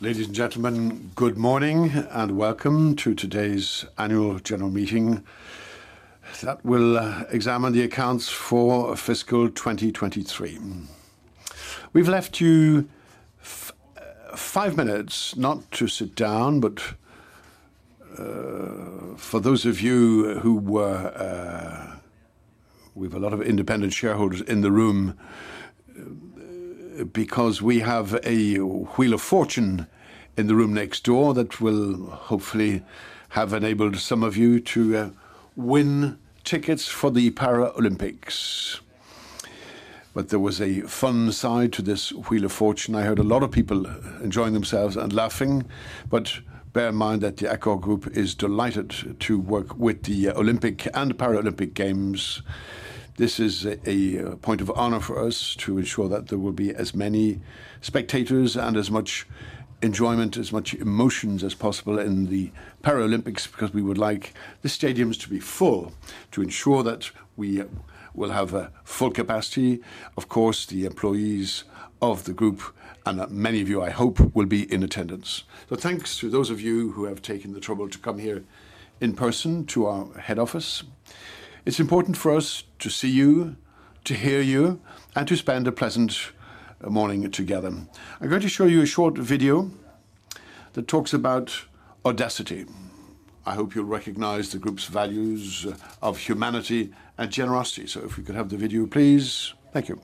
Ladies and gentlemen, good morning, and welcome to today's annual general meeting that will examine the accounts for fiscal 2023. We've left you five minutes not to sit down, but for those of you who were... We have a lot of independent shareholders in the room, because we have a Wheel of Fortune in the room next door that will hopefully have enabled some of you to win tickets for the Paralympics. But there was a fun side to this Wheel of Fortune. I heard a lot of people enjoying themselves and laughing, but bear in mind that the Accor Group is delighted to work with the Olympic and Paralympic Games. This is a point of honor for us to ensure that there will be as many spectators and as much enjoyment, as much emotions as possible in the Paralympics, because we would like the stadiums to be full. To ensure that we will have a full capacity, of course, the employees of the group, and many of you, I hope, will be in attendance. So thanks to those of you who have taken the trouble to come here in person to our head office. It's important for us to see you, to hear you, and to spend a pleasant morning together. I'm going to show you a short video that talks about audacity. I hope you'll recognize the group's values of humanity and generosity. So if we could have the video, please. Thank you....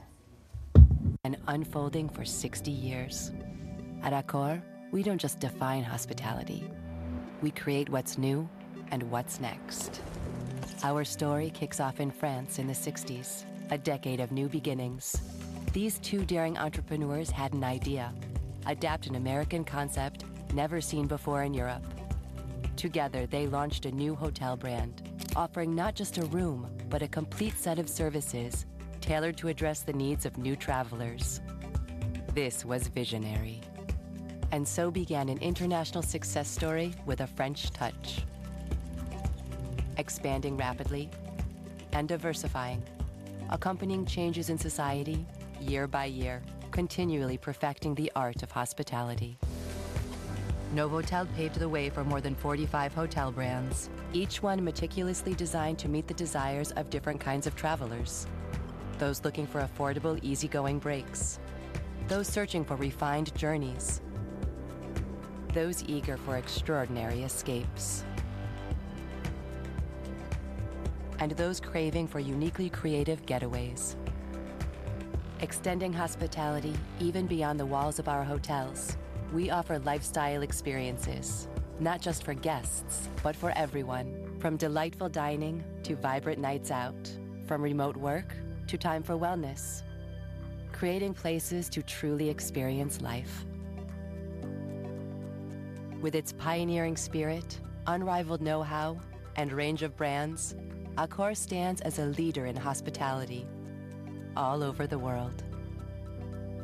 unfolding for 60 years. At Accor, we don't just define hospitality, we create what's new and what's next. Our story kicks off in France in the 1960s, a decade of new beginnings. These two daring entrepreneurs had an idea: adapt an American concept never seen before in Europe. Together, they launched a new hotel brand, offering not just a room, but a complete set of services tailored to address the needs of new travelers. This was visionary, and so began an international success story with a French touch. Expanding rapidly and diversifying, accompanying changes in society year by year, continually perfecting the art of hospitality. Novotel paved the way for more than 45 hotel brands, each one meticulously designed to meet the desires of different kinds of travelers: those looking for affordable, easygoing breaks, those searching for refined journeys, those eager for extraordinary escapes, and those craving for uniquely creative getaways. Extending hospitality even beyond the walls of our hotels, we offer lifestyle experiences, not just for guests, but for everyone. From delightful dining to vibrant nights out, from remote work to time for wellness, creating places to truly experience life. With its pioneering spirit, unrivaled know-how, and range of brands, Accor stands as a leader in hospitality all over the world,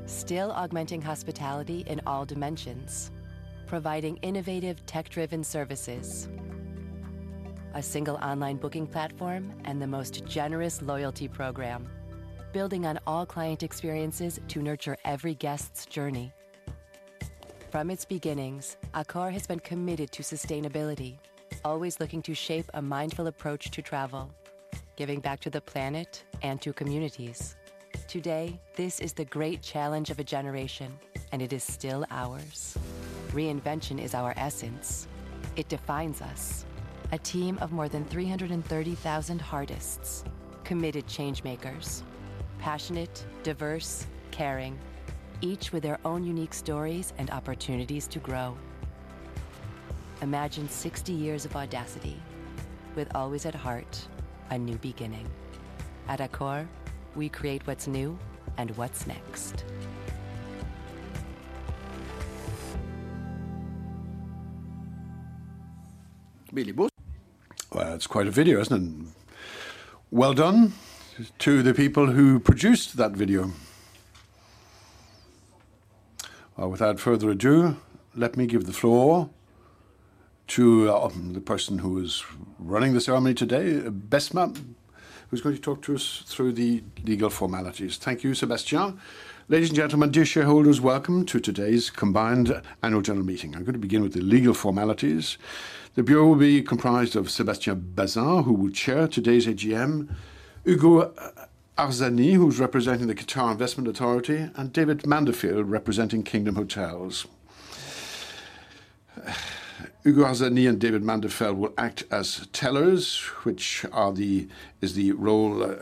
still augmenting hospitality in all dimensions, providing innovative, tech-driven services, a single online booking platform, and the most generous loyalty program, building on all client experiences to nurture every guest's journey. From its beginnings, Accor has been committed to sustainability, always looking to shape a mindful approach to travel, giving back to the planet and to communities. Today, this is the great challenge of a generation, and it is still ours. Reinvention is our essence. It defines us, a team of more than 330,000 Heartists, committed change-makers, passionate, diverse, caring, each with their own unique stories and opportunities to grow. Imagine 60 years of audacity with always at heart a new beginning. At Accor, we create what's new and what's next. Well, it's quite a video, isn't it? Well done to the people who produced that video. Without further ado, let me give the floor to the person who is running the ceremony today, Besma, who's going to talk to us through the legal formalities. Thank you, Sébastien. Ladies and gentlemen, dear shareholders, welcome to today's combined annual general meeting. I'm going to begin with the legal formalities. The Bureau will be comprised of Sébastien Bazin, who will chair today's AGM, Ugo Arzani, who's representing the Qatar Investment Authority, and David Mountfield, representing Kingdom Hotels. Ugo Arzani and David Mountfield will act as tellers, which is the role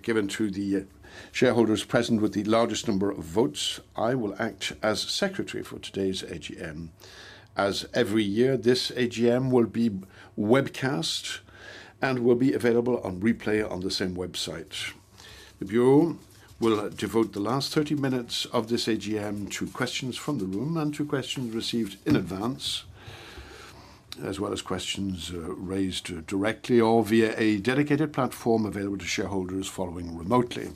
given to the shareholders present with the largest number of votes. I will act as secretary for today's AGM. As every year, this AGM will be webcast and will be available on replay on the same website. The Bureau will devote the last 30 minutes of this AGM to questions from the room and to questions received in advance, as well as questions raised directly or via a dedicated platform available to shareholders following remotely.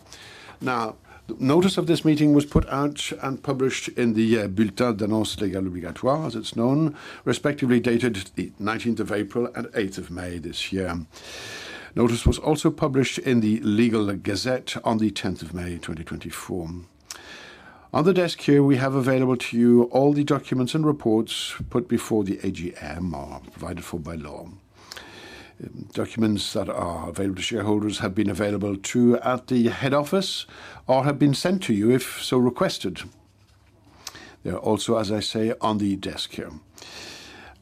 Now, notice of this meeting was put out and published in the Bulletin des Annonces Légales Obligatoires, as it's known, respectively, dated the 19th of April and 8th of May this year. Notice was also published in the Legal Gazette on the 10th of May, 2024. On the desk here, we have available to you all the documents and reports put before the AGM are provided for by law. Documents that are available to shareholders have been available to, at the head office or have been sent to you if so requested. They are also, as I say, on the desk here.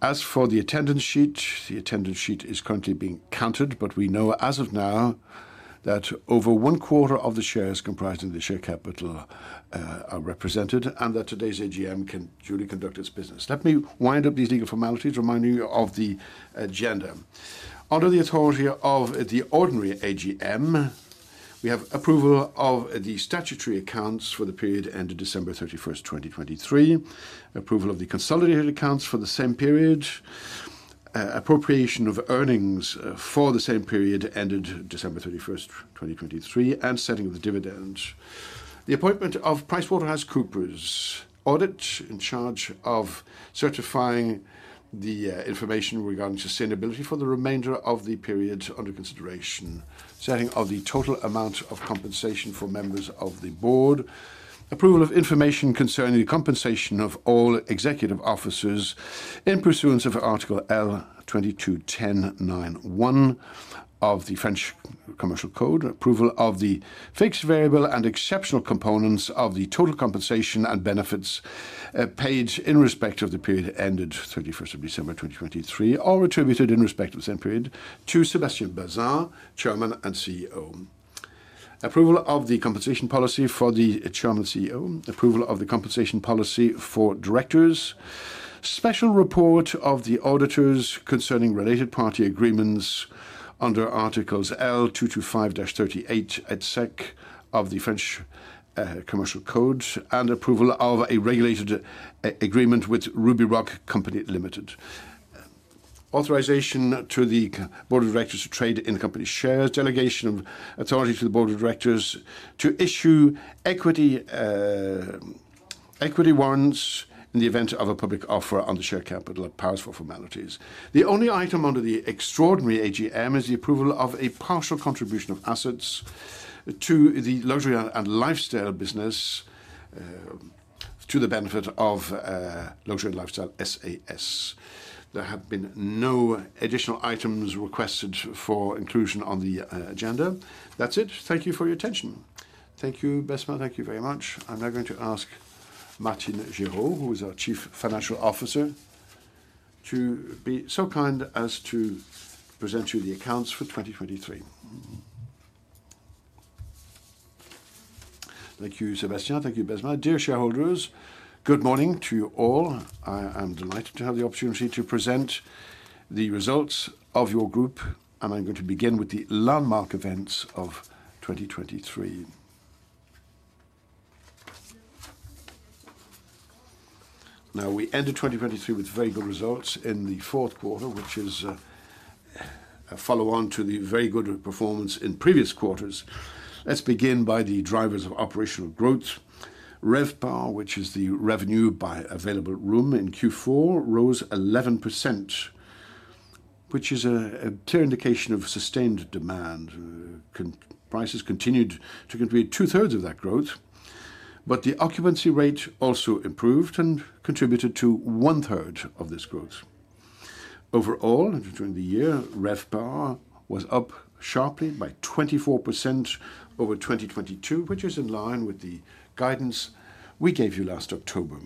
As for the attendance sheet, the attendance sheet is currently being counted, but we know as of now that over one quarter of the shares comprising the share capital are represented, and that today's AGM can duly conduct its business. Let me wind up these legal formalities, reminding you of the agenda. Under the authority of the ordinary AGM, we have approval of the statutory accounts for the period ended December 31, 2023, approval of the consolidated accounts for the same period, appropriation of earnings for the same period ended December 31, 2023, and setting of the dividend. The appointment of PricewaterhouseCoopers Audit in charge of certifying the information regarding sustainability for the remainder of the period under consideration. Setting of the total amount of compensation for members of the board. Approval of information concerning the compensation of all executive officers in pursuance of Article L. 2210-9 of the French Commercial Code. Approval of the fixed variable and exceptional components of the total compensation and benefits, paid in respect of the period ended 31st of December, 2023, or attributed in respect of the same period to Sébastien Bazin, Chairman and CEO. Approval of the compensation policy for the Chairman and CEO. Approval of the compensation policy for directors. Special report of the auditors concerning related party agreements under articles L. 225-38 et seq. of the French Commercial Code, and approval of a regulated agreement with Rubyrock Capital Co., Limited. Authorization to the Board of Directors to trade in the company shares, delegation of authority to the Board of Directors to issue equity warrants in the event of a public offer on the share capital and powers for formalities. The only item under the extraordinary AGM is the approval of a partial contribution of assets to the Luxury and Lifestyle business to the benefit of Luxury and Lifestyle SAS. There have been no additional items requested for inclusion on the agenda. That's it. Thank you for your attention. Thank you, Besma. Thank you very much. I'm now going to ask Martine Gerow, who is our Chief Financial Officer, to be so kind as to present you the accounts for 2023. Thank you, Sébastien. Thank you, Besma. Dear shareholders, good morning to you all. I am delighted to have the opportunity to present the results of your group, and I'm going to begin with the landmark events of 2023. Now, we ended 2023 with very good results in the fourth quarter, which is a follow-on to the very good performance in previous quarters. Let's begin by the drivers of operational growth. RevPAR, which is the revenue by available room in Q4, rose 11%, which is a clear indication of sustained demand. Prices continued to contribute two-thirds of that growth, but the occupancy rate also improved and contributed to one-third of this growth. Overall, during the year, RevPAR was up sharply by 24% over 2022, which is in line with the guidance we gave you last October.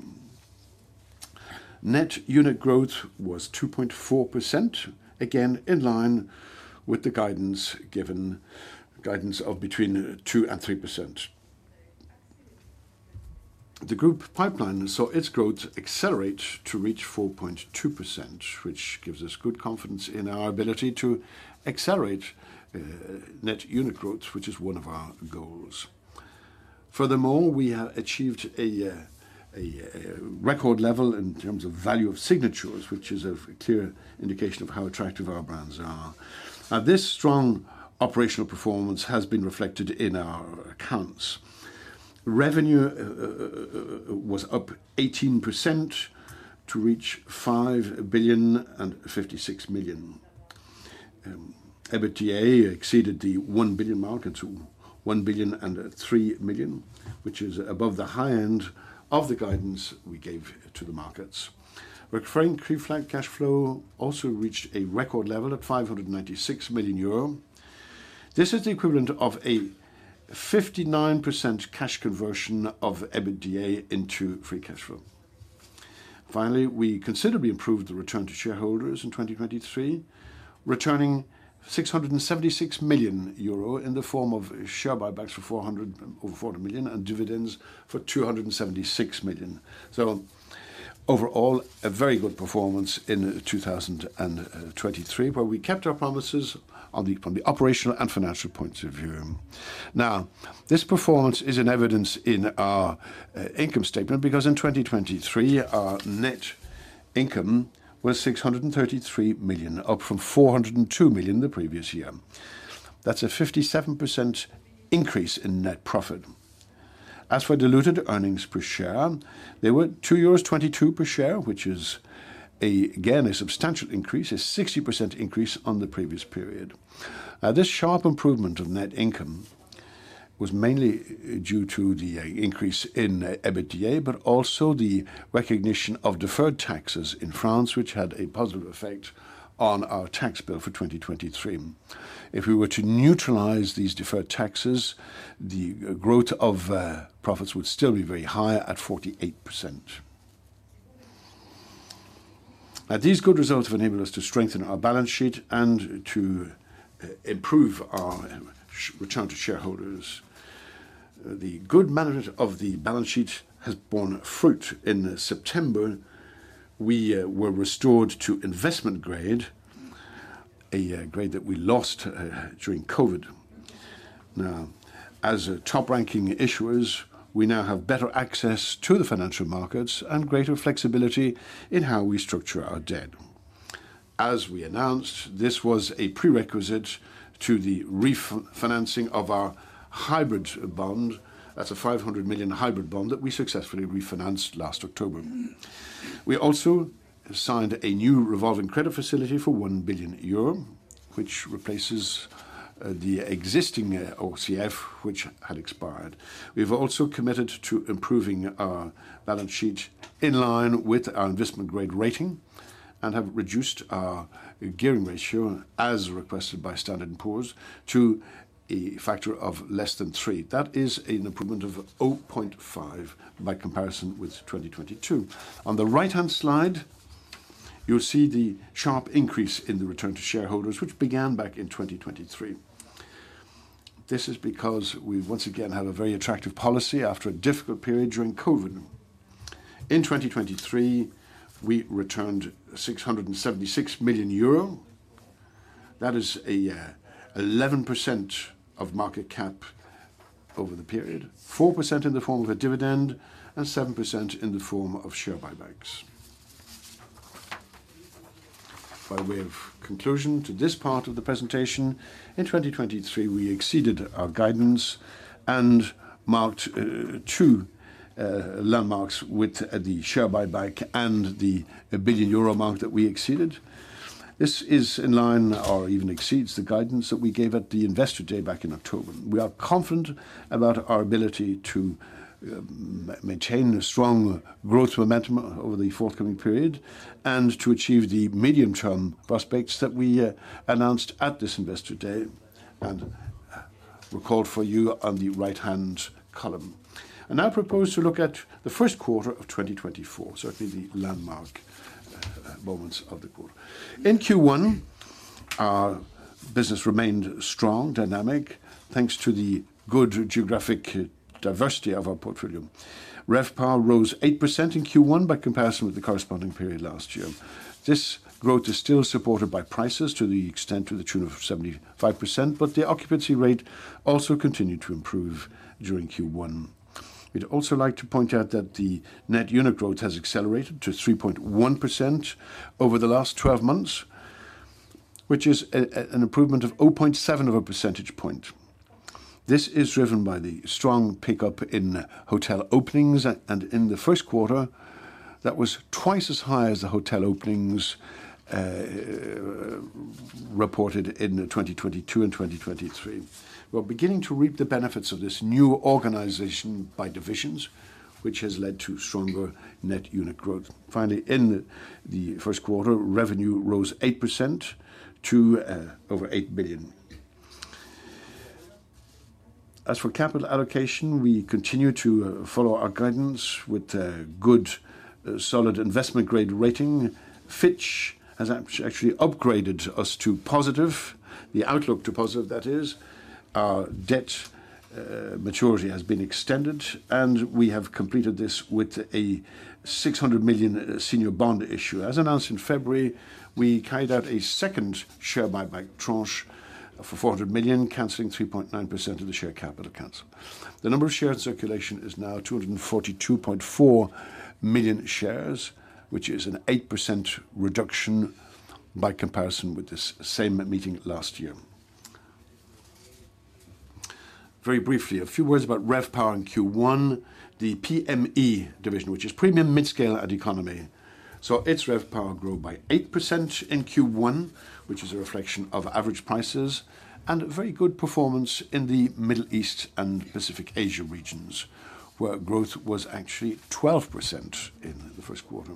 Net unit growth was 2.4%, again, in line with the guidance given, guidance of between 2% and 3%. The group pipeline saw its growth accelerate to reach 4.2%, which gives us good confidence in our ability to accelerate net unit growth, which is one of our goals. Furthermore, we have achieved a record level in terms of value of signatures, which is a clear indication of how attractive our brands are. Now, this strong operational performance has been reflected in our accounts. Revenue was up 18% to reach 5,056 million. EBITDA exceeded the one billion mark to 1,003 million, which is above the high end of the guidance we gave to the markets. Recurring free cash flow also reached a record level at 596 million euro. This is the equivalent of a 59% cash conversion of EBITDA into free cash flow. Finally, we considerably improved the return to shareholders in 2023, returning 676 million euro in the form of share buybacks for 400, over 400 million, and dividends for 276 million. Overall, a very good performance in 2023, where we kept our promises on the, from the operational and financial points of view. Now, this performance is in evidence in our income statement, because in 2023, our net income was 633 million, up from 402 million the previous year. That's a 57% increase in net profit. As for diluted earnings per share, they were 2.22 euros per share, which is a, again, a substantial increase, a 60% increase on the previous period. This sharp improvement of net income was mainly due to the increase in EBITDA, but also the recognition of deferred taxes in France, which had a positive effect on our tax bill for 2023. If we were to neutralize these deferred taxes, the growth of profits would still be very high at 48%. Now, these good results have enabled us to strengthen our balance sheet and to improve our return to shareholders. The good management of the balance sheet has borne fruit. In September, we were restored to investment grade, a grade that we lost during COVID. Now, as a top-ranking issuer, we now have better access to the financial markets and greater flexibility in how we structure our debt. As we announced, this was a prerequisite to the refinancing of our hybrid bond. That's a 500 million hybrid bond that we successfully refinanced last October. We also signed a new revolving credit facility for 1 billion euro, which replaces the existing RCF, which had expired. We've also committed to improving our balance sheet in line with our investment-grade rating and have reduced our gearing ratio, as requested by Standard and Poor's, to a factor of less than three. That is an improvement of 0.5 by comparison with 2022. On the right-hand slide, you'll see the sharp increase in the return to shareholders, which began back in 2023. This is because we once again have a very attractive policy after a difficult period during COVID. In 2023, we returned 676 million euro. That is a 11% of market cap over the period, 4% in the form of a dividend and 7% in the form of share buybacks. By way of conclusion to this part of the presentation, in 2023, we exceeded our guidance and marked two landmarks with the share buyback and the 1 billion euro mark that we exceeded. This is in line or even exceeds the guidance that we gave at the Investor Day back in October. We are confident about our ability to maintain a strong growth momentum over the forthcoming period and to achieve the medium-term prospects that we announced at this Investor Day, and recalled for you on the right-hand column. I now propose to look at the first quarter of 2024, certainly the landmark moments of the quarter. In Q1, our business remained strong, dynamic, thanks to the good geographic diversity of our portfolio. RevPAR rose 8% in Q1 by comparison with the corresponding period last year. This growth is still supported by prices to the extent to the tune of 75%, but the occupancy rate also continued to improve during Q1. We'd also like to point out that the net unit growth has accelerated to 3.1% over the last 12 months, which is an improvement of 0.7 of a percentage point. This is driven by the strong pickup in hotel openings and in the first quarter, that was twice as high as the hotel openings reported in 2022 and 2023. We're beginning to reap the benefits of this new organization by divisions, which has led to stronger net unit growth. Finally, in the first quarter, revenue rose 8% to over 8 billion. As for capital allocation, we continue to follow our guidance with a good, solid investment-grade rating. Fitch has actually upgraded us to positive, the outlook to positive, that is. Our debt maturity has been extended, and we have completed this with a 600 million senior bond issue. As announced in February, we carried out a second share buyback tranche for 400 million, canceling 3.9% of the share capital accounts. The number of shares in circulation is now 242.4 million shares, which is an 8% reduction by comparison with this same meeting last year. Very briefly, a few words about RevPAR in Q1. The PM&E division, which is premium, mid-scale, and economy. So its RevPAR grew by 8% in Q1, which is a reflection of average prices and very good performance in the Middle East and Pacific Asia regions, where growth was actually 12% in the first quarter.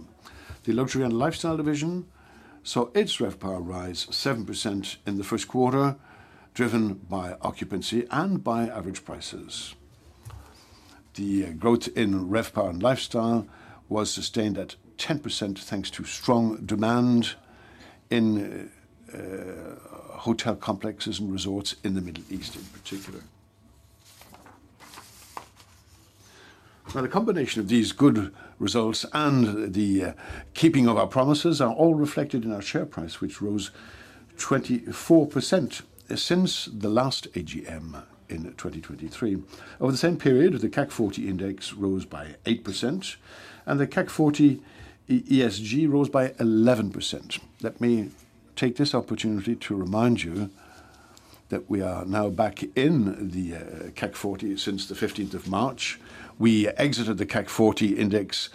The Luxury and Lifestyle division, so its RevPAR rise 7% in the first quarter, driven by occupancy and by average prices. The growth in RevPAR and Lifestyle was sustained at 10%, thanks to strong demand in hotel complexes and resorts in the Middle East in particular. Now, the combination of these good results and the keeping of our promises are all reflected in our share price, which rose 24% since the last AGM in 2023. Over the same period, the CAC 40 Index rose by 8%, and the CAC 40 ESG rose by 11%. Let me take this opportunity to remind you that we are now back in the CAC 40 since the fifteenth of March. We exited the CAC 40 index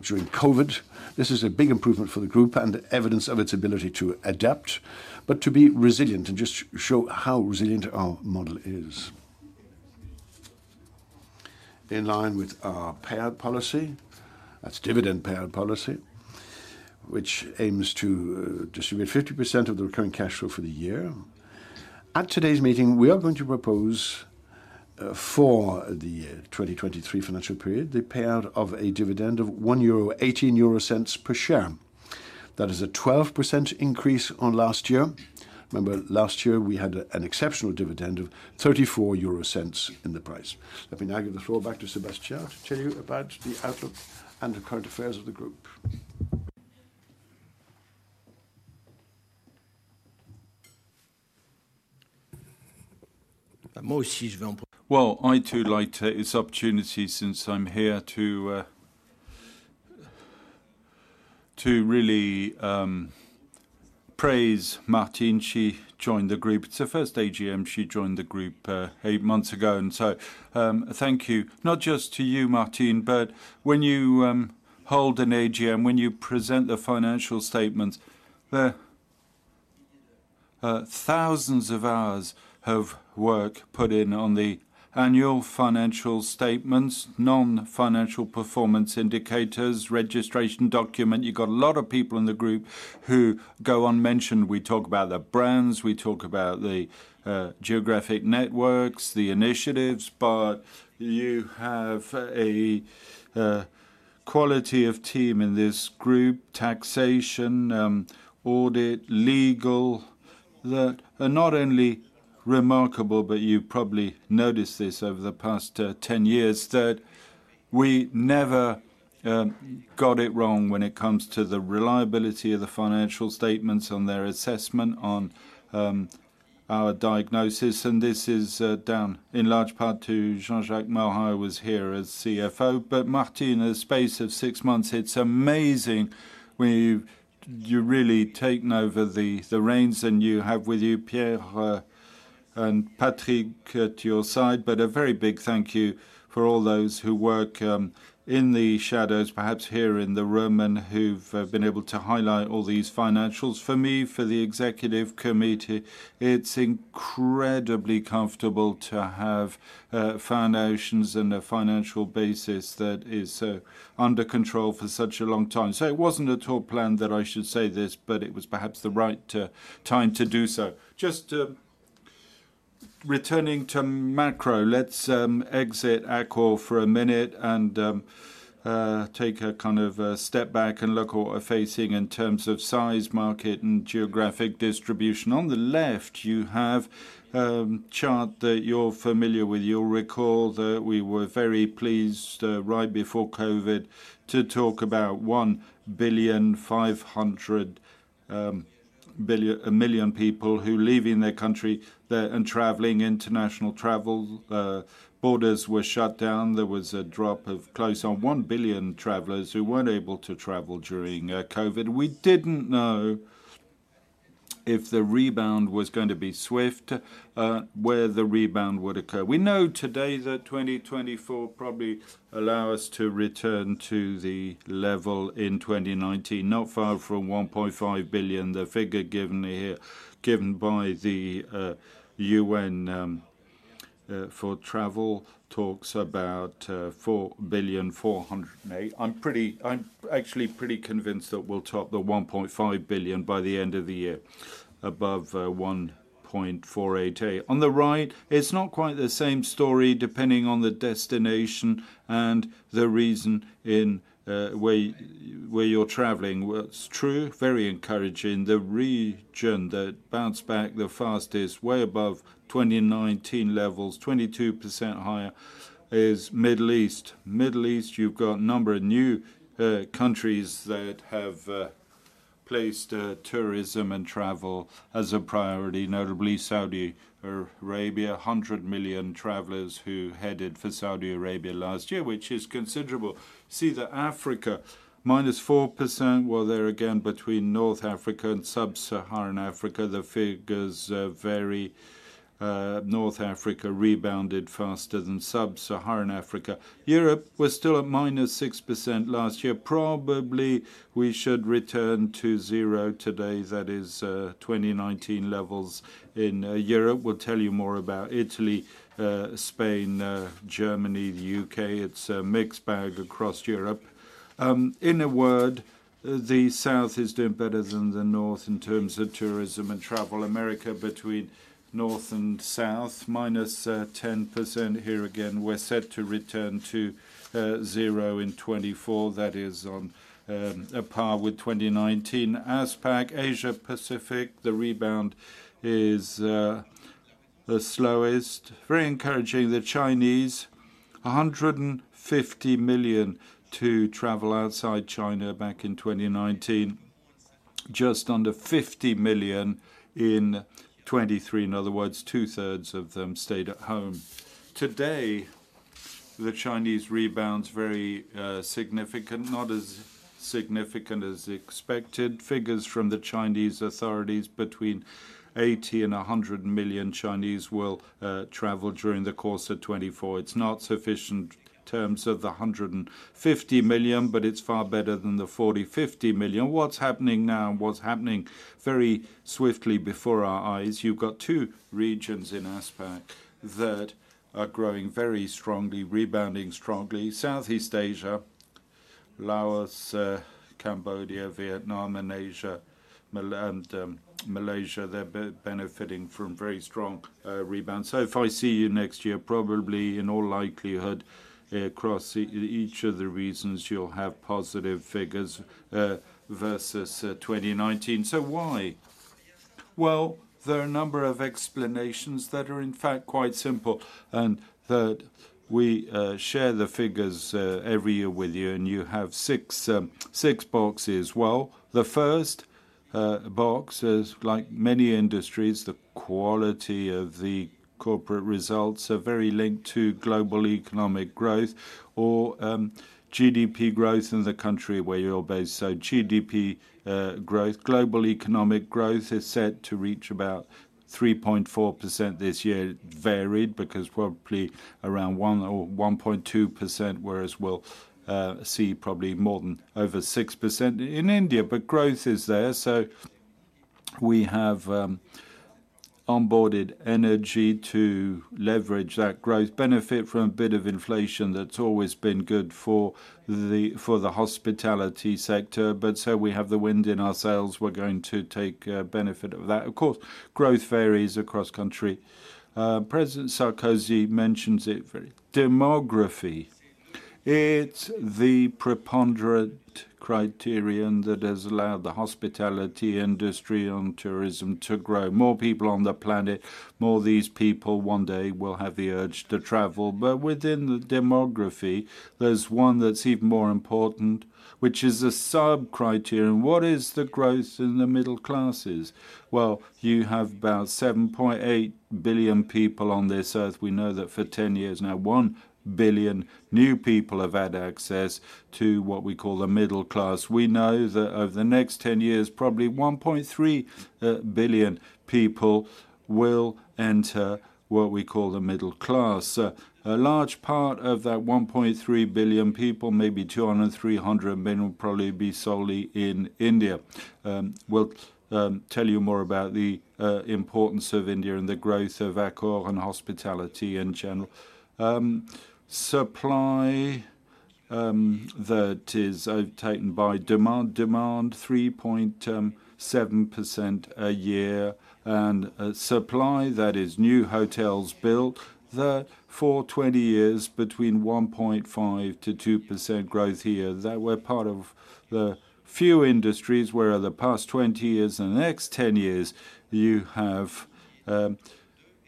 during COVID. This is a big improvement for the group and evidence of its ability to adapt, but to be resilient and just show how resilient our model is. In line with our payout policy, that's dividend payout policy, which aims to distribute 50% of the recurring cash flow for the year. At today's meeting, we are going to propose for the year 2023 financial period, the payout of a dividend of 1.18 euro per share. That is a 12% increase on last year. Remember, last year, we had an exceptional dividend of 0.34 in the price. Let me now give the floor back to Sébastien to tell you about the outlook and the current affairs of the group. Well, I, too, like to take this opportunity, since I'm here, to really praise Martine. She joined the group... It's her first AGM. She joined the group eight months ago, and so thank you. Not just to you, Martine, but when you hold an AGM, when you present the financial statements, there are thousands of hours of work put in on the annual financial statements, non-financial performance indicators, registration document. You've got a lot of people in the group who go unmentioned. We talk about the brands, we talk about the geographic networks, the initiatives, but you have a quality of team in this group, taxation, audit, legal, that are not only remarkable, but you probably noticed this over the past 10 years, that we never got it wrong when it comes to the reliability of the financial statements on their assessment on our diagnosis, and this is down in large part to Jean-Jacques Morin who was here as CFO. But Martine, in a space of 6 months, it's amazing where you've really taken over the reins, and you have with you Pierre and Patrick at your side. But a very big thank you for all those who work in the shadows, perhaps here in the room, and who've been able to highlight all these financials. For me, for the Executive Committee, it's incredibly comfortable to have foundations and a financial basis that is under control for such a long time. So it wasn't at all planned that I should say this, but it was perhaps the right time to do so. Just returning to macro, let's exit Accor for a minute and take a kind of a step back and look at what we're facing in terms of size, market, and geographic distribution. On the left, you have chart that you're familiar with. You'll recall that we were very pleased right before COVID to talk about 1.5 billion people who leaving their country and traveling international travel. Borders were shut down. There was a drop of close on 1 billion travelers who weren't able to travel during COVID. We didn't know if the rebound was going to be swift, where the rebound would occur. We know today that 2024 probably allow us to return to the level in 2019, not far from 1.5 billion. The figure given here, given by the UN for travel, talks about 4.408 billion. I'm pretty-- I'm actually pretty convinced that we'll top the 1.5 billion by the end of the year, above 1.488. On the right, it's not quite the same story, depending on the destination and the reason in where you're traveling. Well, it's true, very encouraging. The region that bounced back the fastest, way above 2019 levels, 22% higher, is Middle East. Middle East, you've got a number of new countries that have placed tourism and travel as a priority, notably Saudi Arabia. 100 million travelers who headed for Saudi Arabia last year, which is considerable. See that Africa, -4%, well, there again, between North Africa and Sub-Saharan Africa, the figures vary. North Africa rebounded faster than Sub-Saharan Africa. Europe was still at -6% last year. Probably, we should return to zero today, that is, 2019 levels in Europe. We'll tell you more about Italy, Spain, Germany, the UK. It's a mixed bag across Europe. In a word, the South is doing better than the North in terms of tourism and travel. America, between North and South, minus 10%. Here again, we're set to return to zero in 2024. That is on a par with 2019. ASPAC, Asia Pacific, the rebound is the slowest. Very encouraging, the Chinese, 150 million to travel outside China back in 2019, just under 50 million in 2023. In other words, two-thirds of them stayed at home. The Chinese rebound's very significant, not as significant as expected. Figures from the Chinese authorities, between 80-100 million Chinese will travel during the course of 2024. It's not sufficient in terms of the 150 million, but it's far better than the 40 million-50 million. What's happening now and what's happening very swiftly before our eyes, you've got two regions in ASPAC that are growing very strongly, rebounding strongly. Southeast Asia, Laos, Cambodia, Vietnam, and Indonesia, Malaysia, they're benefiting from very strong rebounds. So if I see you next year, probably, in all likelihood, across each of the regions, you'll have positive figures versus 2019. So why? Well, there are a number of explanations that are, in fact, quite simple, and that we share the figures every year with you, and you have six boxes. Well, the first box is, like many industries, the quality of the corporate results are very linked to global economic growth or GDP growth in the country where you're based. So GDP growth, global economic growth is set to reach about 3.4% this year. It varied because probably around 1 or 1.2%, whereas we'll see probably more than over 6% in India, but growth is there. So we have onboarded energy to leverage that growth, benefit from a bit of inflation that's always been good for the, for the hospitality sector, but so we have the wind in our sails. We're going to take benefit of that. Of course, growth varies across country. President Sarkozy mentions it very. Demography, it's the preponderant criterion that has allowed the hospitality industry on tourism to grow. More people on the planet, more these people one day will have the urge to travel. But within the demography, there's one that's even more important, which is a sub-criterion. What is the growth in the middle classes? Well, you have about 7.8 billion people on this earth. We know that for 10 years now, 1 billion new people have had access to what we call the middle class. We know that over the next 10 years, probably 1.3 billion people will enter what we call the middle class. A large part of that 1.3 billion people, maybe 200 million-300 million, will probably be solely in India. We'll tell you more about the importance of India and the growth of Accor and hospitality in general. Supply, that is overtaken by demand. Demand, 3.7% a year, and supply, that is new hotels built, that for 20 years, between 1.5%-2% growth a year. That we're part of the few industries where the past 20 years and the next 10 years, you have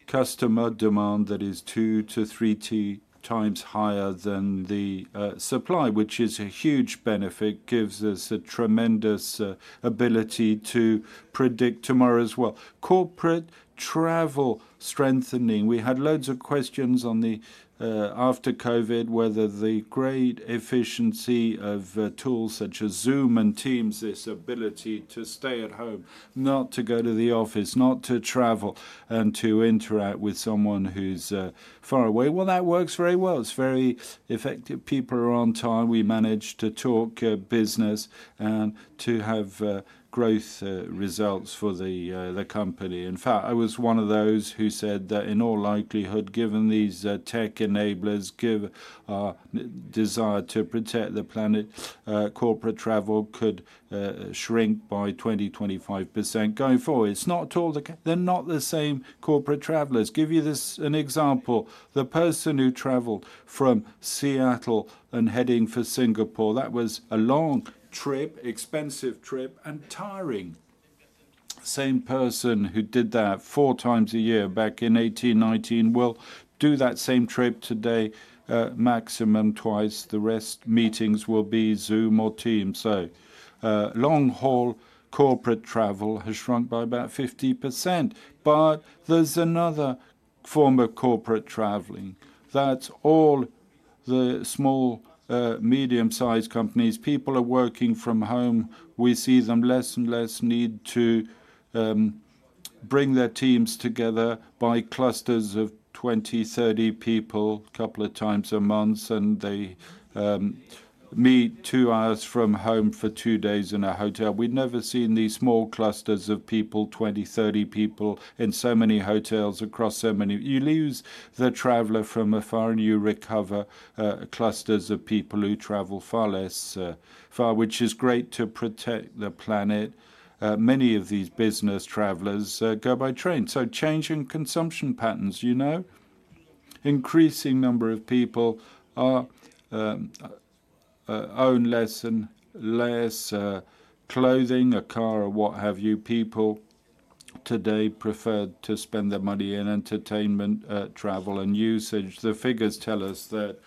customer demand that is 2-3 times higher than the supply, which is a huge benefit, gives us a tremendous ability to predict tomorrow as well. Corporate travel strengthening. We had loads of questions on the after COVID, whether the great efficiency of tools such as Zoom and Teams, this ability to stay at home, not to go to the office, not to travel, and to interact with someone who's far away. Well, that works very well. It's very effective. People are on time. We manage to talk business and to have growth results for the the company. In fact, I was one of those who said that in all likelihood, given these, tech enablers, given our desire to protect the planet, corporate travel could shrink by 20%-25%. Going forward, it's not at all the case—they're not the same corporate travelers. Give you this, an example. The person who traveled from Seattle and heading for Singapore, that was a long trip, expensive trip, and tiring. Same person who did that four times a year back in 2018, 2019, will do that same trip today, maximum twice. The rest meetings will be Zoom or Teams. So, long-haul corporate travel has shrunk by about 50%, but there's another form of corporate traveling. That's all the small, medium-sized companies. People are working from home. We see them less and less need to, bring their teams together by clusters of 20, 30 people, couple of times a month, and they, meet two hours from home for two days in a hotel. We've never seen these small clusters of people, 20, 30 people, in so many hotels across so many... You lose the traveler from afar, and you recover, clusters of people who travel far less, far, which is great to protect the planet. Many of these business travelers go by train, so change in consumption patterns, you know? Increasing number of people own less and less, clothing, a car, or what have you. People today preferred to spend their money in entertainment, travel, and usage. The figures tell us that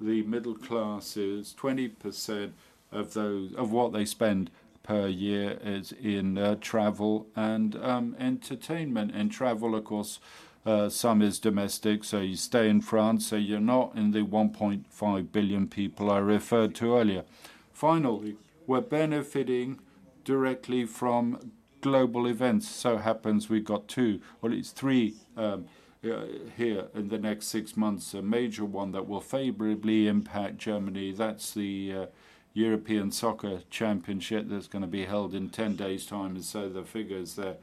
the middle class is 20% of what they spend per year is in travel and entertainment. And travel, of course, some is domestic, so you stay in France, so you're not in the 1.5 billion people I referred to earlier. Finally, we're benefiting directly from global events. So happens we've got two, well, it's three, here in the next six months. A major one that will favorably impact Germany, that's the European Soccer Championship that's gonna be held in 10 days' time. And so the figures there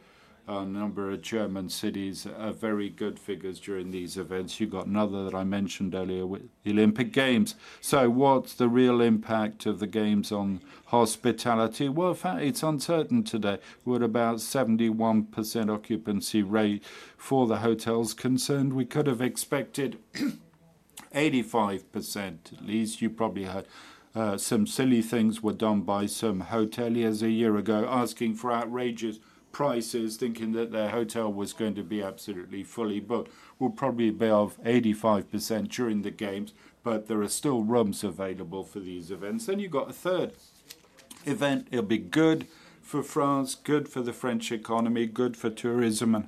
are a number of German cities very good figures during these events. You've got another that I mentioned earlier with the Olympic Games. So what's the real impact of the games on hospitality? Well, in fact, it's uncertain today. We're about 71% occupancy rate for the hotels concerned. We could have expected 85% at least. You probably heard, some silly things were done by some hoteliers a year ago, asking for outrageous prices, thinking that their hotel was going to be absolutely fully booked. We'll probably be of 85% during the games, but there are still rooms available for these events. Then you've got a third event. It'll be good for France, good for the French economy, good for tourism and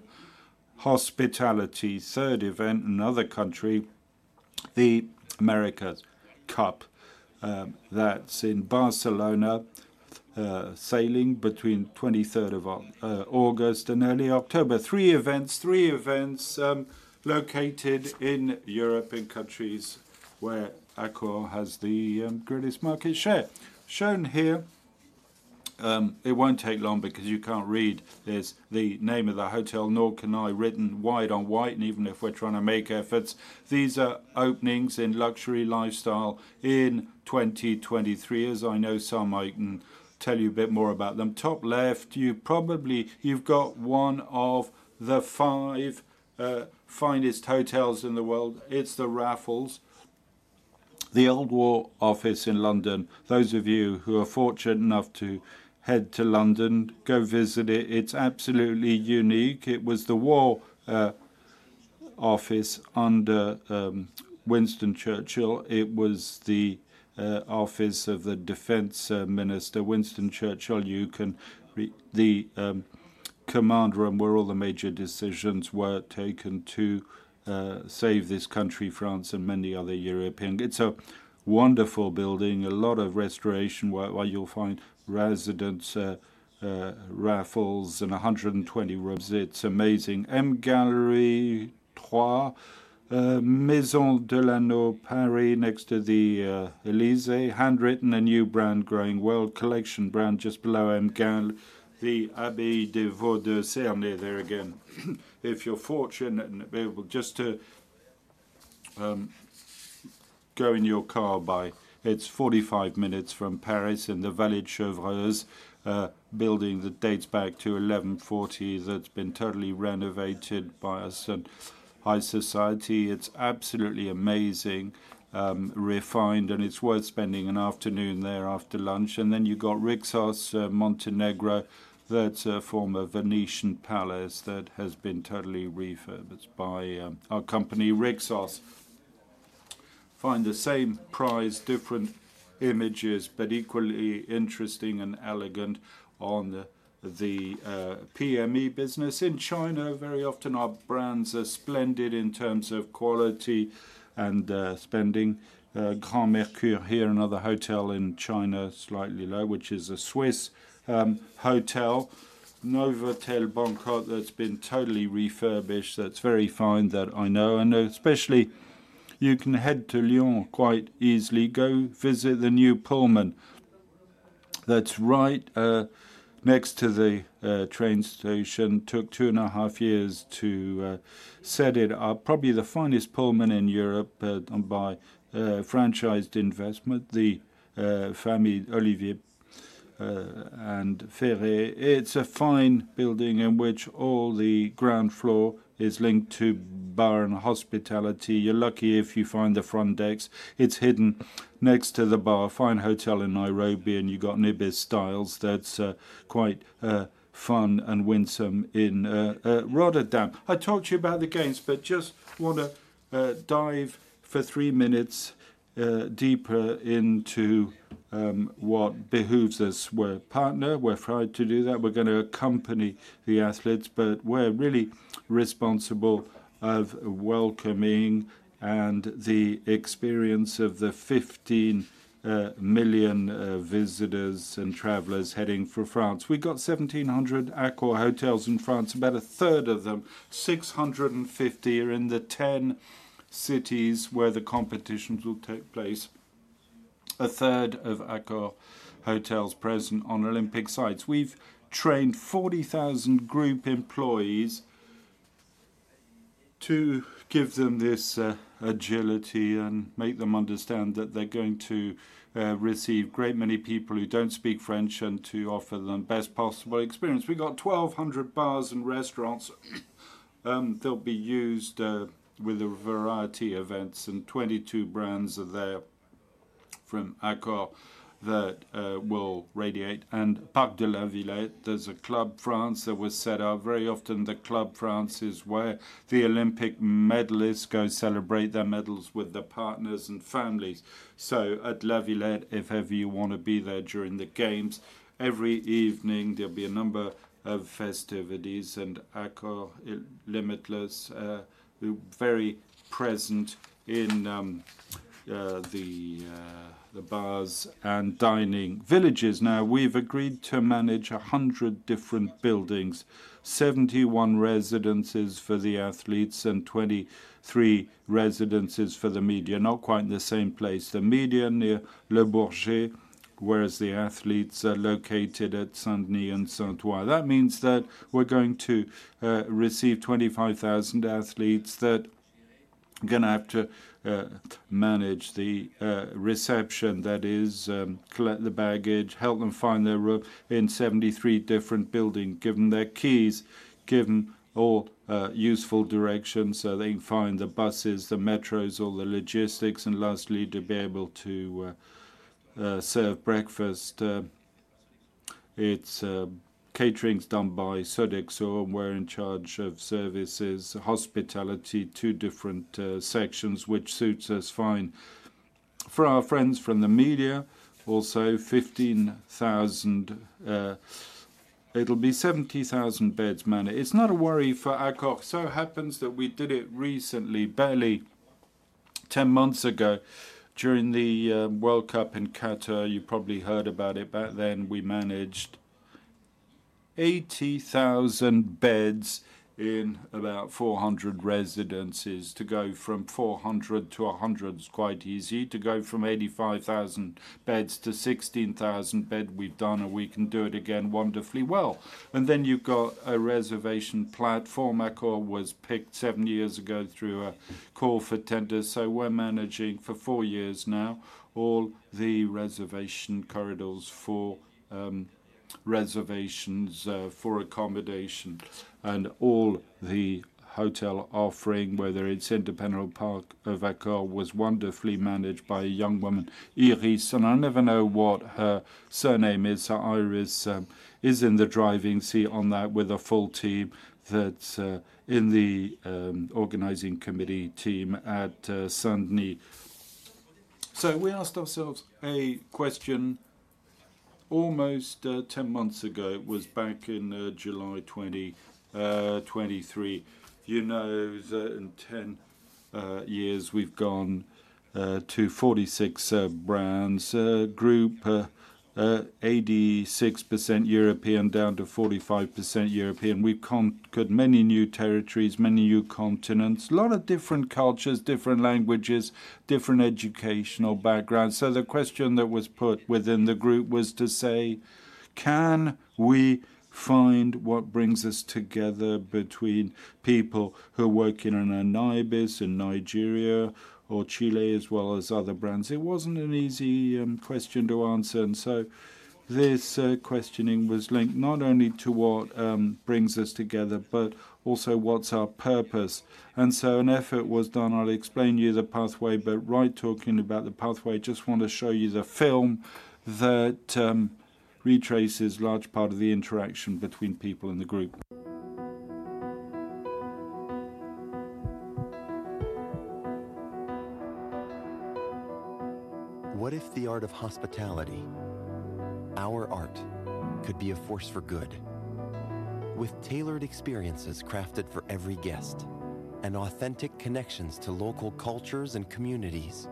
hospitality. Third event, another country, the America's Cup, that's in Barcelona, sailing between 23rd of August and early October. Three events-- three events, located in European countries where Accor has the, greatest market share. Shown here, it won't take long because you can't read, is the name of the hotel, nor can I, written wide on white, and even if we're trying to make efforts. These are openings in luxury lifestyle in 2023. As I know some, I can tell you a bit more about them. Top left, you probably you've got one of the five finest hotels in the world. It's the Raffles, the old war office in London. Those of you who are fortunate enough to head to London, go visit it. It's absolutely unique. It was the war office under Winston Churchill. It was the office of the defense Minister, Winston Churchill. You can re the command room, where all the major decisions were taken to save this country, France, and many other European... It's a wonderful building, a lot of restoration, where you'll find residents, Raffles and 120 rooms. It's amazing. MGallery Troyes, Maison Delano Paris, next to the Élysée. Handwritten, a new brand growing world collection brand just below MGallery, the Abbaye des Vaux de Cernay there again. If you're fortunate and available just to go in your car by, it's 45 minutes from Paris in the Vallée de Chevreuse, a building that dates back to 1140, that's been totally renovated by a certain high society. It's absolutely amazing, refined, and it's worth spending an afternoon there after lunch. And then you've got Rixos, Montenegro. That's a former Venetian palace that has been totally refurbished by our company, Rixos. Find the same price, different images, but equally interesting and elegant on the PME business. In China, very often our brands are splendid in terms of quality and spending. Grand Mercure here, another hotel in China, Swissôtel, which is a Swiss hotel. Novotel Bangkok, that's been totally refurbished. That's very fine that I know. I know especially, you can head to Lyon quite easily. Go visit the new Pullman. That's right next to the train station. Took two and a half years to set it up. Probably the finest Pullman in Europe, done by franchised investment, the family Didier Ferré. It's a fine building in which all the ground floor is linked to bar and hospitality. You're lucky if you find the front desk. It's hidden next to the bar. Fine hotel in Nairobi, and you got an ibis Styles that's quite fun and winsome in Rotterdam. I talked to you about the games, but just wanna dive for 3 minutes deeper into what behooves us. We're a partner. We're proud to do that. We're gonna accompany the athletes, but we're really responsible of welcoming and the experience of the 15 million visitors and travelers heading for France. We've got 1,700 Accor hotels in France. About a third of them, 650, are in the 10 cities where the competitions will take place. A third of Accor hotels present on Olympic sites. We've trained 40,000 group employees to give them this agility and make them understand that they're going to receive great many people who don't speak French, and to offer them best possible experience. We got 1,200 bars and restaurants. They'll be used with a variety of events, and 22 brands are there from Accor that will radiate. And Parc de la Villette, there's a Club France that was set up. Very often, the Club France is where the Olympic medallists go celebrate their medals with their partners and families. So at La Villette, if ever you wanna be there during the games, every evening there'll be a number of festivities, and Accor Limitless very present in the bars and dining villages. Now, we've agreed to manage 100 different buildings, 71 residences for the athletes, and 23 residences for the media. Not quite in the same place. The media near Le Bourget, whereas the athletes are located at Saint-Denis and Saint-Ouen. That means that we're going to receive 25,000 athletes that we're gonna have to manage the reception. That is, collect the baggage, help them find their room in 73 different buildings, give them their keys, give them all useful directions, so they can find the buses, the metros, all the logistics, and lastly, to be able to serve breakfast. It's catering's done by Sodexo, and we're in charge of services, hospitality, two different sections, which suits us fine. For our friends from the media, also 15,000. It'll be 70,000 beds managed. It's not a worry for Accor. It so happens that we did it recently, barely 10 months ago, during the World Cup in Qatar. You probably heard about it. Back then, we managed 80,000 beds in about 400 residences. To go from 400 to 100 is quite easy. To go from 85,000 beds to 16,000 bed, we've done, and we can do it again wonderfully well. And then you've got a reservation platform. Accor was picked 7 years ago through a call for tender, so we're managing for 4 years now, all the reservation corridors for reservations for accommodation and all the hotel offering, whether it's independent or part of Accor, was wonderfully managed by a young woman, Iris, and I never know what her surname is. So Iris is in the driving seat on that with a full team that in the organizing committee team at Saint-Denis. So we asked ourselves a question almost 10 months ago. It was back in July 2023. You know, in 10 years, we've gone to 46 brands group, 86% European down to 45% European. We've conquered many new territories, many new continents, a lot of different cultures, different languages, different educational backgrounds. So the question that was put within the group was to say: Can we find what brings us together between people who are working in an ibis in Nigeria or Chile, as well as other brands? It wasn't an easy question to answer, and so this questioning was linked not only to what brings us together, but also what's our purpose. And so an effort was done. I'll explain you the pathway, but right talking about the pathway, I just want to show you the film that retraces large part of the interaction between people in the group. What if the art of hospitality, our art, could be a force for good? With tailored experiences crafted for every guest and authentic connections to local cultures and communities,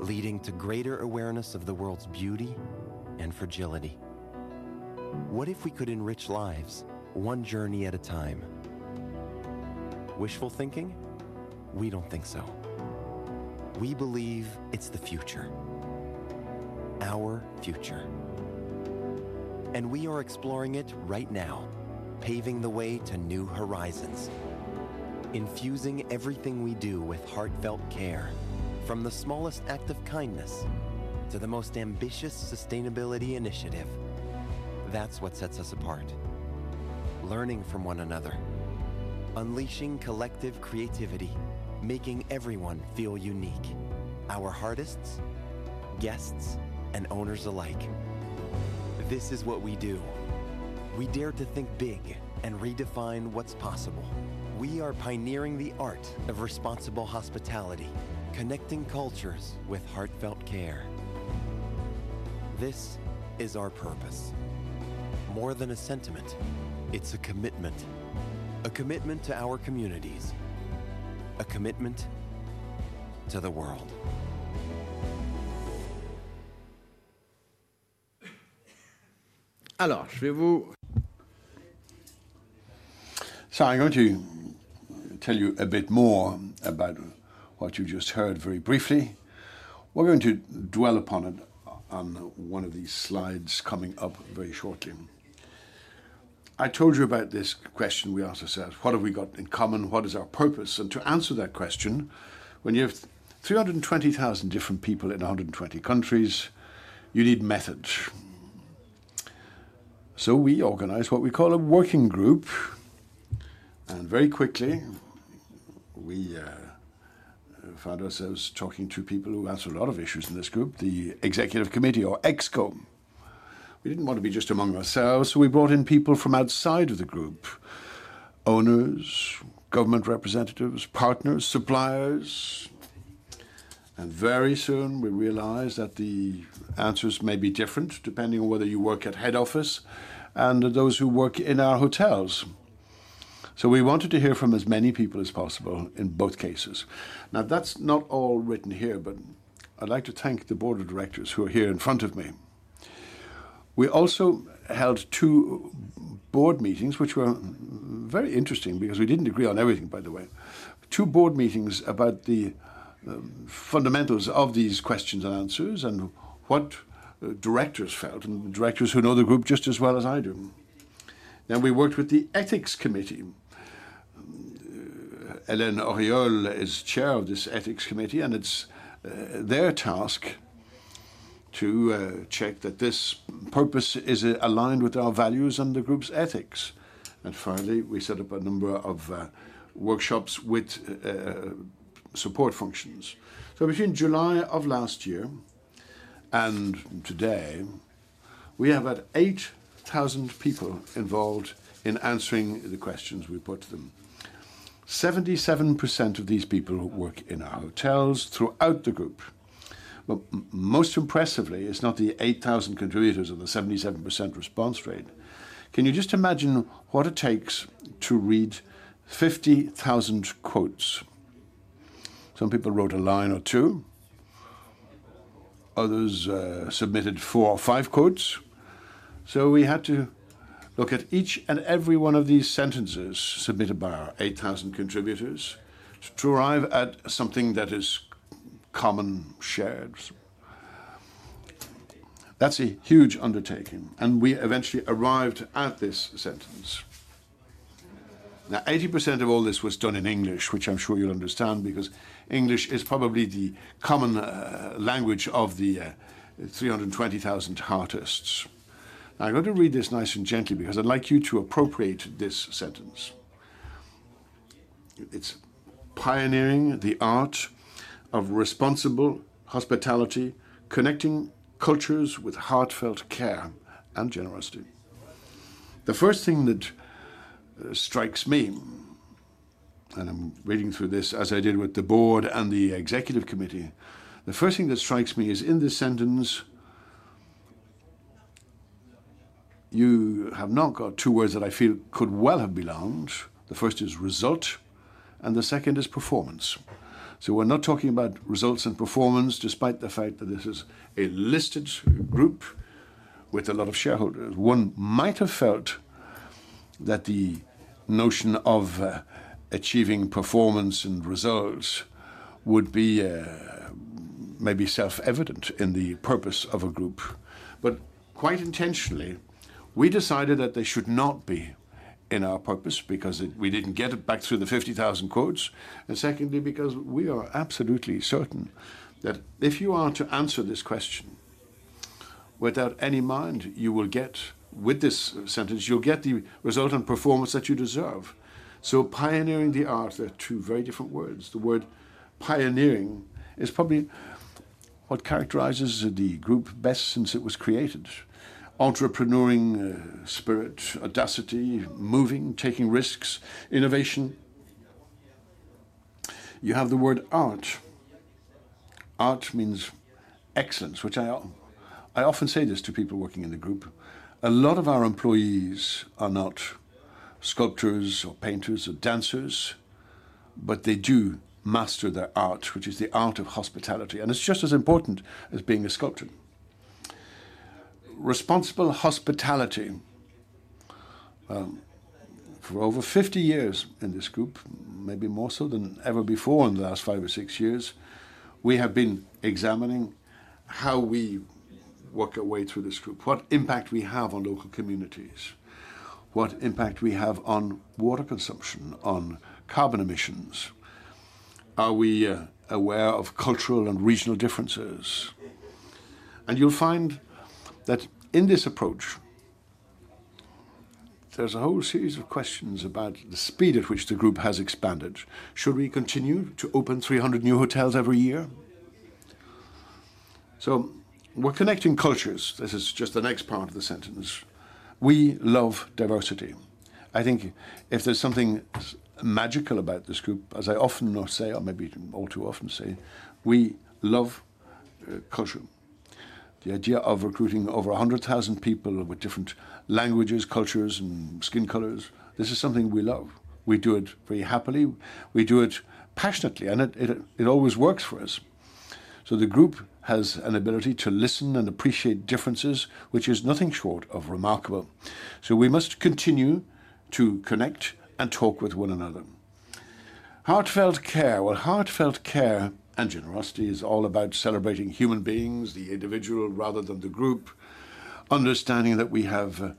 leading to greater awareness of the world's beauty and fragility. What if we could enrich lives one journey at a time? Wishful thinking? We don't think so. We believe it's the future, our future, and we are exploring it right now, paving the way to new horizons, infusing everything we do with heartfelt care, from the smallest act of kindness to the most ambitious sustainability initiative. That's what sets us apart, learning from one another, unleashing collective creativity, making everyone feel unique, our hosts, guests, and owners alike. This is what we do. We dare to think big and redefine what's possible. We are pioneering the art of responsible hospitality, connecting cultures with heartfelt care. This is our purpose. More than a sentiment, it's a commitment, a commitment to our communities, a commitment to the world. I'm going to tell you a bit more about what you just heard very briefly. We're going to dwell upon it on one of these slides coming up very shortly. I told you about this question we asked ourselves: What have we got in common? What is our purpose? And to answer that question, when you have 320,000 different people in 120 countries, you need method. ...So we organized what we call a working group, and very quickly, we found ourselves talking to people who had a lot of issues in this group, the Executive Committee, or ExCo. We didn't want to be just among ourselves, so we brought in people from outside of the group: owners, government representatives, partners, suppliers. And very soon we realized that the answers may be different depending on whether you work at head office and those who work in our hotels. So we wanted to hear from as many people as possible in both cases. Now, that's not all written here, but I'd like to thank the Board of Directors who are here in front of me. We also held two board meetings, which were very interesting because we didn't agree on everything, by the way. Two board meetings about the fundamentals of these questions and answers and what directors felt, and the directors who know the group just as well as I do. Then we worked with the Ethics Committee. Hélène Auriol is chair of this Ethics Committee, and it's their task to check that this purpose is aligned with our values and the group's ethics. And finally, we set up a number of workshops with support functions. So between July of last year and today, we have had 8,000 people involved in answering the questions we put to them. 77% of these people work in our hotels throughout the group. But most impressively, it's not the 8,000 contributors and the 77% response rate. Can you just imagine what it takes to read 50,000 quotes? Some people wrote a line or two, others submitted four or five quotes. So we had to look at each and every one of these sentences submitted by our 8,000 contributors to arrive at something that is common, shared. That's a huge undertaking, and we eventually arrived at this sentence. Now, 80% of all this was done in English, which I'm sure you'll understand, because English is probably the common language of the 300,000 Heartists. Now, I'm going to read this nice and gently because I'd like you to appropriate this sentence. It's pioneering the art of responsible hospitality, connecting cultures with heartfelt care and generosity. The first thing that strikes me, and I'm reading through this as I did with the board and the Executive Committee, the first thing that strikes me is in this sentence, you have not got two words that I feel could well have belonged. The first is result, and the second is performance. So we're not talking about results and performance, despite the fact that this is a listed group with a lot of shareholders. One might have felt that the notion of achieving performance and results would be maybe self-evident in the purpose of a group. But quite intentionally, we decided that they should not be in our purpose because it—we didn't get it back through the 50,000 quotes, and secondly, because we are absolutely certain that if you are to answer this question, without any mind, you will get... With this sentence, you'll get the result and performance that you deserve. So pioneering the art, they're two very different words. The word pioneering is probably what characterizes the group best since it was created. Entrepreneuring spirit, audacity, moving, taking risks, innovation. You have the word art. Art means excellence, which I, I often say this to people working in the group. A lot of our employees are not sculptors or painters or dancers, but they do master their art, which is the art of hospitality, and it's just as important as being a sculptor. Responsible hospitality. For over 50 years in this group, maybe more so than ever before in the last 5 or 6 years, we have been examining how we work our way through this group, what impact we have on local communities, what impact we have on water consumption, on carbon emissions. Are we aware of cultural and regional differences? And you'll find that in this approach, there's a whole series of questions about the speed at which the group has expanded. Should we continue to open 300 new hotels every year? So we're connecting cultures. This is just the next part of the sentence. We love diversity. I think if there's something magical about this group, as I often not say, or maybe all too often say, we love culture. The idea of recruiting over 100,000 people with different languages, cultures, and skin colors, this is something we love. We do it very happily. We do it passionately, and it always works for us. So the group has an ability to listen and appreciate differences, which is nothing short of remarkable. So we must continue to connect and talk with one another. Heartfelt care. Well, heartfelt care and generosity is all about celebrating human beings, the individual, rather than the group. Understanding that we have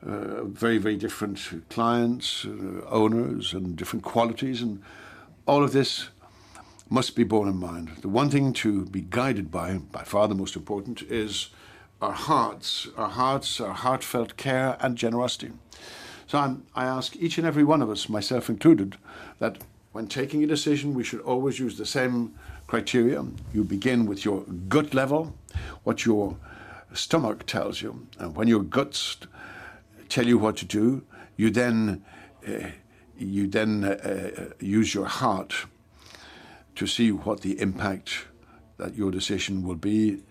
very, very different clients, owners, and different qualities, and all of this must be borne in mind. The one thing to be guided by, by far the most important, is our hearts, our hearts, our heartfelt care, and generosity. So I ask each and every one of us, myself included, that when taking a decision, we should always use the same criteria. You begin with your gut level, what your stomach tells you, and when your guts tell you what to do, you then, you then, use your heart to see what the impact that your decision will be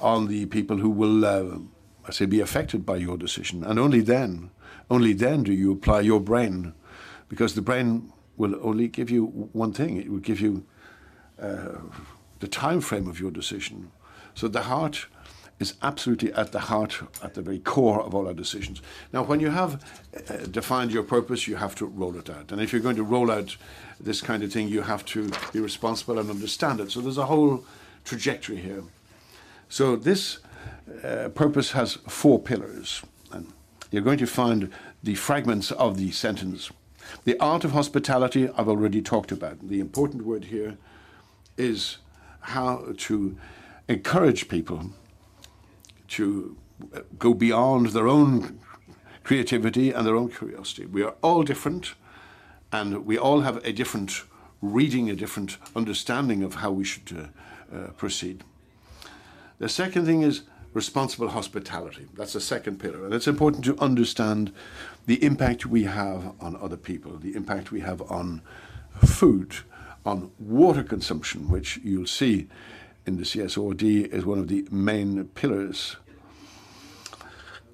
on the people who will, I say, be affected by your decision. Only then, only then do you apply your brain, because the brain will only give you one thing. It will give you the timeframe of your decision. So the heart is absolutely at the heart, at the very core of all our decisions. Now, when you have defined your purpose, you have to roll it out, and if you're going to roll it out this kind of thing, you have to be responsible and understand it. So there's a whole trajectory here. So this purpose has four pillars, and you're going to find the fragments of the sentence. The art of hospitality I've already talked about. The important word here is how to encourage people to go beyond their own creativity and their own curiosity. We are all different, and we all have a different reading, a different understanding of how we should proceed. The second thing is responsible hospitality. That's the second pillar, and it's important to understand the impact we have on other people, the impact we have on food, on water consumption, which you'll see in the CSRD, is one of the main pillars.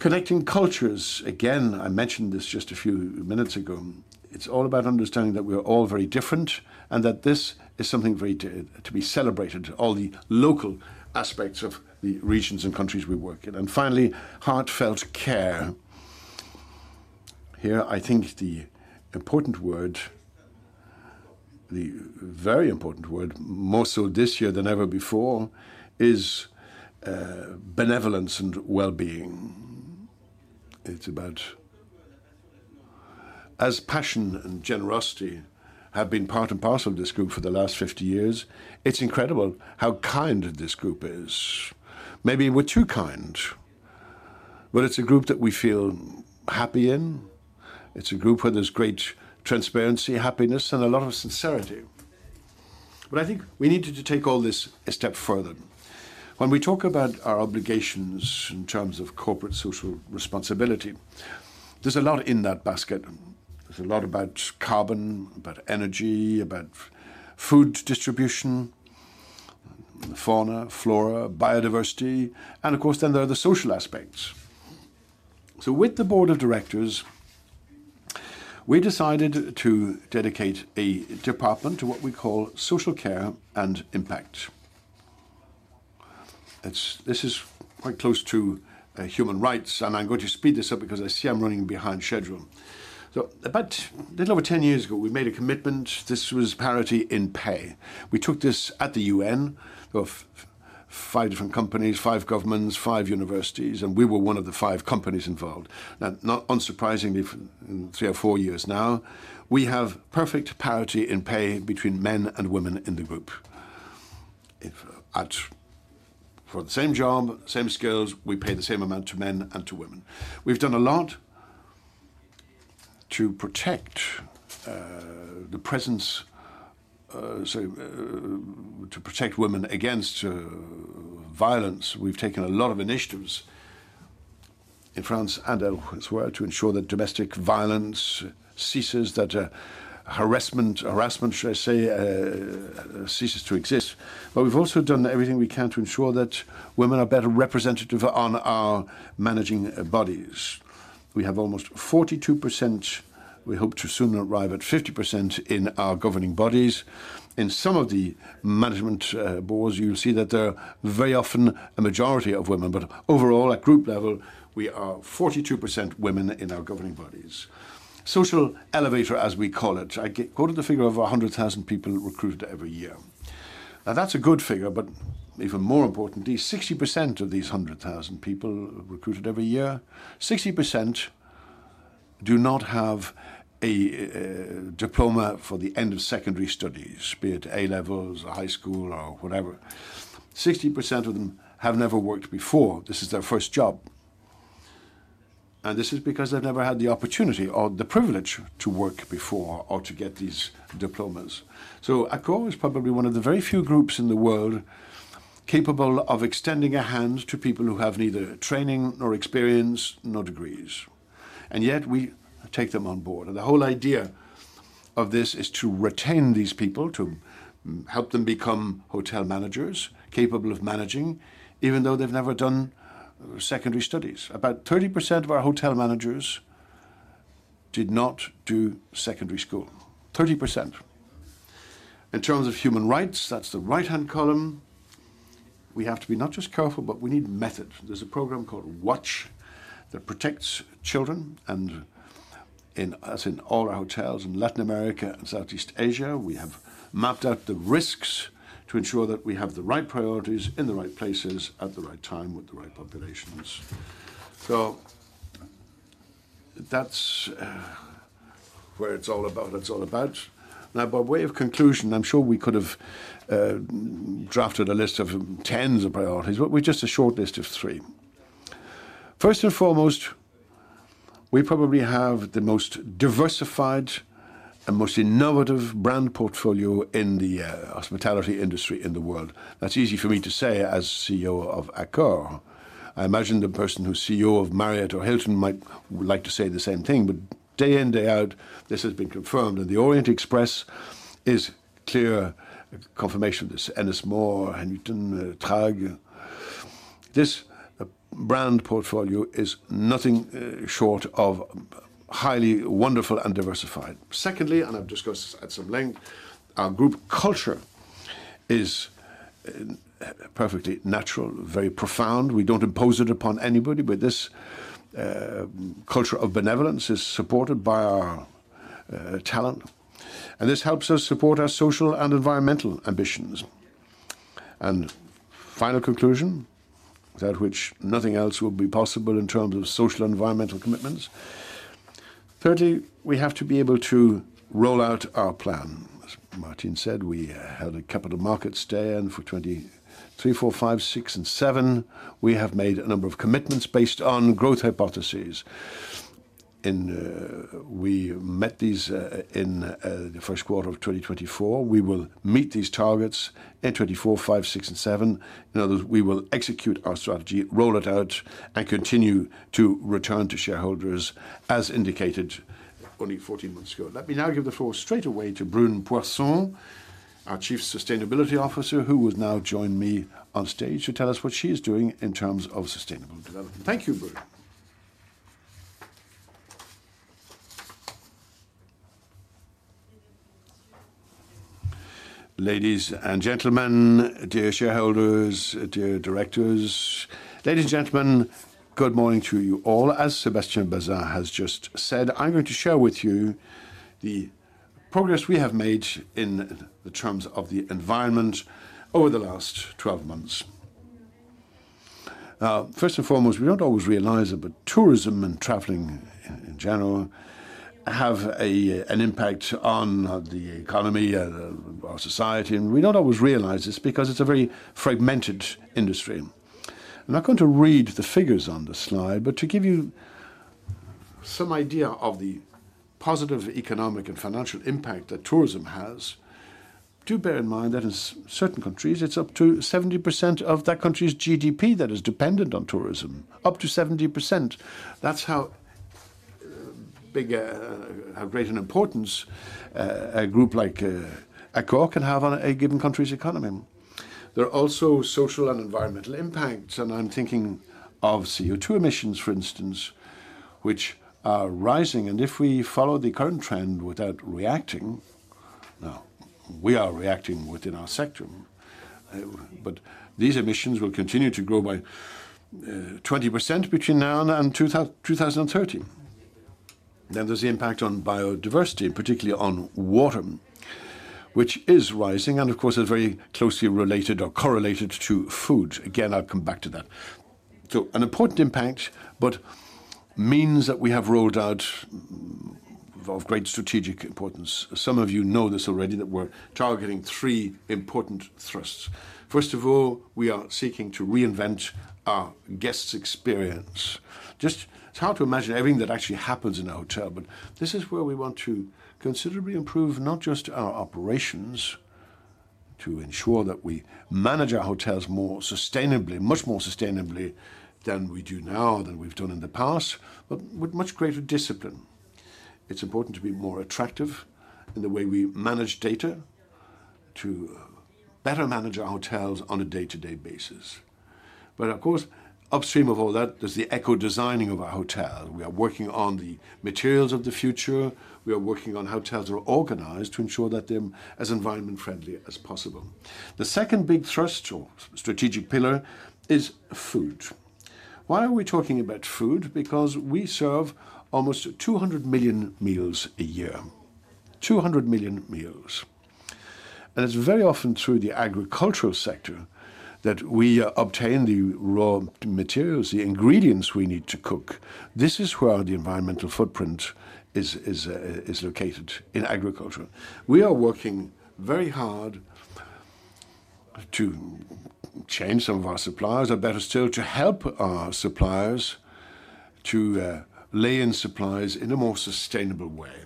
Connecting cultures, again, I mentioned this just a few minutes ago. It's all about understanding that we are all very different and that this is something very to be celebrated, all the local aspects of the regions and countries we work in. Finally, heartfelt care. Here, I think the important word, the very important word, more so this year than ever before, is benevolence and well-being. It's about... As passion and generosity have been part and parcel of this group for the last 50 years, it's incredible how kind this group is. Maybe we're too kind, but it's a group that we feel happy in. It's a group where there's great transparency, happiness, and a lot of sincerity. But I think we need to take all this a step further. When we talk about our obligations in terms of corporate social responsibility, there's a lot in that basket. There's a lot about carbon, about energy, about food distribution, fauna, flora, biodiversity, and of course, then there are the social aspects. So with the Board of Directors, we decided to dedicate a department to what we call Social Care & Impact. This is quite close to human rights, and I'm going to speed this up because I see I'm running behind schedule. So about a little over 10 years ago, we made a commitment. This was parity in pay. We took this at the UN of five different companies, five governments, five universities, and we were one of the five companies involved. Now, not unsurprisingly, in three or four years now, we have perfect parity in pay between men and women in the group. For the same job, same skills, we pay the same amount to men and to women. We've done a lot to protect, the presence, so, to protect women against, violence. We've taken a lot of initiatives in France and elsewhere to ensure that domestic violence ceases, that, harassment, harassment, should I say, ceases to exist. But we've also done everything we can to ensure that women are better representative on our managing, bodies. We have almost 42%. We hope to soon arrive at 50% in our governing bodies. In some of the management boards, you'll see that there are very often a majority of women, but overall, at group level, we are 42% women in our governing bodies. Social elevator, as we call it, I get quoted the figure of 100,000 people recruited every year. Now, that's a good figure, but even more importantly, 60% of these 100,000 people recruited every year, 60% do not have a diploma for the end of secondary studies, be it A-levels or high school or whatever. 60% of them have never worked before. This is their first job, and this is because they've never had the opportunity or the privilege to work before or to get these diplomas. So Accor is probably one of the very few groups in the world capable of extending a hand to people who have neither training, nor experience, nor degrees, and yet we take them on board. And the whole idea of this is to retain these people, to help them become hotel managers, capable of managing, even though they've never done secondary studies. About 30% of our hotel managers did not do secondary school, 30%. In terms of human rights, that's the right-hand column, we have to be not just careful, but we need method. There's a program called WATCH that protects children, and as in all our hotels in Latin America and Southeast Asia, we have mapped out the risks to ensure that we have the right priorities in the right places at the right time with the right populations. So-... That's where it's all about, it's all about. Now, by way of conclusion, I'm sure we could have drafted a list of tens of priorities, but with just a short list of three. First and foremost, we probably have the most diversified and most innovative brand portfolio in the hospitality industry in the world. That's easy for me to say as CEO of Accor. I imagine the person who's CEO of Marriott or Hilton might would like to say the same thing, but day in, day out, this has been confirmed, and the Orient Express is clear confirmation of this, and it's more Huntington, Tag. This brand portfolio is nothing short of highly wonderful and diversified. Secondly, and I've discussed this at some length, our group culture is perfectly natural, very profound. We don't impose it upon anybody, but this, culture of benevolence is supported by our, talent, and this helps us support our social and environmental ambitions. Final conclusion, without which nothing else will be possible in terms of social and environmental commitments. Thirdly, we have to be able to roll out our plan. As Martine said, we had a Capital Markets Day, and for 2023, 2024, 2025, 2026, and 2027, we have made a number of commitments based on growth hypotheses. We met these in the first quarter of 2024. We will meet these targets in 2024, 2025, 2026, and 2027. In other words, we will execute our strategy, roll it out, and continue to return to shareholders, as indicated only 14 months ago. Let me now give the floor straight away to Brune Poirson, our Chief Sustainability Officer, who will now join me on stage to tell us what she is doing in terms of sustainable development. Thank you, Brune. Ladies and gentlemen, dear shareholders, dear directors. Ladies and gentlemen, good morning to you all. As Sébastien Bazin has just said, I'm going to share with you the progress we have made in the terms of the environment over the last 12 months. First and foremost, we don't always realize it, but tourism and traveling, in general, have an impact on the economy and our society, and we don't always realize this because it's a very fragmented industry. I'm not going to read the figures on the slide, but to give you some idea of the positive economic and financial impact that tourism has, do bear in mind that in certain countries, it's up to 70% of that country's GDP that is dependent on tourism, up to 70%. That's how big a how great an importance a group like Accor can have on a given country's economy. There are also social and environmental impacts, and I'm thinking of CO2 emissions, for instance, which are rising, and if we follow the current trend without reacting. Now, we are reacting within our sector, but these emissions will continue to grow by 20% between now and 2030. Then, there's the impact on biodiversity, particularly on water, which is rising, and of course, is very closely related or correlated to food. Again, I'll come back to that. So an important impact, but means that we have rolled out of great strategic importance. Some of you know this already, that we're targeting three important thrusts. First of all, we are seeking to reinvent our guests' experience. Just, it's hard to imagine everything that actually happens in a hotel, but this is where we want to considerably improve not just our operations, to ensure that we manage our hotels more sustainably, much more sustainably than we do now, than we've done in the past, but with much greater discipline. It's important to be more attractive in the way we manage data, to better manage our hotels on a day-to-day basis. But of course, upstream of all that, there's the eco-designing of our hotel. We are working on the materials of the future. We are working on how hotels are organized to ensure that they're as environment-friendly as possible. The second big thrust, or strategic pillar, is food. Why are we talking about food? Because we serve almost 200 million meals a year. 200 million meals, and it's very often through the agricultural sector that we obtain the raw materials, the ingredients we need to cook. This is where the environmental footprint is located, in agriculture. We are working very hard to change some of our suppliers, or better still, to help our suppliers to lay in supplies in a more sustainable way.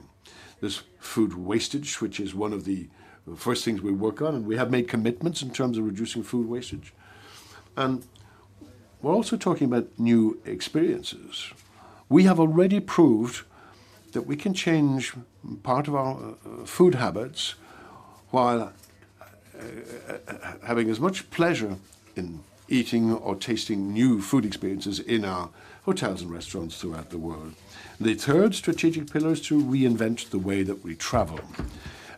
There's food wastage, which is one of the first things we work on, and we have made commitments in terms of reducing food wastage. And we're also talking about new experiences. We have already proved that we can change part of our food habits while having as much pleasure in eating or tasting new food experiences in our hotels and restaurants throughout the world. The third strategic pillar is to reinvent the way that we travel.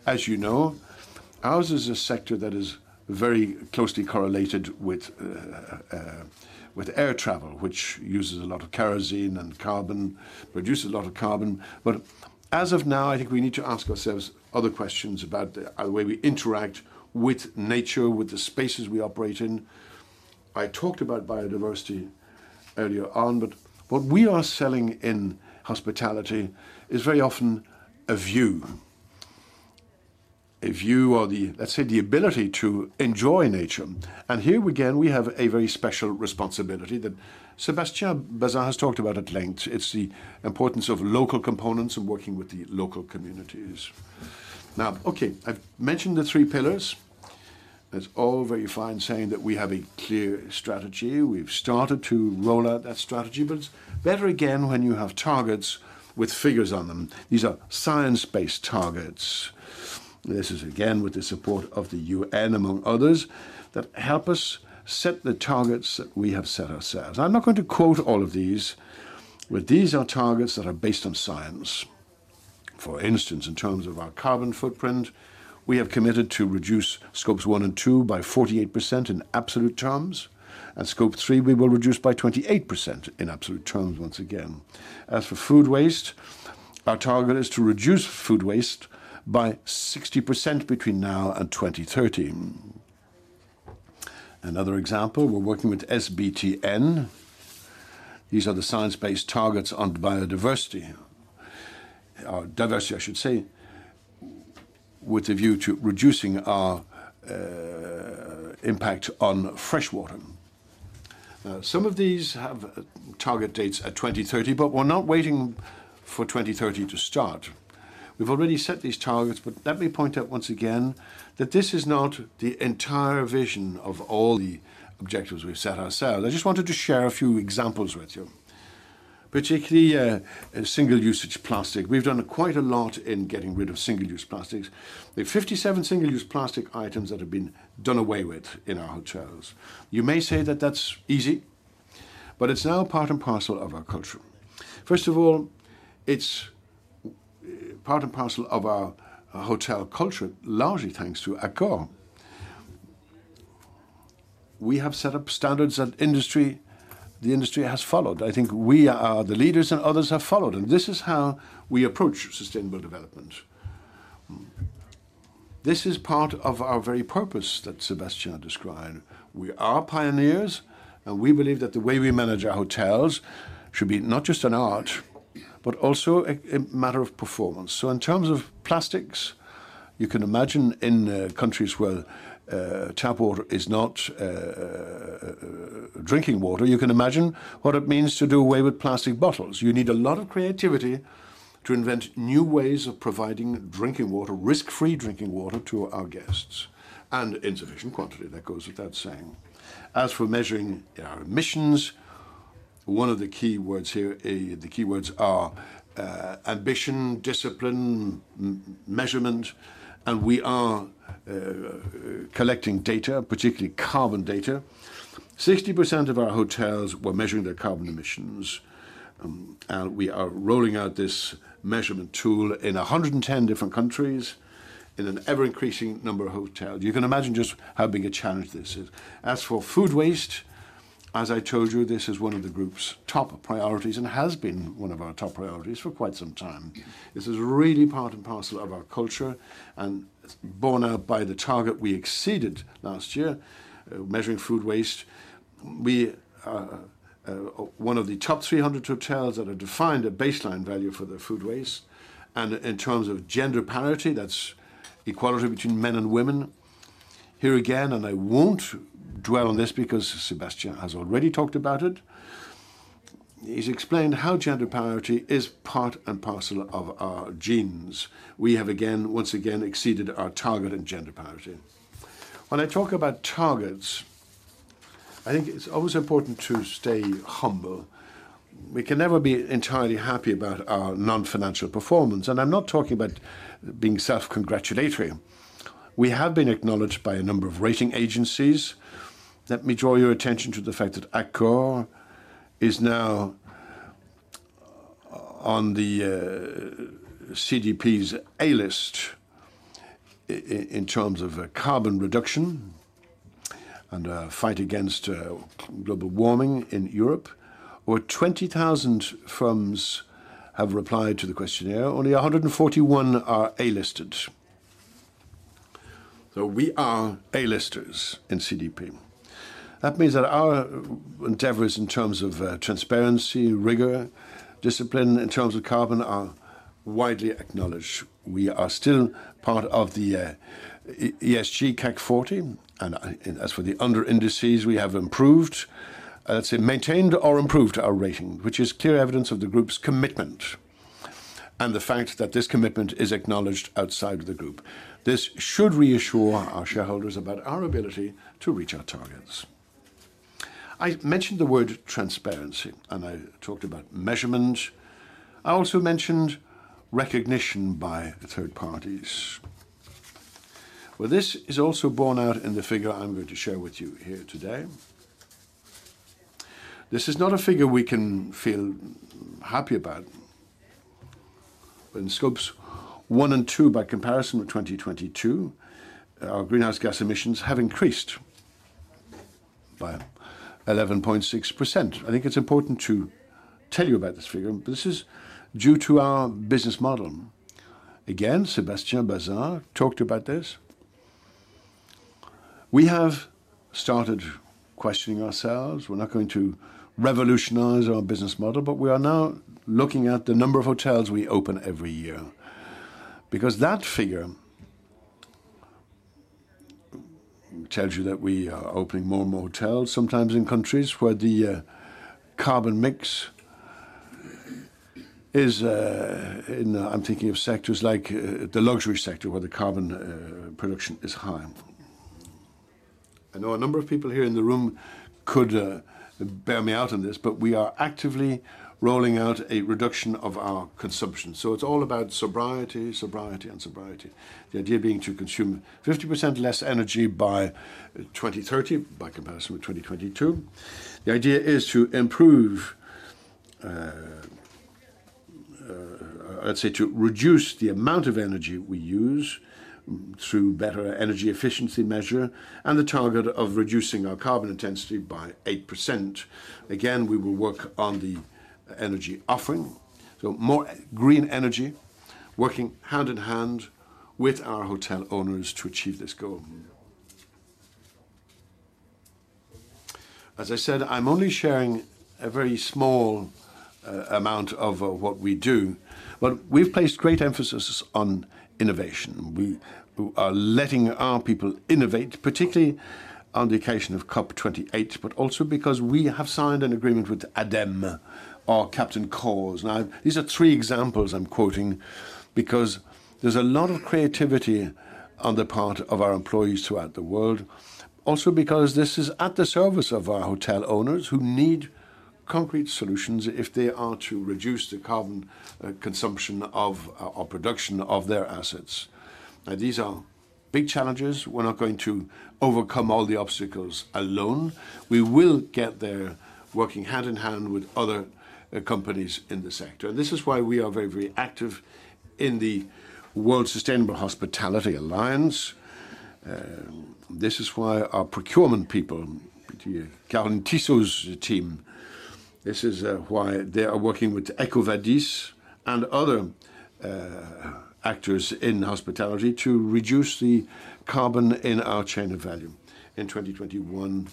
As you know, ours is a sector that is very closely correlated with air travel, which uses a lot of kerosene and carbon, produces a lot of carbon. But as of now, I think we need to ask ourselves other questions about the way we interact with nature, with the spaces we operate in... I talked about biodiversity earlier on, but what we are selling in hospitality is very often a view. A view or the, let's say, the ability to enjoy nature. And here again, we have a very special responsibility that Sébastien Bazin has talked about at length. It's the importance of local components and working with the local communities. Now, okay, I've mentioned the three pillars. That's all very fine, saying that we have a clear strategy. We've started to roll out that strategy, but it's better again, when you have targets with figures on them. These are science-based targets. This is, again, with the support of the U.N., among others, that help us set the targets that we have set ourselves. I'm not going to quote all of these, but these are targets that are based on science. For instance, in terms of our carbon footprint, we have committed to reduce Scope 1 and 2 by 48% in absolute terms, and Scope 3, we will reduce by 28% in absolute terms once again. As for food waste, our target is to reduce food waste by 60% between now and 2030. Another example, we're working with SBTN. These are the science-based targets on biodiversity, or diversity, I should say, with a view to reducing our impact on freshwater. Some of these have target dates at 2030, but we're not waiting for 2030 to start. We've already set these targets, but let me point out once again that this is not the entire vision of all the objectives we've set ourselves. I just wanted to share a few examples with you, particularly single-use plastic. We've done quite a lot in getting rid of single-use plastics. There are 57 single-use plastic items that have been done away with in our hotels. You may say that that's easy, but it's now part and parcel of our culture. First of all, it's part and parcel of our hotel culture, largely thanks to Accor. We have set up standards that industry, the industry has followed. I think we are the leaders, and others have followed, and this is how we approach sustainable development. This is part of our very purpose that Sébastien described. We are pioneers, and we believe that the way we manage our hotels should be not just an art, but also a matter of performance. In terms of plastics, you can imagine in countries where tap water is not drinking water, you can imagine what it means to do away with plastic bottles. You need a lot of creativity to invent new ways of providing drinking water, risk-free drinking water, to our guests, and in sufficient quantity. That goes without saying. As for measuring our emissions, one of the key words here, the key words are ambition, discipline, measurement, and we are collecting data, particularly carbon data. 60% of our hotels were measuring their carbon emissions, and we are rolling out this measurement tool in 110 different countries in an ever-increasing number of hotels. You can imagine just how big a challenge this is. As for food waste, as I told you, this is one of the group's top priorities and has been one of our top priorities for quite some time. This is really part and parcel of our culture and borne out by the target we exceeded last year, measuring food waste. We are one of the top 300 hotels that have defined a baseline value for their food waste. In terms of gender parity, that's equality between men and women. Here again, and I won't dwell on this because Sébastien has already talked about it. He's explained how gender parity is part and parcel of our genes. We have again, once again, exceeded our target in gender parity. When I talk about targets, I think it's always important to stay humble. We can never be entirely happy about our non-financial performance, and I'm not talking about being self-congratulatory. We have been acknowledged by a number of rating agencies. Let me draw your attention to the fact that Accor is now on the CDP's A List in terms of carbon reduction and fight against global warming in Europe, where 20,000 firms have replied to the questionnaire, only 141 are A-Listed. So we are A-Listers in CDP. That means that our endeavors in terms of transparency, rigor, discipline, in terms of carbon, are widely acknowledged. We are still part of the ESG CAC 40, and as for the under indices, we have improved, say, maintained or improved our rating, which is clear evidence of the group's commitment and the fact that this commitment is acknowledged outside of the group. This should reassure our shareholders about our ability to reach our targets. I mentioned the word transparency, and I talked about measurement. I also mentioned recognition by third parties. Well, this is also borne out in the figure I'm going to share with you here today. This is not a figure we can feel happy about. In Scope 1 and Scope 2, by comparison with 2022, our greenhouse gas emissions have increased by 11.6%. I think it's important to tell you about this figure. This is due to our business model. Again, Sébastien Bazin talked about this. We have started questioning ourselves. We're not going to revolutionize our business model, but we are now looking at the number of hotels we open every year. Because that figure tells you that we are opening more and more hotels, sometimes in countries where the carbon mix is and I'm thinking of sectors like the luxury sector, where the carbon production is high. I know a number of people here in the room could bear me out on this, but we are actively rolling out a reduction of our consumption. So it's all about sobriety, sobriety, and sobriety. The idea being to consume 50% less energy by 2030, by comparison with 2022. The idea is to improve, let's say, to reduce the amount of energy we use through better energy efficiency measure and the target of reducing our carbon intensity by 8%. Again, we will work on the energy offering, so more green energy, working hand in hand with our hotel owners to achieve this goal. As I said, I'm only sharing a very small amount of what we do, but we've placed great emphasis on innovation. We are letting our people innovate, particularly on the occasion of COP 28, but also because we have signed an agreement with ADEME, our Captain Cause. Now, these are three examples I'm quoting because there's a lot of creativity on the part of our employees throughout the world. Also, because this is at the service of our hotel owners who need concrete solutions if they are to reduce the carbon consumption of, or production of their assets. Now, these are big challenges. We're not going to overcome all the obstacles alone. We will get there working hand in hand with other companies in the sector. And this is why we are very, very active in the World Sustainable Hospitality Alliance. This is why our procurement people, Caroline Tissot's team, this is why they are working with EcoVadis and other actors in hospitality to reduce the carbon in our chain of value. In 2021,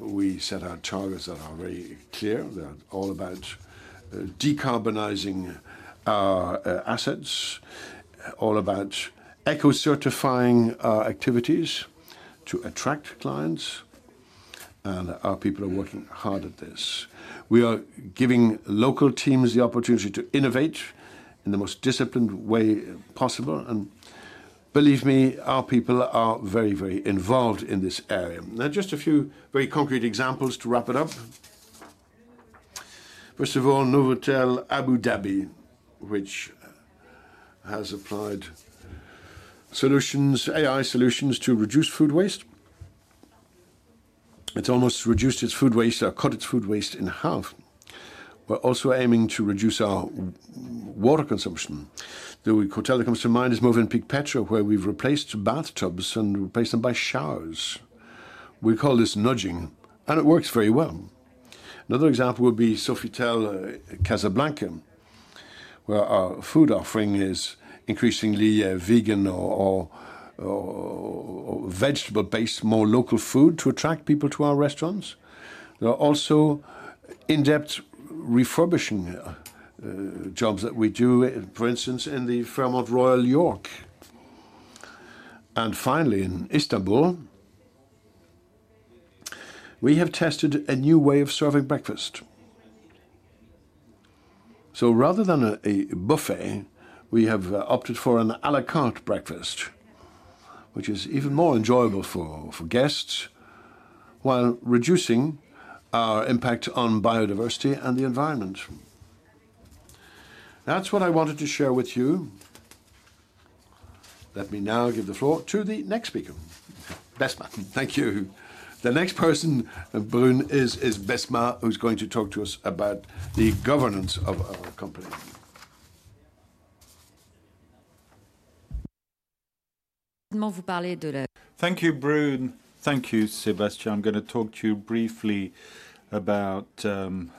we set out targets that are very clear. They're all about decarbonizing our assets, all about eco-certifying our activities to attract clients, and our people are working hard at this. We are giving local teams the opportunity to innovate in the most disciplined way possible, and believe me, our people are very, very involved in this area. Now, just a few very concrete examples to wrap it up. First of all, Novotel Abu Dhabi, which has applied solutions, AI solutions, to reduce food waste. It's almost reduced its food waste, or cut its food waste in half. We're also aiming to reduce our water consumption. The hotel that comes to mind is Mövenpick Petra, where we've replaced bathtubs and replaced them by showers. We call this nudging, and it works very well. Another example would be Sofitel Casablanca, where our food offering is increasingly vegan or, or, or vegetable-based, more local food to attract people to our restaurants. There are also in-depth refurbishing jobs that we do, for instance, in the Fairmont Royal York. And finally, in Istanbul, we have tested a new way of serving breakfast. So rather than a buffet, we have opted for an à la carte breakfast, which is even more enjoyable for guests, while reducing our impact on biodiversity and the environment. That's what I wanted to share with you. Let me now give the floor to the next speaker. Besma. Thank you. The next person, Brune, is Besma, who's going to talk to us about the governance of our company. Thank you, Brune. Thank you, Sébastien. I'm gonna talk to you briefly about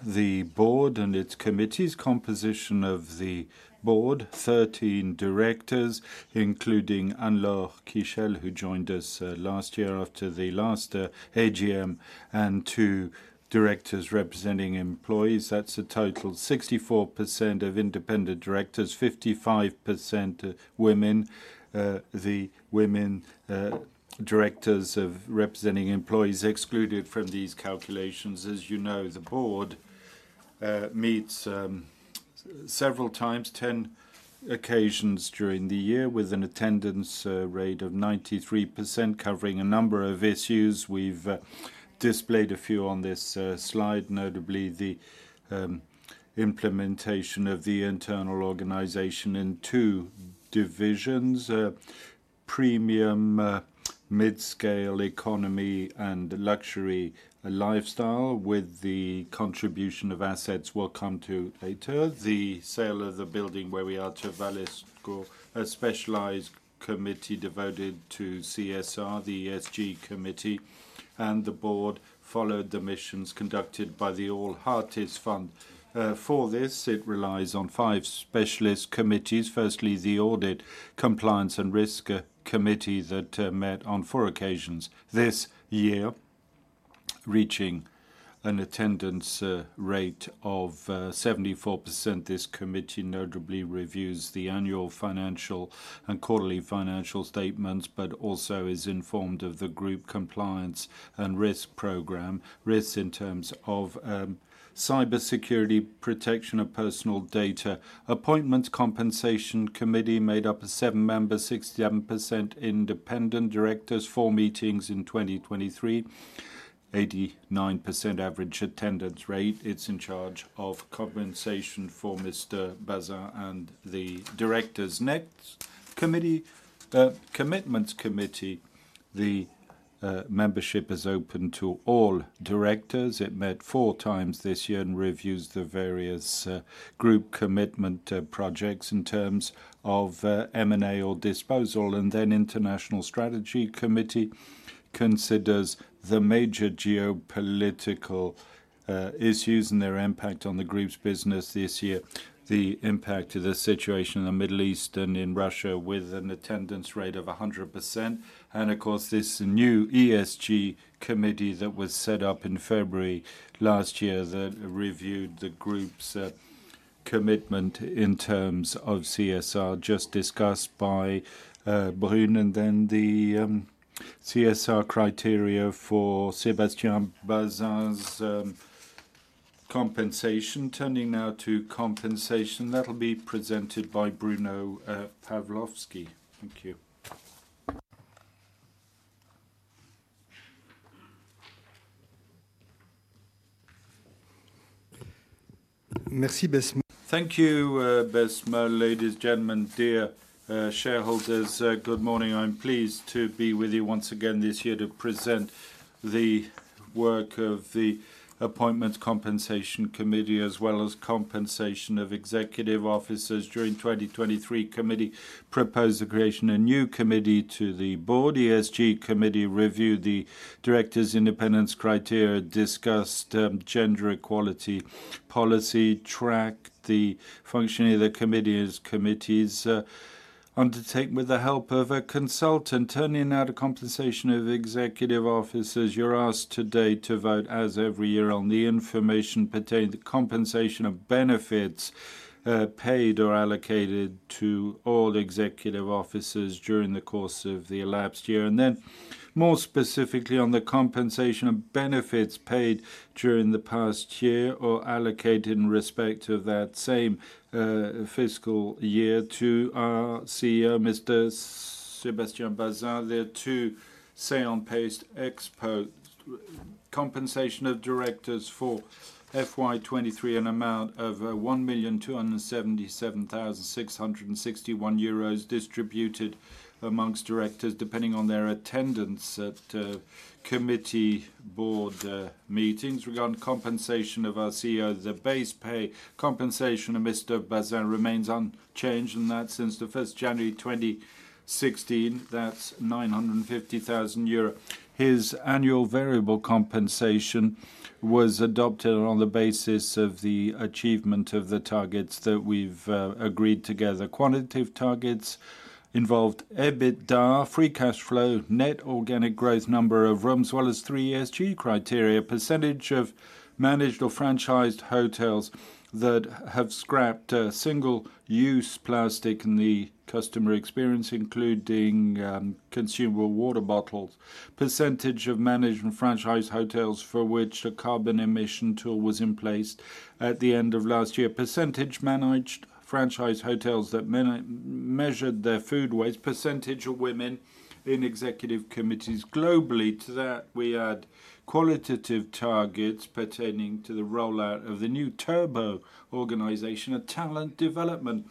the board and its committee's composition of the board. 13 Directors, including Anne-Laure Kiechel, who joined us last year after the last AGM, and two directors representing employees. That's a total 64% of independent directors, 55% women. The women directors representing employees excluded from these calculations. As you know, the board meets several times, 10 occasions during the year, with an attendance rate of 93%, covering a number of issues. We've displayed a few on this slide, notably the implementation of the internal organization in two divisions: Premium, Midscale, Economy and luxury lifestyle, with the contribution of assets we'll come to later. The sale of the building where we are, to Valesco Group. A specialized committee devoted to CSR, the ESG committee, and the board followed the missions conducted by the ALL Heartists Fund. For this, it relies on five specialist committees. Firstly, the Audit, Compliance, and Risk Committee that met on four occasions this year, reaching an attendance rate of 74%. This committee notably reviews the annual financial and quarterly financial statements, but also is informed of the group compliance and risk program. Risks in terms of cybersecurity, protection of personal data. Appointments compensation committee made up of seven members, 67% independent directors, four meetings in 2023, 89% average attendance rate. It's in charge of compensation for Mr. Bazin and the directors. Next committee, Commitments Committee, the membership is open to all directors. It met four times this year and reviews the various group commitment projects in terms of M&A or disposal. And then International Strategy Committee considers the major geopolitical issues and their impact on the group's business this year, the impact of the situation in the Middle East and in Russia, with an attendance rate of 100%. And of course, this new ESG committee that was set up in February last year that reviewed the group's commitment in terms of CSR, just discussed by Brune, and then the CSR criteria for Sébastien Bazin's compensation. Turning now to compensation, that'll be presented by Bruno Pavlovsky. Thank you. Merci, Besma. Thank you, Besma. Ladies, gentlemen, dear shareholders, good morning. I'm pleased to be with you once again this year to present the work of the Appointments Compensation Committee, as well as compensation of executive officers during 2023. Committee proposed the creation of a new committee to the board. ESG committee reviewed the directors' independence criteria, discussed gender equality policy, tracked the functioning of the committees undertaken with the help of a consultant. Turning now to compensation of executive officers, you're asked today to vote, as every year, on the information pertaining to compensation of benefits paid or allocated to all executive officers during the course of the elapsed year. Then more specifically, on the compensation of benefits paid during the past year, or allocated in respect of that same fiscal year to our CEO, Mr. Sébastien Bazin, there to Say on Pay ex post. Compensation of directors for FY 2023, an amount of 1,277,661 euros distributed amongst directors, depending on their attendance at committee board meetings. Regarding compensation of our CEO, the base pay compensation of Mr. Bazin remains unchanged, and that since 1 January 2016, that's 950,000 euro. His annual variable compensation was adopted on the basis of the achievement of the targets that we've agreed together. Quantitative targets involved EBITDA, free cash flow, net organic growth number of rooms, as well as three ESG criteria. Percentage of managed or franchised hotels that have scrapped single-use plastic in the customer experience, including consumable water bottles. Percentage of managed and franchised hotels for which a carbon emission tool was in place at the end of last year. Percentage of managed, franchised hotels that measured their food waste. Percentage of women in Executive Committees globally. To that, we add qualitative targets pertaining to the rollout of the new Turbo organization and talent development.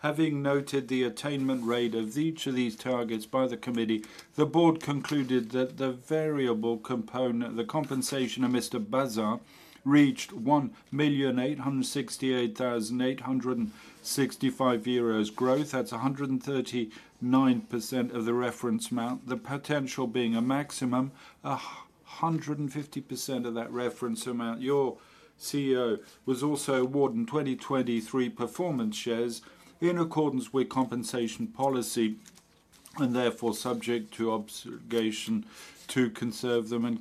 Having noted the attainment rate of each of these targets by the committee, the board concluded that the variable component... the compensation of Mr. Bazin reached EUR 1,868,865. That's 139% of the reference amount, the potential being a maximum, 150% of that reference amount. Your CEO was also awarded 2023 performance shares in accordance with compensation policy, and therefore subject to obligation to conserve them in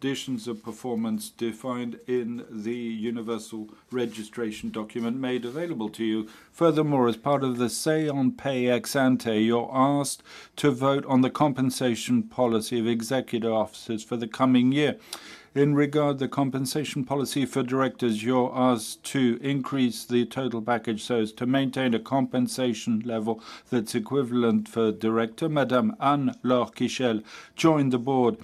conditions of performance defined in the Universal Registration Document made available to you. Furthermore, as part of the say on pay ex ante, you're asked to vote on the compensation policy of executive officers for the coming year. In regard to the compensation policy for directors, you're asked to increase the total package so as to maintain a compensation level that's equivalent for director. Madame Anne Lauvergeon joined the board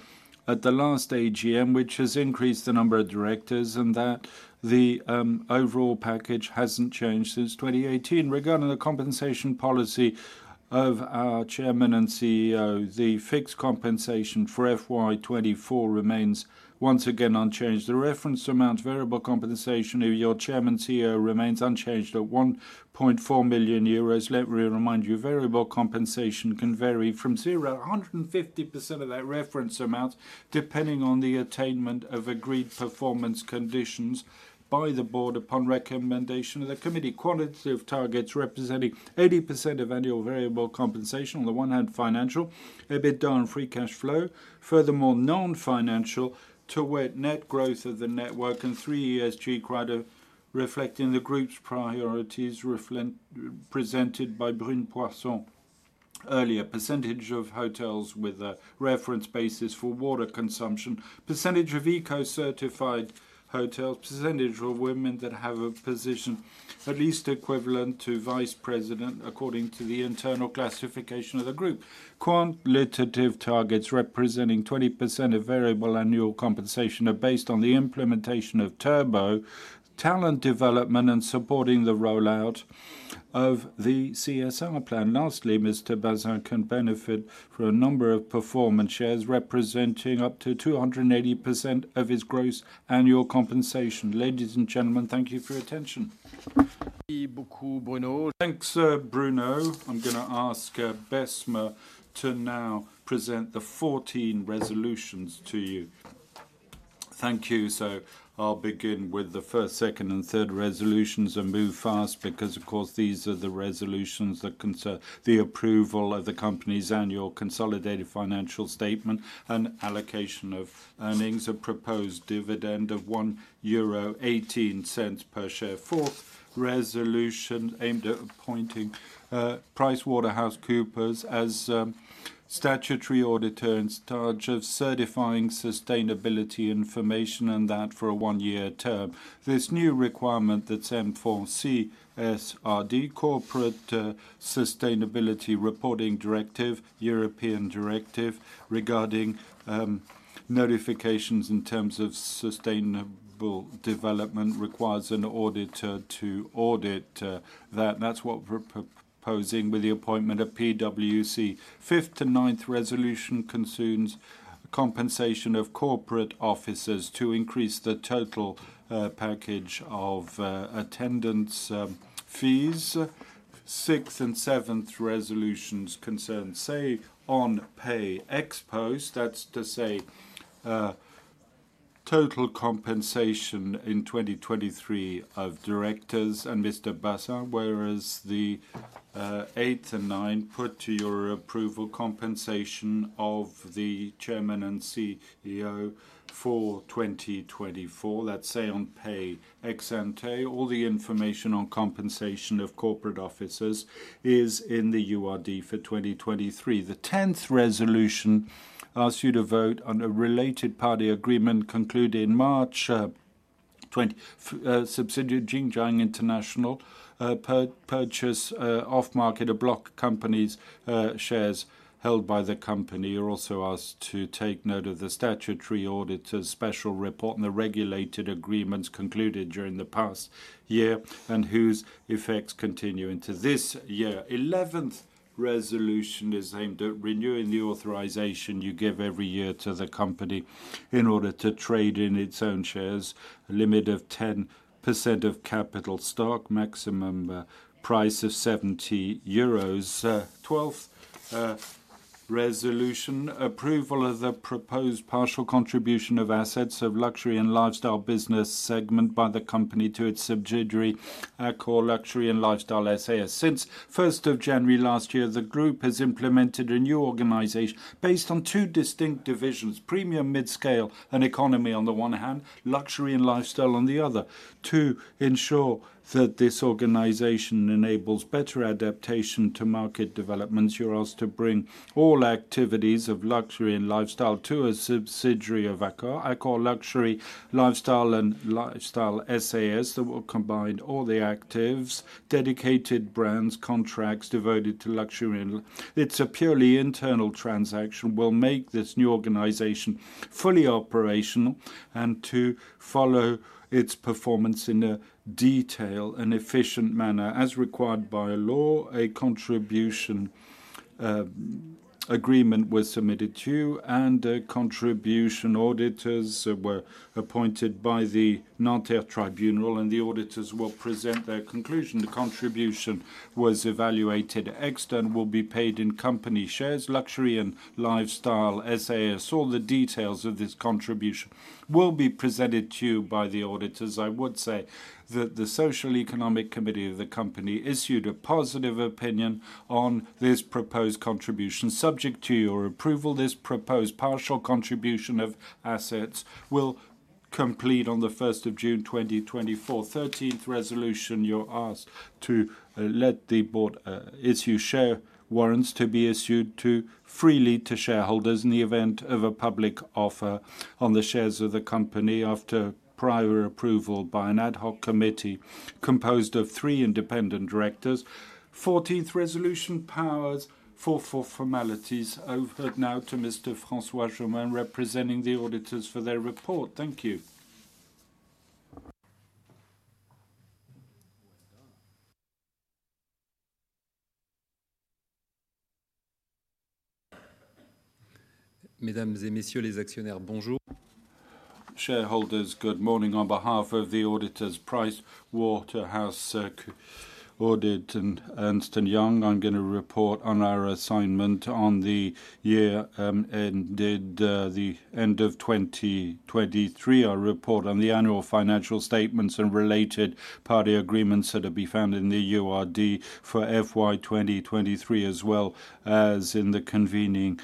at the last AGM, which has increased the number of directors, and that the overall package hasn't changed since 2018. Regarding the compensation policy of our Chairman and CEO, the fixed compensation for FY 2024 remains once again unchanged. The reference amount variable compensation of your Chairman and CEO remains unchanged at 1.4 million euros. Let me remind you, variable compensation can vary from 0% to 150% of that reference amount, depending on the attainment of agreed performance conditions by the board upon recommendation of the committee. Quantitative targets representing 80% of annual variable compensation, on the one hand, financial, EBITDA, and free cash flow. Furthermore, non-financial, to wit, net growth of the network and three ESG criteria, reflecting the group's priorities, presented by Brune Poirson earlier, percentage of hotels with a reference basis for water consumption, percentage of eco-certified hotels, percentage of women that have a position at least equivalent to vice president according to the internal classification of the group. Quantitative targets representing 20% of variable annual compensation are based on the implementation of Turbo, talent development, and supporting the rollout of the CSR plan. Lastly, Mr. Bazin can benefit from a number of performance shares representing up to 280% of his gross annual compensation. Ladies and gentlemen, thank you for your attention. Thanks, Bruno. I'm gonna ask, Besma to now present the 14 resolutions to you. Thank you. So I'll begin with the first, second, and third resolutions and move fast because, of course, these are the resolutions that concern the approval of the company's annual consolidated financial statement and allocation of earnings, a proposed dividend of 1.18 euro per share. Fourth resolution aimed at appointing, PricewaterhouseCoopers as, statutory auditor in charge of certifying sustainability information, and that for a 1-year term. This new requirement that's aimed for CSRD, Corporate, Sustainability Reporting Directive, European directive regarding, notifications in terms of sustainable development, requires an auditor to audit, that. That's what we're proposing with the appointment of PwC. Fifth to ninth resolution concerns compensation of corporate officers to increase the total package of attendance fees. Sixth and seventh resolutions concern say on pay ex-post. That's to say total compensation in 2023 of directors and Mr. Bazin, whereas the eighth and ninth put to your approval compensation of the chairman and CEO for 2024, that's say on pay ex-ante. All the information on compensation of corporate officers is in the URD for 2023. The tenth resolution asks you to vote on a related party agreement concluded in March twenty subsidiary Jin Jiang International purchase off market a block company's shares held by the company. You're also asked to take note of the statutory auditor's special report and the regulated agreements concluded during the past year, and whose effects continue into this year. 11th resolution is aimed at renewing the authorization you give every year to the company in order to trade in its own shares, a limit of 10% of capital stock, maximum, price of 70 euros. 12th resolution, approval of the proposed partial contribution of assets of luxury and lifestyle business segment by the company to its subsidiary, Accor Luxury & Lifestyle SAS. Since January 1, 2023, the group has implemented a new organization based on two distinct divisions: premium, mid-scale, and economy on the one hand; luxury and lifestyle on the other. To ensure that this organization enables better adaptation to market developments, you're asked to bring all activities of luxury and lifestyle to a subsidiary of Accor, Accor Luxury & Lifestyle SAS, that will combine all the assets, dedicated brands, contracts devoted to luxury and... It's a purely internal transaction. We'll make this new organization fully operational and to follow its performance in a detailed and efficient manner. As required by law, a contribution agreement was submitted to you, and the contribution auditors were appointed by the Nanterre tribunal, and the auditors will present their conclusion. The contribution was evaluated; in turn it will be paid in company shares, Accor Luxury & Lifestyle SAS. All the details of this contribution will be presented to you by the auditors. I would say that the social and economic committee of the company issued a positive opinion on this proposed contribution. Subject to your approval, this proposed partial contribution of assets will complete on the first of June 2024. Thirteenth resolution, you're asked to let the board issue share warrants to be issued to freely to shareholders in the event of a public offer on the shares of the company after prior approval by an ad hoc committee composed of three independent directors. Fourteenth resolution, powers for formalities. Over now to Mr. François Jaumain, representing the auditors for their report. Thank you. Shareholders, good morning. On behalf of the auditors, PricewaterhouseCoopers Audit and Ernst & Young, I'm gonna report on our assignment on the year ended the end of 2023. Our report on the annual financial statements and related party agreements are to be found in the URD for FY 2023, as well as in the convening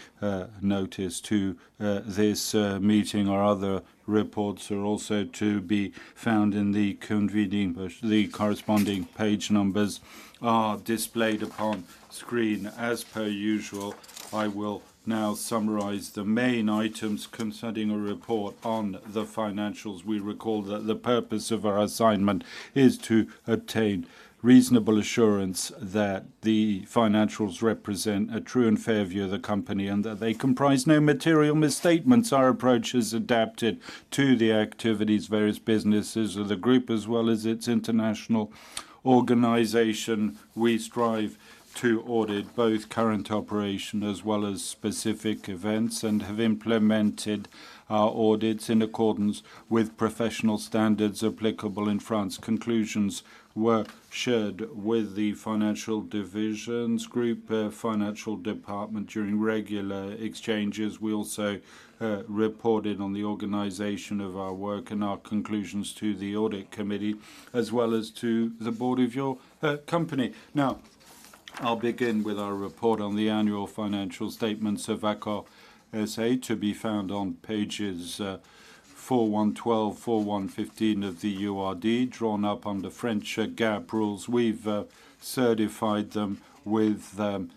notice to this meeting. Our other reports are also to be found in the convening notice. The corresponding page numbers are displayed upon screen. As per usual, I will now summarize the main items concerning a report on the financials. We recall that the purpose of our assignment is to obtain reasonable assurance that the financials represent a true and fair view of the company, and that they comprise no material misstatements. Our approach is adapted to the activities, various businesses of the group, as well as its international organization. We strive to audit both current operation as well as specific events, and have implemented our audits in accordance with professional standards applicable in France. Conclusions were shared with the financial divisions group, financial department during regular exchanges. We also reported on the organization of our work and our conclusions to the audit committee, as well as to the board of your company. Now, I'll begin with our report on the annual financial statements of Accor SA, to be found on pages 412, 415 of the URD, drawn up under French GAAP rules. We've certified them without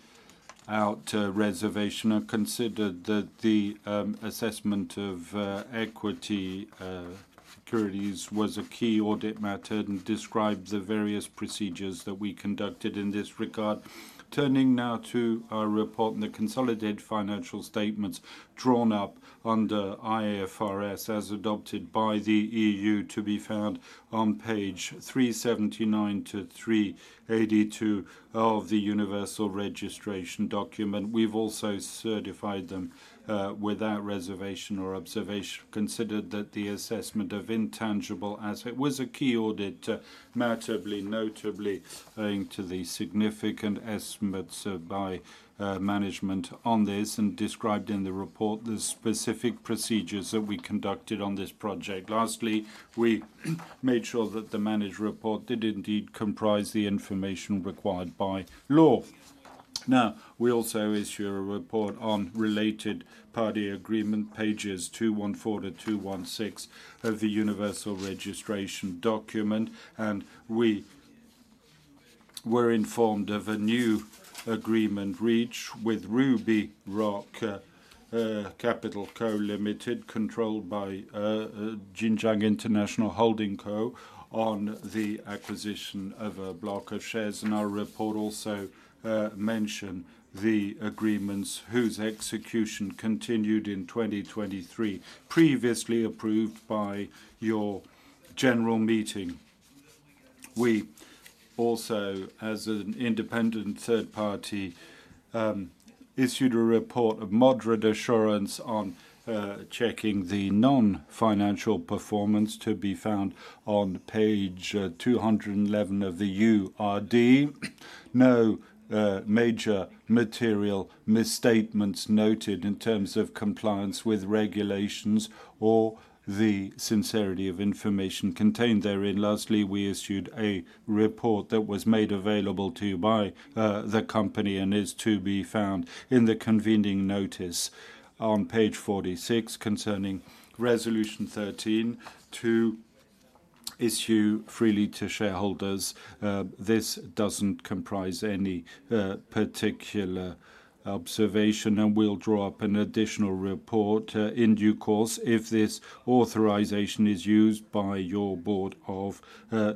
reservation and considered that the assessment of equity securities was a key audit matter, and described the various procedures that we conducted in this regard. Turning now to our report on the consolidated financial statements drawn up under IFRS, as adopted by the EU, to be found on page 379-382 of the Universal Registration Document. We've also certified them without reservation or observation. Considered that the assessment of intangible asset was a key audit matter, notably, owing to the significant estimates by management on this, and described in the report the specific procedures that we conducted on this project. Lastly, we made sure that the management report did indeed comprise the information required by law. Now, we also issue a report on related party agreement, pages 214 to 216 of the universal registration document, and we were informed of a new agreement reached with Rubyrock Capital Co Limited, controlled by Jin Jiang International, on the acquisition of a block of shares. And our report also mention the agreements whose execution continued in 2023, previously approved by your general meeting. We also, as an independent third party, issued a report of moderate assurance on checking the non-financial performance, to be found on page 211 of the URD. No major material misstatements noted in terms of compliance with regulations or the sincerity of information contained therein. Lastly, we issued a report that was made available to you by the company, and is to be found in the convening notice on page 46, concerning Resolution 13, to issue freely to shareholders. This doesn't comprise any particular observation, and we'll draw up an additional report in due course if this authorization is used by your Board of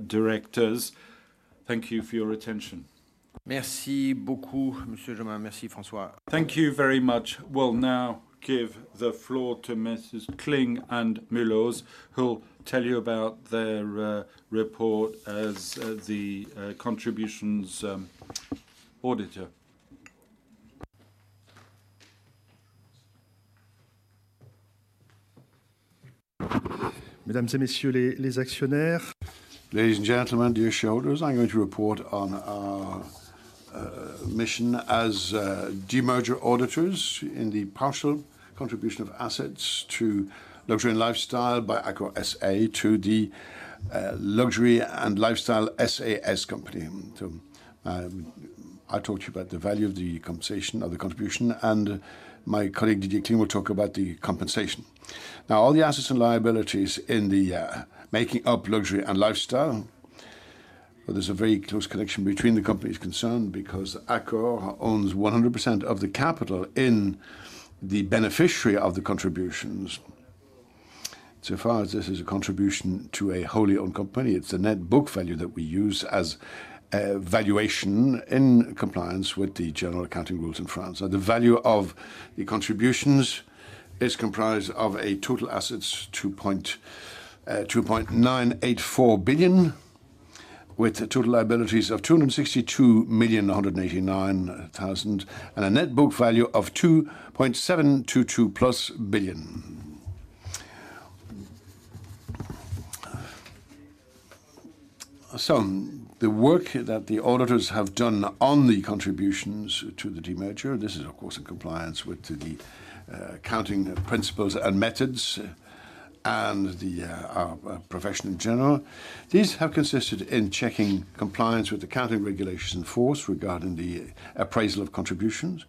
Directors. Thank you for your attention. Thank you very much. We'll now give the floor to Messrs. Kling and Munoz, who'll tell you about their report as the contribution auditors. Ladies and gentlemen, dear shareholders, I'm going to report on our mission as demerger auditors in the partial contribution of assets to Luxury and Lifestyle by Accor SA to the Luxury and Lifestyle SAS company. So, I'll talk to you about the value of the compensation of the contribution, and my colleague, Didier Kling, will talk about the compensation. Now, all the assets and liabilities in the making up Luxury and Lifestyle, well, there's a very close connection between the companies concerned, because Accor owns 100% of the capital in the beneficiary of the contributions. So far as this is a contribution to a wholly owned company, it's the net book value that we use as a valuation in compliance with the general accounting rules in France. So the value of the contributions is comprised of total assets of 2.984 billion, with total liabilities of 262.189 million, and a net book value of 2.722+ billion. So, the work that the auditors have done on the contributions to the demerger, this is, of course, in compliance with the accounting principles and methods, and our profession in general. These have consisted in checking compliance with the accounting regulations in force regarding the appraisal of contributions,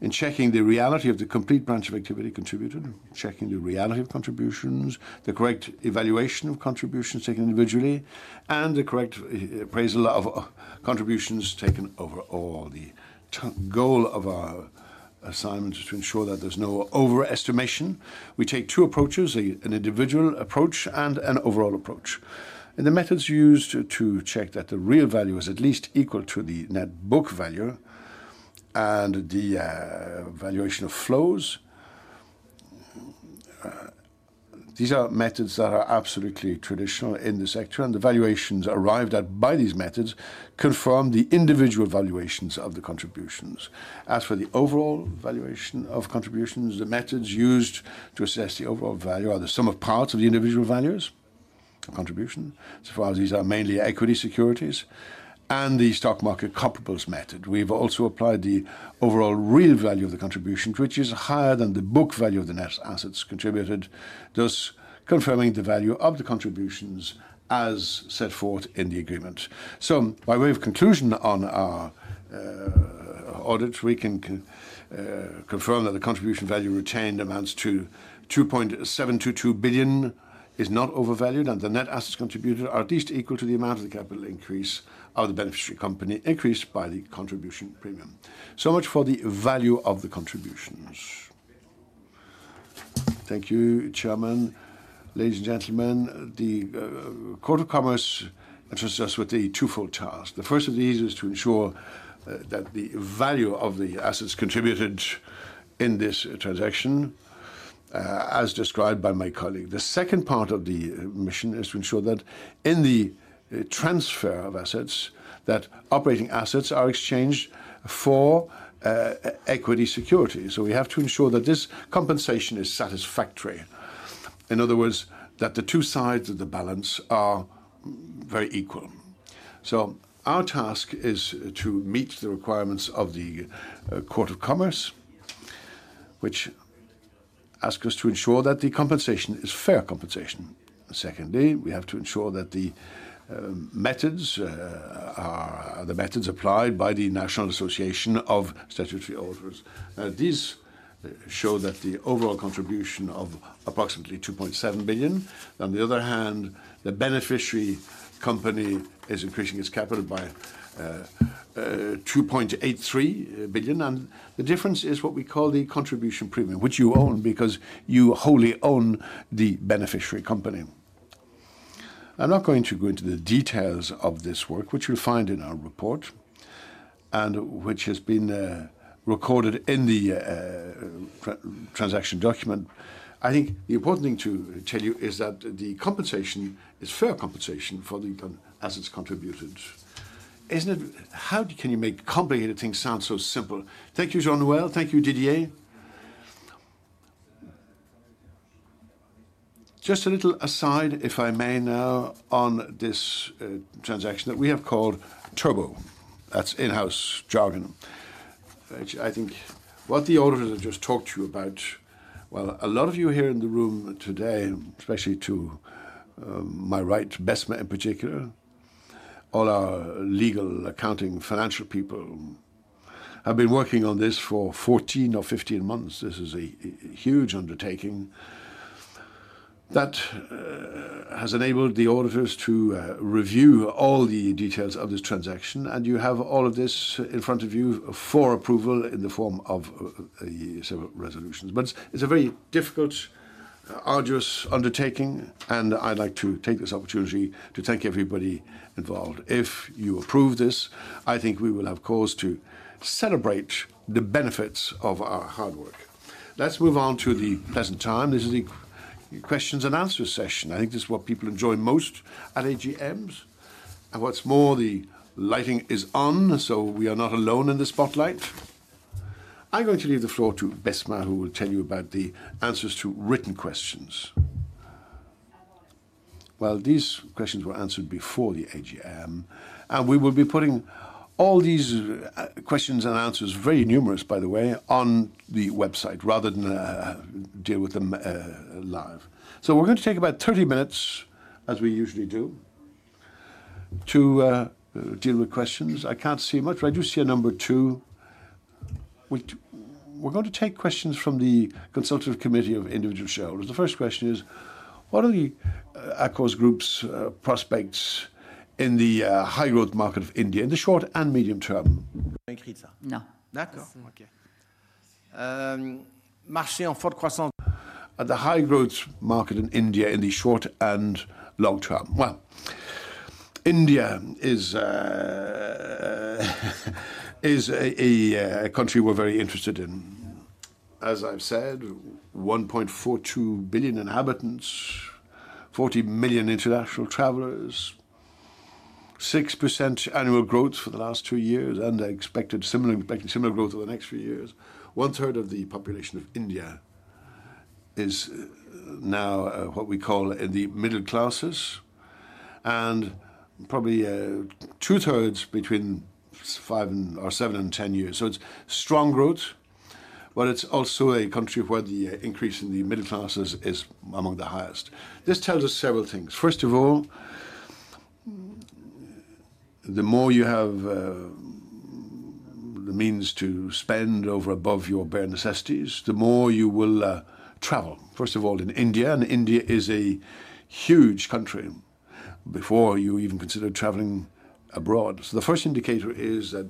in checking the reality of the complete branch of activity contributed, checking the reality of contributions, the correct evaluation of contributions taken individually, and the correct appraisal of contributions taken overall. The goal of our assignment is to ensure that there's no overestimation. We take two approaches: an individual approach and an overall approach. And the methods used to check that the real value is at least equal to the net book value and the valuation of flows, these are methods that are absolutely traditional in the sector, and the valuations arrived at by these methods confirm the individual valuations of the contributions. As for the overall valuation of contributions, the methods used to assess the overall value are the sum of parts of the individual values of contribution, so far these are mainly equity securities, and the stock market comparables method. We've also applied the overall real value of the contribution, which is higher than the book value of the net assets contributed, thus confirming the value of the contributions as set forth in the agreement. So, by way of conclusion on our audit, we can confirm that the contribution value retained amounts to 2.722 billion, is not overvalued, and the net assets contributed are at least equal to the amount of the capital increase of the beneficiary company increased by the contribution premium. So much for the value of the contributions. Thank you, Chairman. Ladies and gentlemen, the Court of Commerce entrusted us with a twofold task. The first of these is to ensure that the value of the assets contributed in this transaction, as described by my colleague. The second part of the mission is to ensure that in the transfer of assets, that operating assets are exchanged for equity security. So we have to ensure that this compensation is satisfactory. In other words, that the two sides of the balance are very equal. So our task is to meet the requirements of the Court of Commerce, which ask us to ensure that the compensation is fair compensation. Secondly, we have to ensure that the methods are the methods applied by the National Association of Statutory Auditors. These show that the overall contribution of approximately 2.7 billion. On the other hand, the beneficiary company is increasing its capital by 2.83 billion, and the difference is what we call the contribution premium, which you own because you wholly own the beneficiary company. I'm not going to go into the details of this work, which you'll find in our report, and which has been recorded in the transaction document. I think the important thing to tell you is that the compensation is fair compensation for the contributed assets. Isn't it? How can you make complicated things sound so simple? Thank you, Jean-Noël. Thank you, Didier. Just a little aside, if I may now, on this transaction that we have called Turbo. That's in-house jargon, which I think what the auditors have just talked to you about... Well, a lot of you here in the room today, especially to my right, Besma in particular, all our legal, accounting, financial people, have been working on this for 14 or 15 months. This is a huge undertaking that has enabled the auditors to review all the details of this transaction, and you have all of this in front of you for approval in the form of several resolutions. But it's a very difficult, arduous undertaking, and I'd like to take this opportunity to thank everybody involved. If you approve this, I think we will have cause to celebrate the benefits of our hard work. Let's move on to the pleasant time. This is the questions and answer session. I think this is what people enjoy most at AGMs, and what's more, the lighting is on, so we are not alone in the spotlight. I'm going to leave the floor to Besma, who will tell you about the answers to written questions. Well, these questions were answered before the AGM, and we will be putting all these questions and answers, very numerous, by the way, on the website, rather than deal with them live. So we're going to take about 30 minutes, as we usually do, to deal with questions. I can't see much, but I do see a number two. We're going to take questions from the consultative committee of individual shareholders. The first question is: What are the Accor group's prospects in the high-growth market of India in the short and medium term? No. D'accord. Okay. At the high-growth market in India in the short and long term. Well, India is a country we're very interested in. As I've said, 1.42 billion inhabitants, 40 million international travelers, 6% annual growth for the last two years, and they expected similar growth over the next few years. One third of the population of India is now what we call in the middle classes, and probably two thirds between five or seven and 10 years. So it's strong growth, but it's also a country where the increase in the middle classes is among the highest. This tells us several things. First of all, the more you have the means to spend over above your bare necessities, the more you will travel. First of all, in India, and India is a huge country before you even consider traveling abroad. So the first indicator is that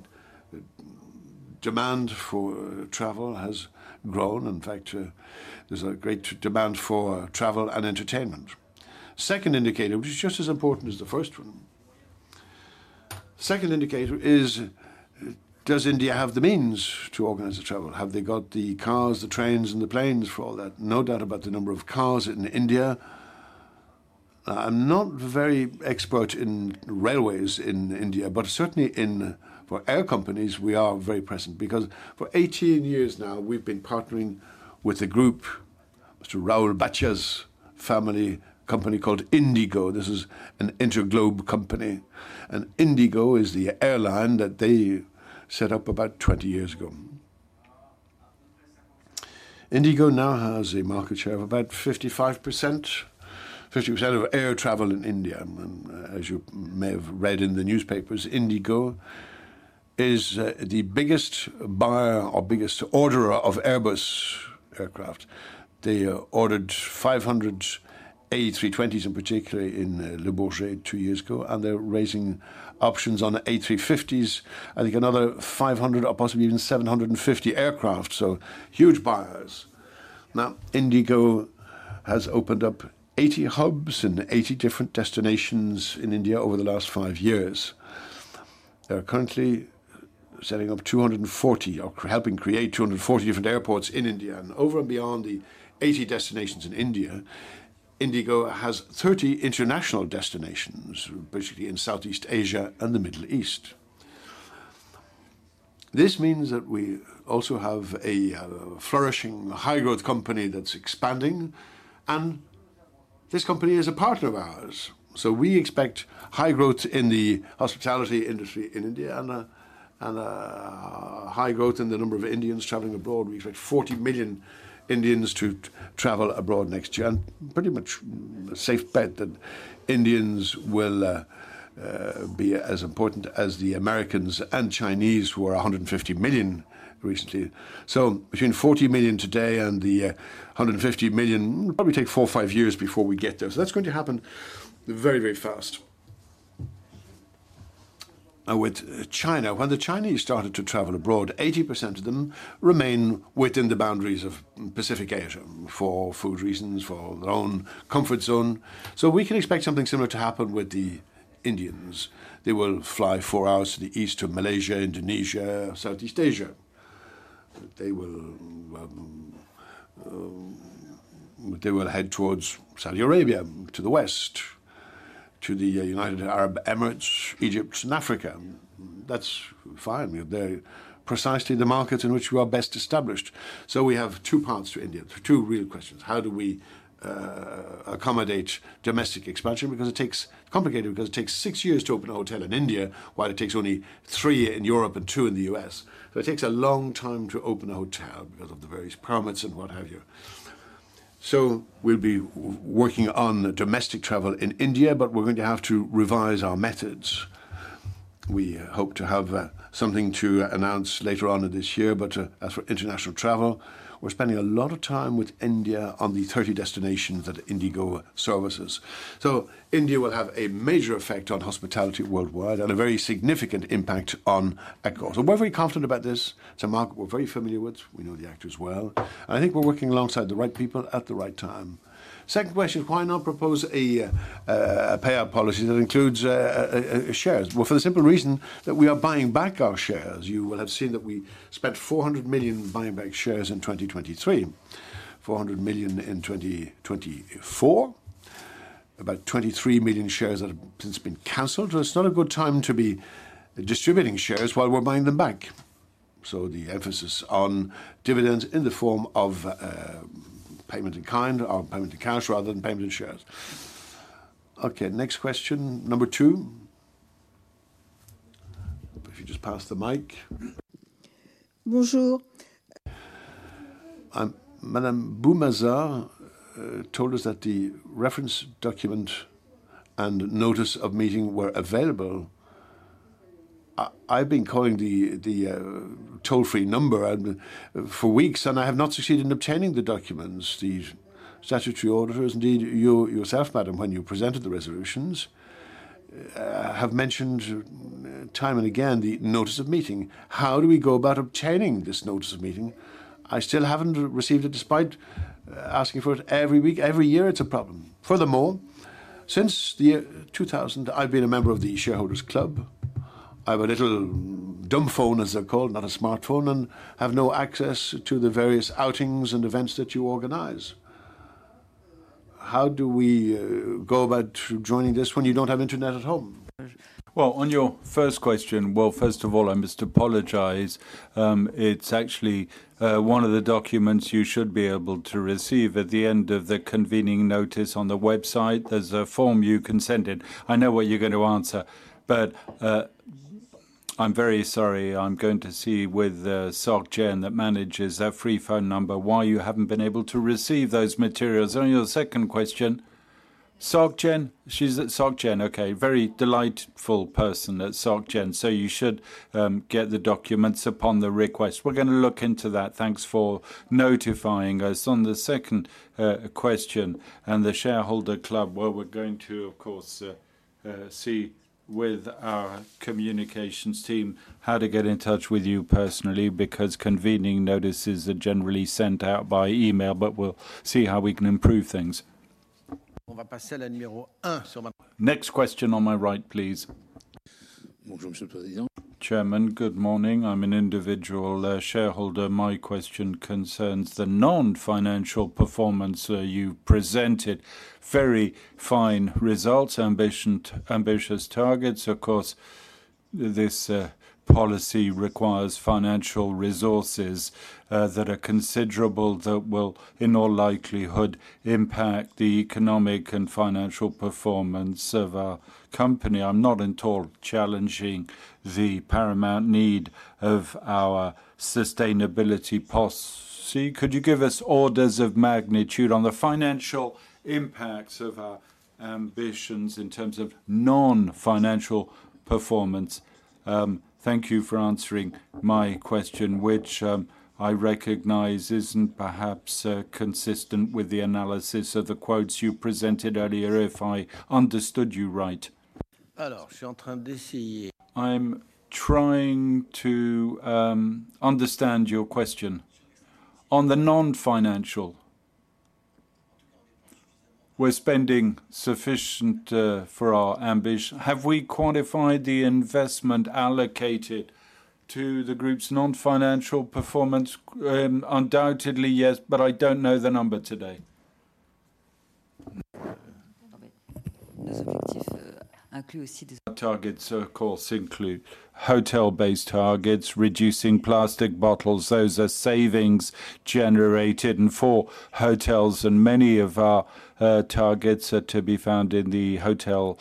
demand for travel has grown. In fact, there's a great demand for travel and entertainment. Second indicator, which is just as important as the first one. Second indicator is: Does India have the means to organize the travel? Have they got the cars, the trains, and the planes for all that? No doubt about the number of cars in India. I'm not very expert in railways in India, but certainly in—for air companies, we are very present because for 18 years now, we've been partnering with a group, Mr. Rahul Bhatia's family company called IndiGo. This is an InterGlobe company, and IndiGo is the airline that they set up about 20 years ago. IndiGo now has a market share of about 55%, 50% of air travel in India. And as you may have read in the newspapers, IndiGo is the biggest buyer or biggest orderer of Airbus aircraft. They ordered 500 A320s, in particular, in Le Bourget two years ago, and they're raising options on A350s. I think another 500 or possibly even 750 aircraft, so huge buyers. Now, IndiGo has opened up 80 hubs in 80 different destinations in India over the last five years. They are currently setting up 240 or helping create 240 different airports in India. And over and beyond the 80 destinations in India, IndiGo has 30 international destinations, basically in Southeast Asia and the Middle East. This means that we also have a flourishing, high-growth company that's expanding, and this company is a partner of ours. So we expect high growth in the hospitality industry in India and a high growth in the number of Indians traveling abroad. We expect 40 million Indians to travel abroad next year, and pretty much a safe bet that Indians will be as important as the Americans and Chinese, who are 150 million recently. So between 40 million today and the 150 million, probably take four or five years before we get there. So that's going to happen very, very fast. Now, with China, when the Chinese started to travel abroad, 80% of them remain within the boundaries of Pacific Asia for food reasons, for their own comfort zone. So we can expect something similar to happen with the Indians. They will fly four hours to the east of Malaysia, Indonesia, Southeast Asia. They will head towards Saudi Arabia, to the west, to the United Arab Emirates, Egypt, and Africa. That's fine. They're precisely the markets in which we are best established. So we have two parts to India, two real questions: How do we accommodate domestic expansion? Because it takes complicated, because it takes six years to open a hotel in India, while it takes only three in Europe and two in the U.S. So we'll be working on domestic travel in India, but we're going to have to revise our methods. We hope to have something to announce later on in this year. But, as for international travel, we're spending a lot of time with India on the 30 destinations that IndiGo services. So India will have a major effect on hospitality worldwide and a very significant impact on Accor. So we're very confident about this. It's a market we're very familiar with. We know the actors well, and I think we're working alongside the right people at the right time. Second question: Why not propose a payout policy that includes shares? Well, for the simple reason that we are buying back our shares. You will have seen that we spent 400 million buying back shares in 2023, 400 million in 2024. About 23 million shares that have since been canceled, so it's not a good time to be distributing shares while we're buying them back. So the emphasis on dividends in the form of payment in kind or payment in cash, rather than payment in shares. Okay, next question, number two. If you just pass the mic. Bonjour. Madame Boumaza told us that the reference document and notice of meeting were available. I've been calling the toll-free number for weeks, and I have not succeeded in obtaining the documents. The statutory auditors, indeed, you yourself, madam, when you presented the resolutions, have mentioned time and again the notice of meeting. How do we go about obtaining this notice of meeting? I still haven't received it, despite asking for it every week. Every year, it's a problem. Furthermore, since the year 2000, I've been a member of the Shareholders Club. I have a little dumb phone, as they're called, not a smartphone, and have no access to the various outings and events that you organize.... how do we, go about joining this when you don't have internet at home? Well, on your first question, well, first of all, I must apologize. It's actually one of the documents you should be able to receive at the end of the convening notice on the website. There's a form you can send in. I know what you're going to answer, but I'm very sorry. I'm going to see with Soc Gen, that manages our free phone number, why you haven't been able to receive those materials. On your second question, Soc Gen? She's at Soc Gen. Okay, very delightful person at Soc Gen, so you should get the documents upon the request. We're gonna look into that. Thanks for notifying us. On the second question and the shareholder club, well, we're going to, of course, see with our communications team how to get in touch with you personally, because convening notices are generally sent out by email, but we'll see how we can improve things. Next question on my right, please. Bonjour, Monsieur le President. Chairman, good morning. I'm an individual shareholder. My question concerns the non-financial performance you presented. Very fine results, ambition to ambitious targets. Of course, this policy requires financial resources that are considerable, that will, in all likelihood, impact the economic and financial performance of our company. I'm not at all challenging the paramount need of our sustainability policy. Could you give us orders of magnitude on the financial impacts of our ambitions in terms of non-financial performance? Thank you for answering my question, which I recognize isn't perhaps consistent with the analysis of the quotes you presented earlier, if I understood you right. I'm trying to understand your question. On the non-financial, we're spending sufficient for our ambition. Have we quantified the investment allocated to the group's non-financial performance? Undoubtedly, yes, but I don't know the number today. Our targets, of course, include hotel-based targets, reducing plastic bottles. Those are savings generated, and for hotels and many of our targets are to be found in the hotel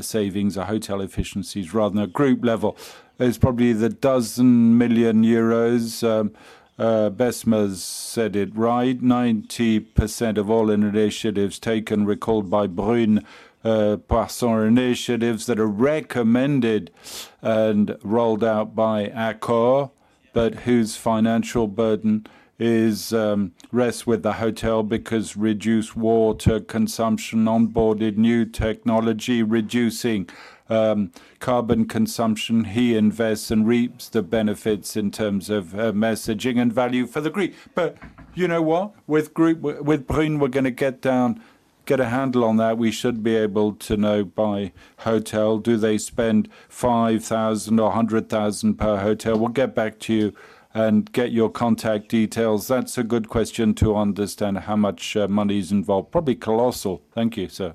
savings or hotel efficiencies rather than at group level. It's probably 12 million euros, Besma's said it right, 90% of all initiatives taken, recalled by Brune Poirson, initiatives that are recommended and rolled out by Accor, but whose financial burden rests with the hotel because reduce water consumption, onboarded new technology, reducing carbon consumption. He invests and reaps the benefits in terms of messaging and value for the group. But you know what? With group - with, with Brune, we're gonna get down, get a handle on that. We should be able to know by hotel, do they spend 5,000 or 100,000 per hotel? We'll get back to you and get your contact details. That's a good question to understand how much money is involved. Probably colossal. Thank you, sir.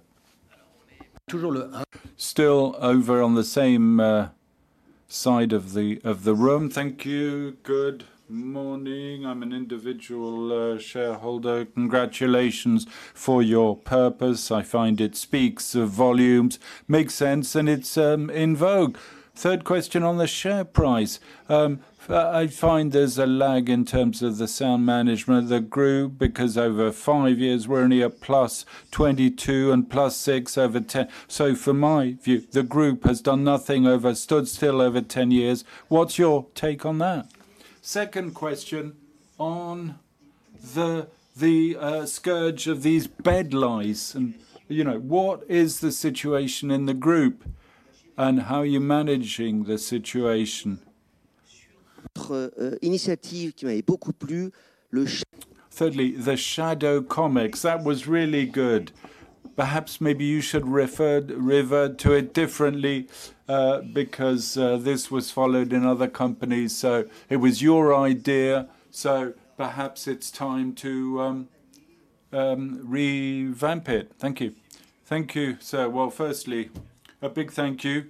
Still over on the same side of the room. Thank you. Good morning. I'm an individual shareholder. Congratulations for your purpose. I find it speaks volumes, makes sense, and it's in vogue. Third question on the share price: I find there's a lag in terms of the sound management of the group, because over 5 years, we're only at +22 and +6 over 10. So from my view, the group has done nothing over 10 years, stood still over 10 years. What's your take on that? Second question on the scourge of these bed bugs, and you know, what is the situation in the group, and how are you managing the situation? Thirdly, the Shadow Comex. That was really good. Perhaps maybe you should referred, revert to it differently, because, this was followed in other companies. So it was your idea, so perhaps it's time to, revamp it. Thank you. Thank you, sir. Well, firstly, a big thank you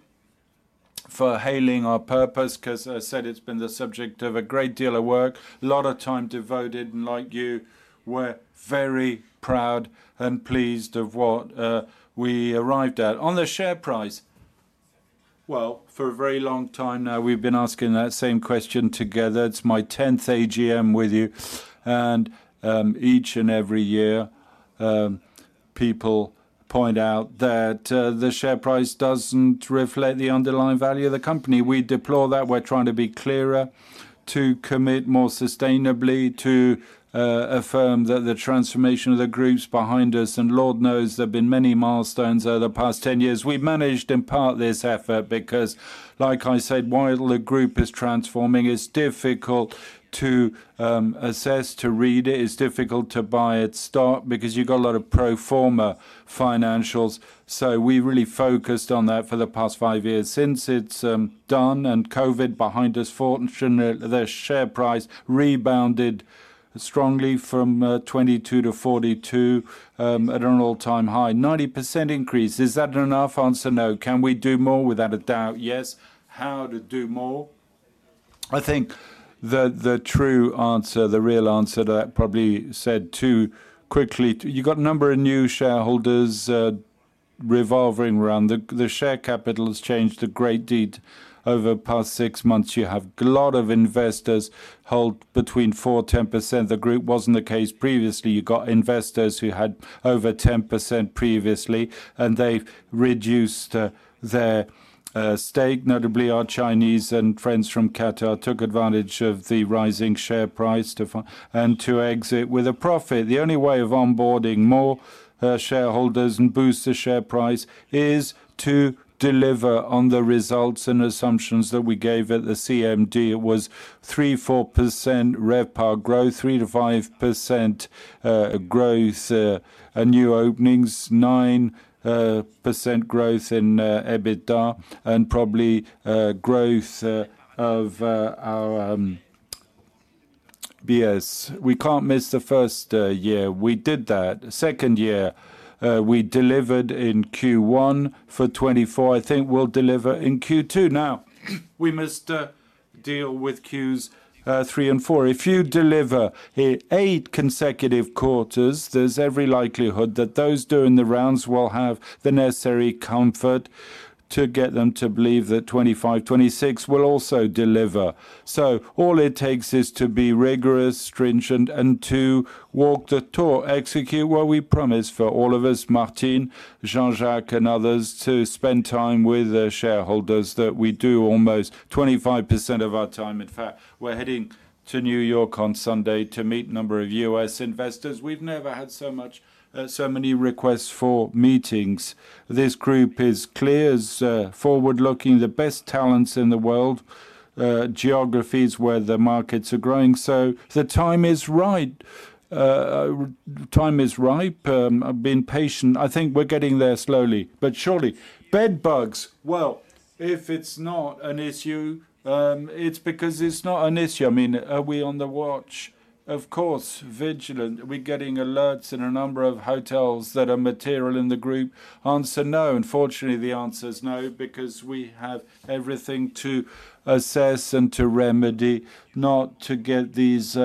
for hailing our purpose, 'cause as I said, it's been the subject of a great deal of work, a lot of time devoted, and like you, we're very proud and pleased of what, we arrived at. On the share price, well, for a very long time now, we've been asking that same question together. It's my tenth AGM with you, and, each and every year, people point out that, the share price doesn't reflect the underlying value of the company. We deplore that. We're trying to be clearer, to commit more sustainably, to affirm that the transformation of the group's behind us, and Lord knows there have been many milestones over the past 10 years. We've managed, in part, this effort. Like I said, while the group is transforming, it's difficult to assess, to read it. It's difficult to buy its stock because you've got a lot of pro forma financials. So we really focused on that for the past 5 years. Since it's done and COVID behind us, fortunately, the share price rebounded strongly from 22-42 at an all-time high. 90% increase, is that enough? Answer, no. Can we do more? Without a doubt, yes. How to do more? I think the true answer, the real answer to that, probably said too quickly. You got a number of new shareholders, revolving around. The, the share capital has changed a great deal over the past six months. You have a lot of investors hold between 4%-10%. The group wasn't the case previously. You got investors who had over 10% previously, and they've reduced their stake. Notably, our Chinese and friends from Qatar took advantage of the rising share price to exit with a profit. The only way of onboarding more shareholders and boost the share price is to deliver on the results and assumptions that we gave at the CMD. It was 3%-4% RevPAR growth, 3%-5% growth and new openings, 9% growth in EBITDA, and probably growth of our EPS. We can't miss the first year. We did that. Second year, we delivered in Q1 2024. I think we'll deliver in Q2. Now, we must deal with Q3 and Q4. If you deliver 8 consecutive quarters, there's every likelihood that those doing the rounds will have the necessary comfort to get them to believe that 2025, 2026 will also deliver. So all it takes is to be rigorous, stringent, and to walk the talk, execute what we promise for all of us, Martine, Jean-Jacques, and others, to spend time with the shareholders, that we do almost 25% of our time. In fact, we're heading to New York on Sunday to meet a number of U.S. investors. We've never had so much, so many requests for meetings. This group is clear, is forward-looking, the best talents in the world, geographies, where the markets are growing. So the time is right. Time is ripe. I've been patient. I think we're getting there slowly but surely. Bed bugs. Well, if it's not an issue, it's because it's not an issue. I mean, are we on the watch? Of course, vigilant. Are we getting alerts in a number of hotels that are material in the group? Answer, no. Unfortunately, the answer is no, because we have everything to assess and to remedy, not to get these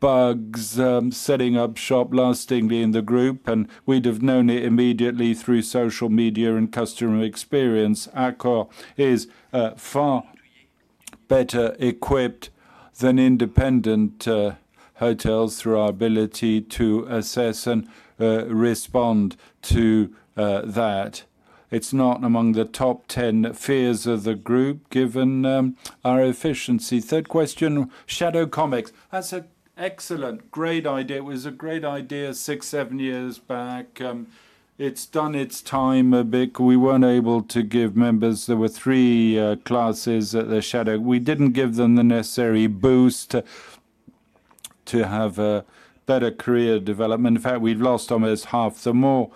bugs setting up shop lastingly in the group, and we'd have known it immediately through social media and customer experience. Accor is far better equipped than independent hotels through our ability to assess and respond to that. It's not among the top ten fears of the group, given our efficiency. Third question, Shadow Comex. That's an excellent, great idea. It was a great idea 6, 7 years back. It's done its time a bit. We weren't able to give members... There were 3 classes at the Shadow Comex. We didn't give them the necessary boost to have a better career development. In fact, we've lost almost half. The more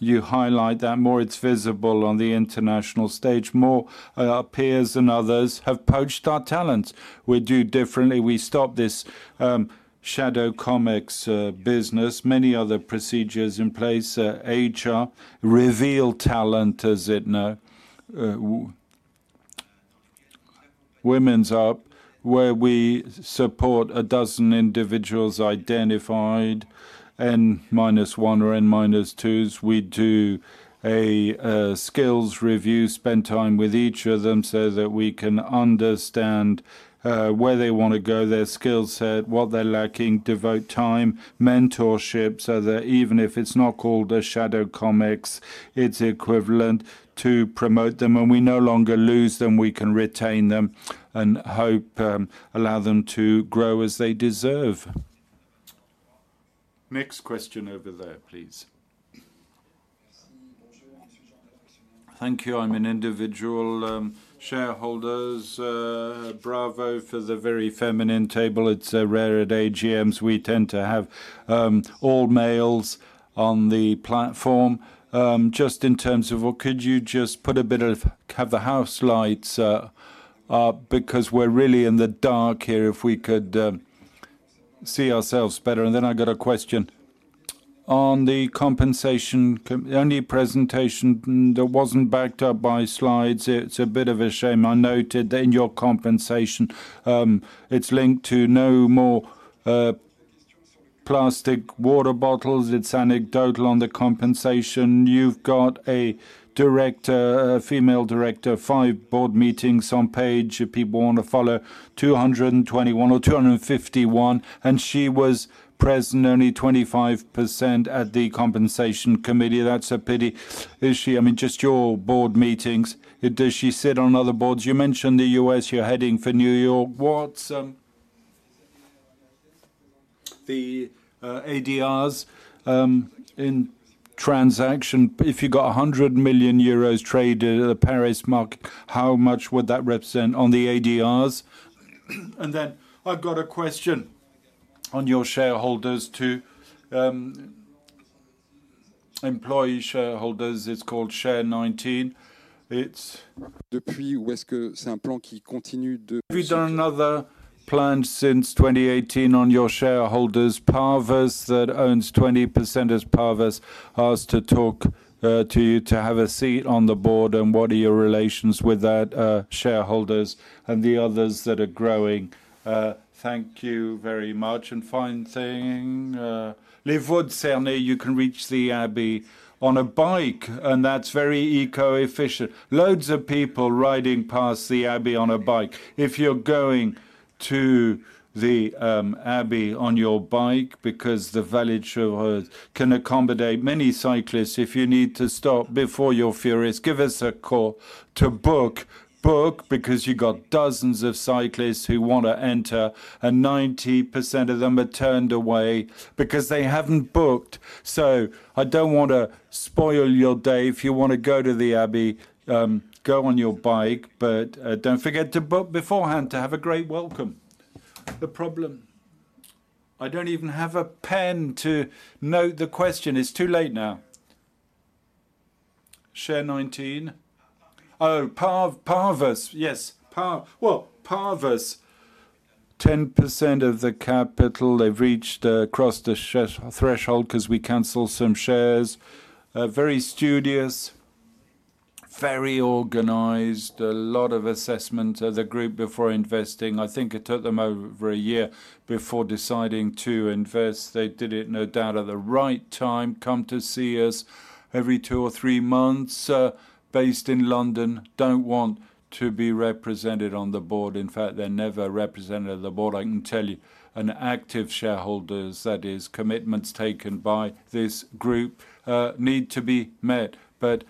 you highlight that, the more it's visible on the international stage, more our peers and others have poached our talents. We do differently. We stop this Shadow Comex business. Many other procedures in place, HR, Reveal Talent, as it now WomenUp, where we support a dozen individuals, identified N-1 or N-2s. We do a skills review, spend time with each of them so that we can understand where they wanna go, their skill set, what they're lacking, devote time, mentorship, so that even if it's not called a Shadow Comex, it's equivalent to promote them, and we no longer lose them. We can retain them and hope, allow them to grow as they deserve. Next question over there, please. Thank you. I'm an individual shareholders. Bravo for the very feminine table. It's rare at AGMs. We tend to have all males on the platform. Just in terms of-- Well, could you just put a bit of, have the house lights because we're really in the dark here, if we could see ourselves better? And then I've got a question. On the compensation, the only presentation that wasn't backed up by slides, it's a bit of a shame. I noted that in your compensation, it's linked to no more plastic water bottles. It's anecdotal on the compensation. You've got a director, a female director, five board meetings on page, if people want to follow, 221 or 251, and she was present only 25% at the compensation committee. That's a pity. Is she I mean, just your board meetings, does she sit on other boards? You mentioned the U.S., you're heading for New York. What's the ADRs in transaction. If you got 100 million euros traded at a Paris market, how much would that represent on the ADRs? And then I've got a question on your shareholders, too. Employee shareholders, it's called Share19. Have you done another plan since 2018 on your shareholders, Parvus, that owns 20% as Parvus asked to talk to you to have a seat on the board, and what are your relations with that shareholders and the others that are growing? Thank you very much and fine thing. Abbaye des Vaux de Cernay, you can reach the abbey on a bike, and that's very eco-efficient. Loads of people riding past the abbey on a bike. If you're going to the abbey on your bike because the Vallée de Chevreuse can accommodate many cyclists. If you need to stop before you're furious, give us a call to book. Book, because you've got dozens of cyclists who want to enter, and 90% of them are turned away because they haven't booked. So I don't want to spoil your day. If you want to go to the abbey, go on your bike, but, don't forget to book beforehand to have a great welcome. The problem—I don't even have a pen to note the question. It's too late now. Share19? Oh, Parvus. Yes, well, Parvus, 10% of the capital they've reached, across the 5%-threshold because we canceled some shares. Very studious, very organized, a lot of assessment as a group before investing. I think it took them over a year before deciding to invest. They did it, no doubt, at the right time. Come to see us every two or three months, based in London. Don't want to be represented on the board. In fact, they're never represented on the board, I can tell you. Active shareholders, that is, commitments taken by this group, need to be met. But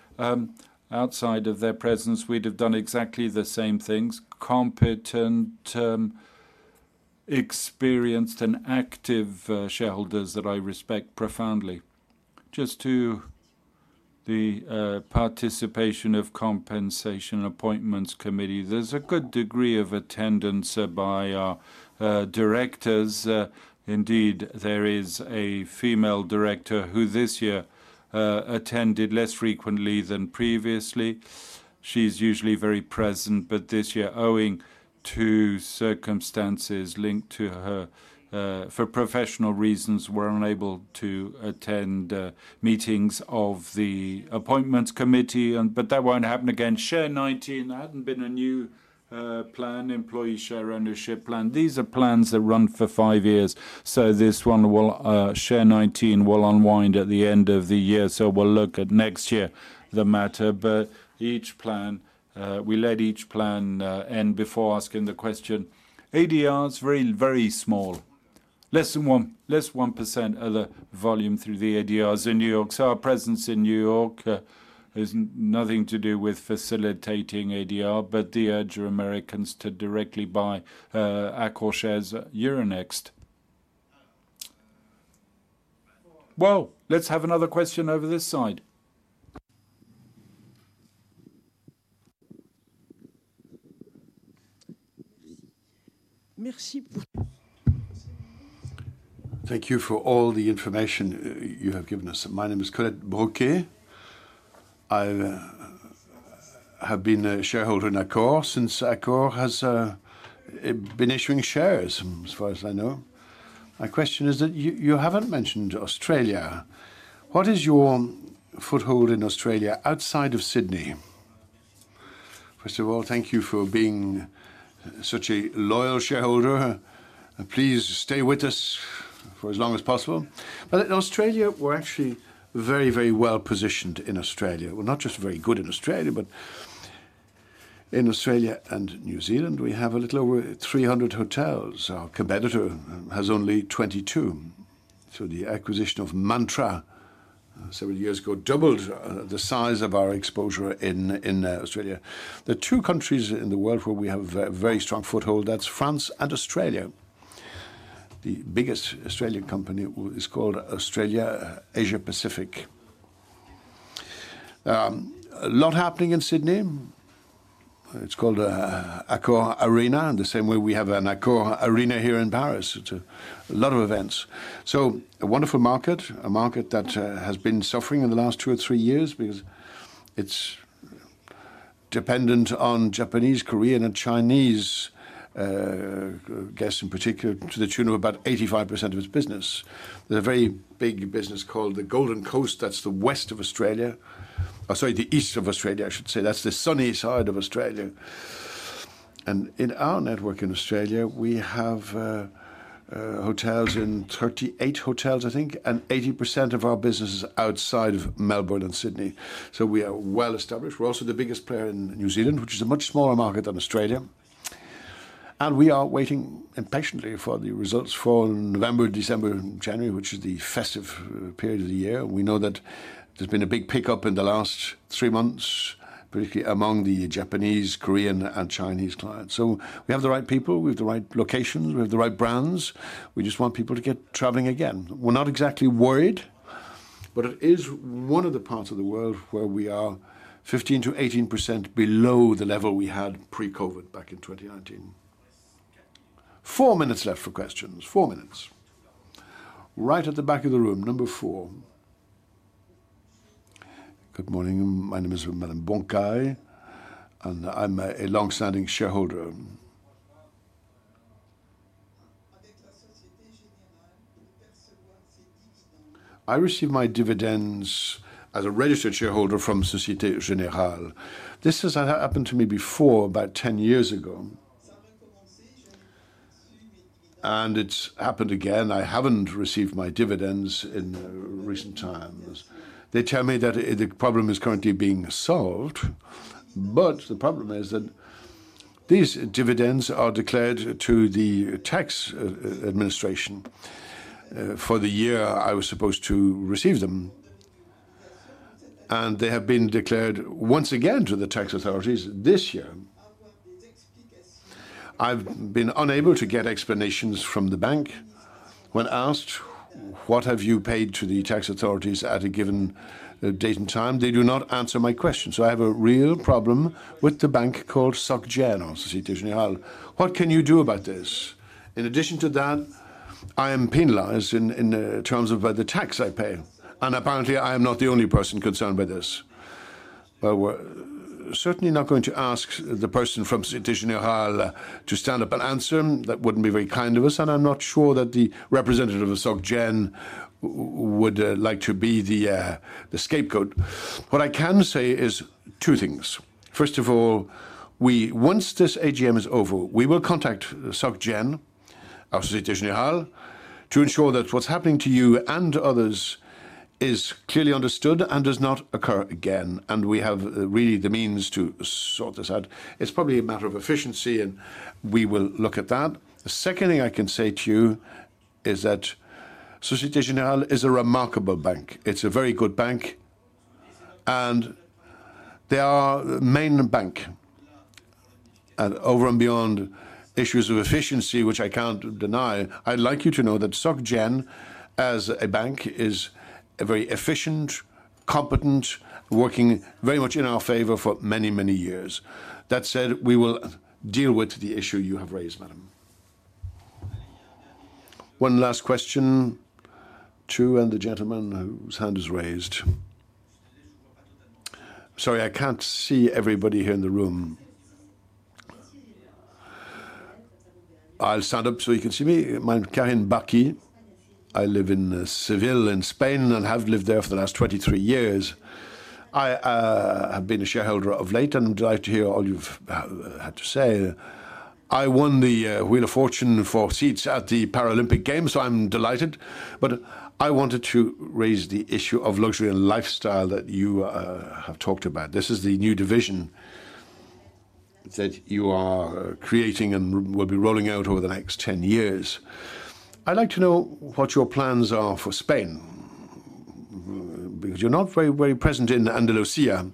outside of their presence, we'd have done exactly the same things. Competent, experienced, and active shareholders that I respect profoundly. Just to the participation of Compensation and Appointments Committee, there's a good degree of attendance by our directors. Indeed, there is a female director who this year attended less frequently than previously. She's usually very present, but this year, owing to circumstances linked to her for professional reasons, were unable to attend meetings of the Appointments Committee and but that won't happen again. Share19, there hadn't been a new plan, employee share ownership plan. These are plans that run for five years, so this one will, Share19, will unwind at the end of the year, so we'll look at next year, the matter. But each plan, we let each plan end before asking the question. ADR is very, very small, less than 1% of the volume through the ADRs in New York. So our presence in New York is nothing to do with facilitating ADR, but to urge Americans to directly buy Accor shares Euronext. Well, let's have another question over this side. Merci beaucoup. Thank you for all the information you have given us. My name is Colette Broquet. I have been a shareholder in Accor since Accor has been issuing shares, as far as I know. My question is that you haven't mentioned Australia. What is your foothold in Australia outside of Sydney? First of all, thank you for being such a loyal shareholder, and please stay with us for as long as possible. But in Australia, we're actually very, very well-positioned in Australia. We're not just very good in Australia, but in Australia and New Zealand, we have a little over 300 hotels. Our competitor has only 22. So the acquisition of Mantra several years ago doubled the size of our exposure in Australia. The two countries in the world where we have a very strong foothold, that's France and Australia. The biggest Australian company is called Australia Asia Pacific. A lot happening in Sydney. It's called Accor Arena, in the same way we have an Accor Arena here in Paris. It's a lot of events. So a wonderful market, a market that has been suffering in the last 2 or 3 years because it's dependent on Japanese, Korean, and Chinese guests in particular, to the tune of about 85% of its business. There's a very big business called the Gold Coast. That's the west of Australia. Sorry, the east of Australia, I should say. That's the sunny side of Australia. And in our network in Australia, we have hotels in 38 hotels, I think, and 80% of our business is outside of Melbourne and Sydney, so we are well established. We're also the biggest player in New Zealand, which is a much smaller market than Australia, and we are waiting impatiently for the results for November, December, and January, which is the festive period of the year. We know that there's been a big pickup in the last three months.... particularly among the Japanese, Korean, and Chinese clients. So we have the right people, we have the right locations, we have the right brands. We just want people to get traveling again. We're not exactly worried, but it is one of the parts of the world where we are 15%-18% below the level we had pre-COVID, back in 2019. 4 minutes left for questions. 4 minutes. Right at the back of the room, number 4. "Good morning, my name is Madame Bonkai, and I'm a long-standing shareholder. I receive my dividends as a registered shareholder from Société Générale. This has happened to me before, about 10 years ago, and it's happened again. I haven't received my dividends in recent times. They tell me that, the problem is currently being solved, but the problem is that these dividends are declared to the tax, administration, for the year I was supposed to receive them, and they have been declared once again to the tax authorities this year. I've been unable to get explanations from the bank. When asked, "What have you paid to the tax authorities at a given, date and time?" They do not answer my question, so I have a real problem with the bank called Soc Gen, Société Générale. What can you do about this? In addition to that, I am penalized in terms of by the tax I pay, and apparently, I am not the only person concerned by this. Well, we're certainly not going to ask the person from Société Générale to stand up and answer. That wouldn't be very kind of us, and I'm not sure that the representative of Soc Gen would like to be the scapegoat. What I can say is two things: First of all, once this AGM is over, we will contact Soc Gen, or Societe Generale, to ensure that what's happening to you and others is clearly understood and does not occur again, and we have really the means to sort this out. It's probably a matter of efficiency, and we will look at that. The second thing I can say to you is that Société Générale is a remarkable bank. It's a very good bank, and they are our main bank. Over and beyond issues of efficiency, which I can't deny, I'd like you to know that Soc Gen, as a bank, is a very efficient, competent, working very much in our favor for many, many years. That said, we will deal with the issue you have raised, madam. One last question. Two, and the gentleman whose hand is raised. "Sorry, I can't see everybody here in the room. I'll stand up so you can see me. My name, Karin Bakke. I live in Seville, in Spain, and have lived there for the last 23 years. I have been a shareholder of late and would like to hear all you've had to say. I won the wheel of fortune for seats at the Paralympic Games, so I'm delighted. But I wanted to raise the issue of luxury and lifestyle that you have talked about. This is the new division that you are creating and will be rolling out over the next 10 years. I'd like to know what your plans are for Spain, because you're not very, very present in Andalusia.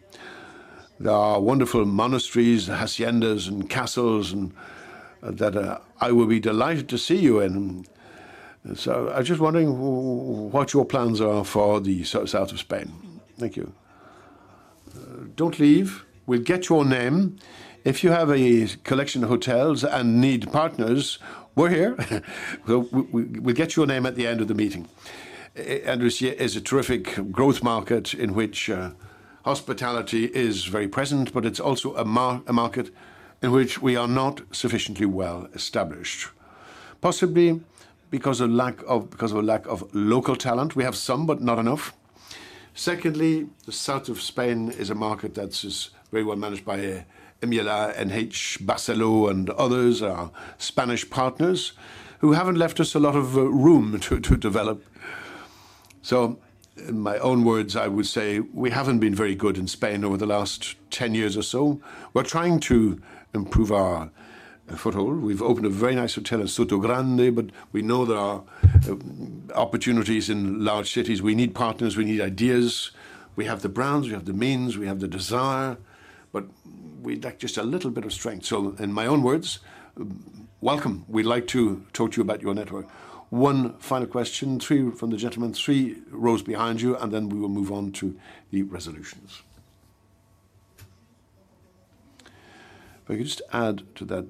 There are wonderful monasteries, haciendas, and castles and... that, I will be delighted to see you in. So I was just wondering what your plans are for the south of Spain. Thank you. Don't leave. We'll get your name. If you have a collection of hotels and need partners, we're here. We'll get your name at the end of the meeting. Andalusia is a terrific growth market in which hospitality is very present, but it's also a market in which we are not sufficiently well-established. Possibly because of lack of, because of a lack of local talent. We have some, but not enough. Secondly, the south of Spain is a market that is very well managed by Meliá, NH, Barceló, and others, our Spanish partners, who haven't left us a lot of room to develop. So in my own words, I would say we haven't been very good in Spain over the last 10 years or so. We're trying to improve our foothold. We've opened a very nice hotel in Sotogrande, but we know there are opportunities in large cities. We need partners. We need ideas. We have the brands, we have the means, we have the desire, but we lack just a little bit of strength. So in my own words, welcome. We'd like to talk to you about your network. One final question. Three from the gentleman three rows behind you, and then we will move on to the resolutions. If I could just add to that,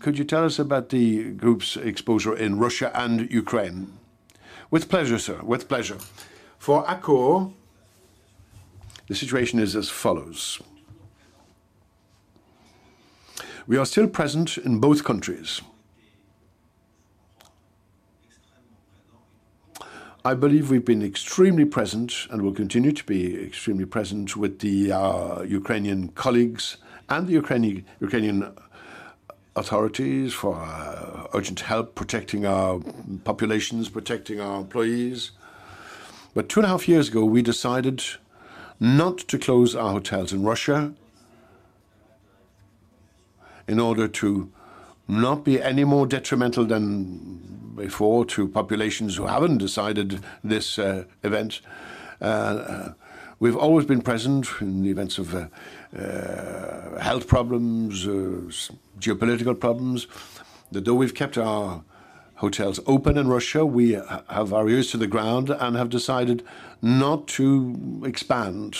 could you tell us about the group's exposure in Russia and Ukraine?" With pleasure, sir. With pleasure. For Accor, the situation is as follows: We are still present in both countries. I believe we've been extremely present, and will continue to be extremely present with the Ukrainian colleagues and the Ukrainian authorities for urgent help, protecting our populations, protecting our employees. But 2.5 years ago, we decided not to close our hotels in Russia in order to not be any more detrimental than before to populations who haven't decided this event. We've always been present in the events of health problems or geopolitical problems. Though we've kept our hotels open in Russia, we have our ears to the ground and have decided not to expand.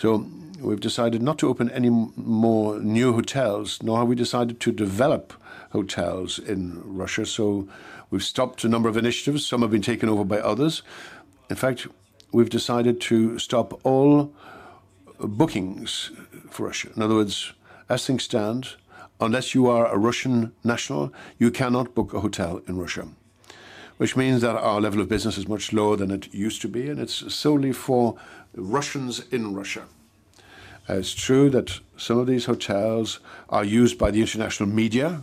So, we've decided not to open any more new hotels, nor have we decided to develop hotels in Russia, so we've stopped a number of initiatives. Some have been taken over by others. In fact, we've decided to stop all bookings for Russia. In other words, as things stand, unless you are a Russian national, you cannot book a hotel in Russia, which means that our level of business is much lower than it used to be, and it's solely for Russians in Russia. It's true that some of these hotels are used by the international media,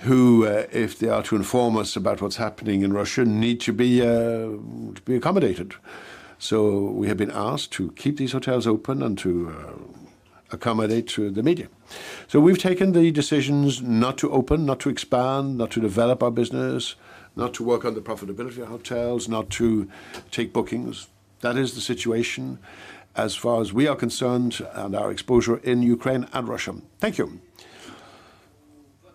who, if they are to inform us about what's happening in Russia, need to be accommodated. So we have been asked to keep these hotels open and to accommodate the media. So we've taken the decisions not to open, not to expand, not to develop our business, not to work on the profitability of hotels, not to take bookings. That is the situation as far as we are concerned and our exposure in Ukraine and Russia. Thank you.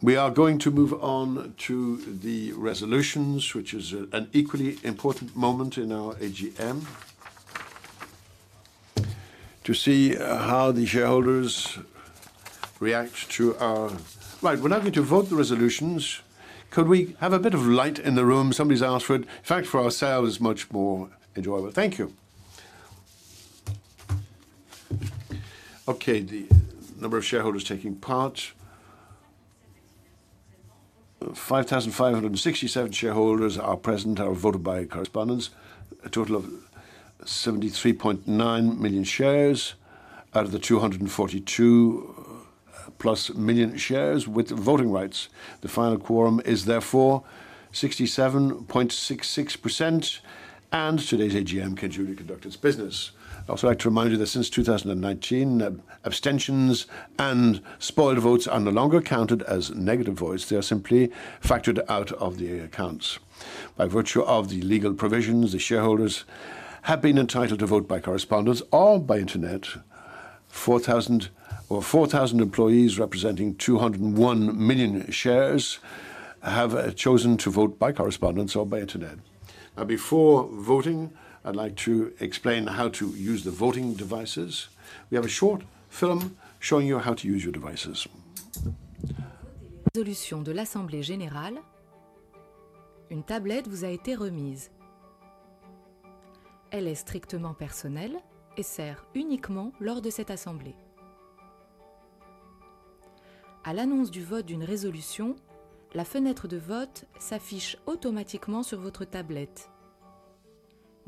We are going to move on to the resolutions, which is, an equally important moment in our AGM. To see, how the shareholders react to our... Right, we're now going to vote the resolutions. Could we have a bit of light in the room? Somebody's asked for it. In fact, for ourselves, it's much more enjoyable. Thank you. Okay, the number of shareholders taking part. 5,567 shareholders are present or voted by correspondence, a total of 73.9 million shares out of the 242+ million shares with voting rights. The final quorum is therefore 67.66%, and today's AGM can duly conduct its business. I'd also like to remind you that since 2019, abstentions and spoiled votes are no longer counted as negative votes. They are simply factored out of the accounts. By virtue of the legal provisions, the shareholders have been entitled to vote by correspondence or by internet. 4,000, or 4,000 employees, representing 201 million shares, have chosen to vote by correspondence or by internet. Now, before voting, I'd like to explain how to use the voting devices. We have a short film showing you how to use your devices. To vote on the resolutions of the general meeting, you have been given a tablet. It is strictly personal and is for use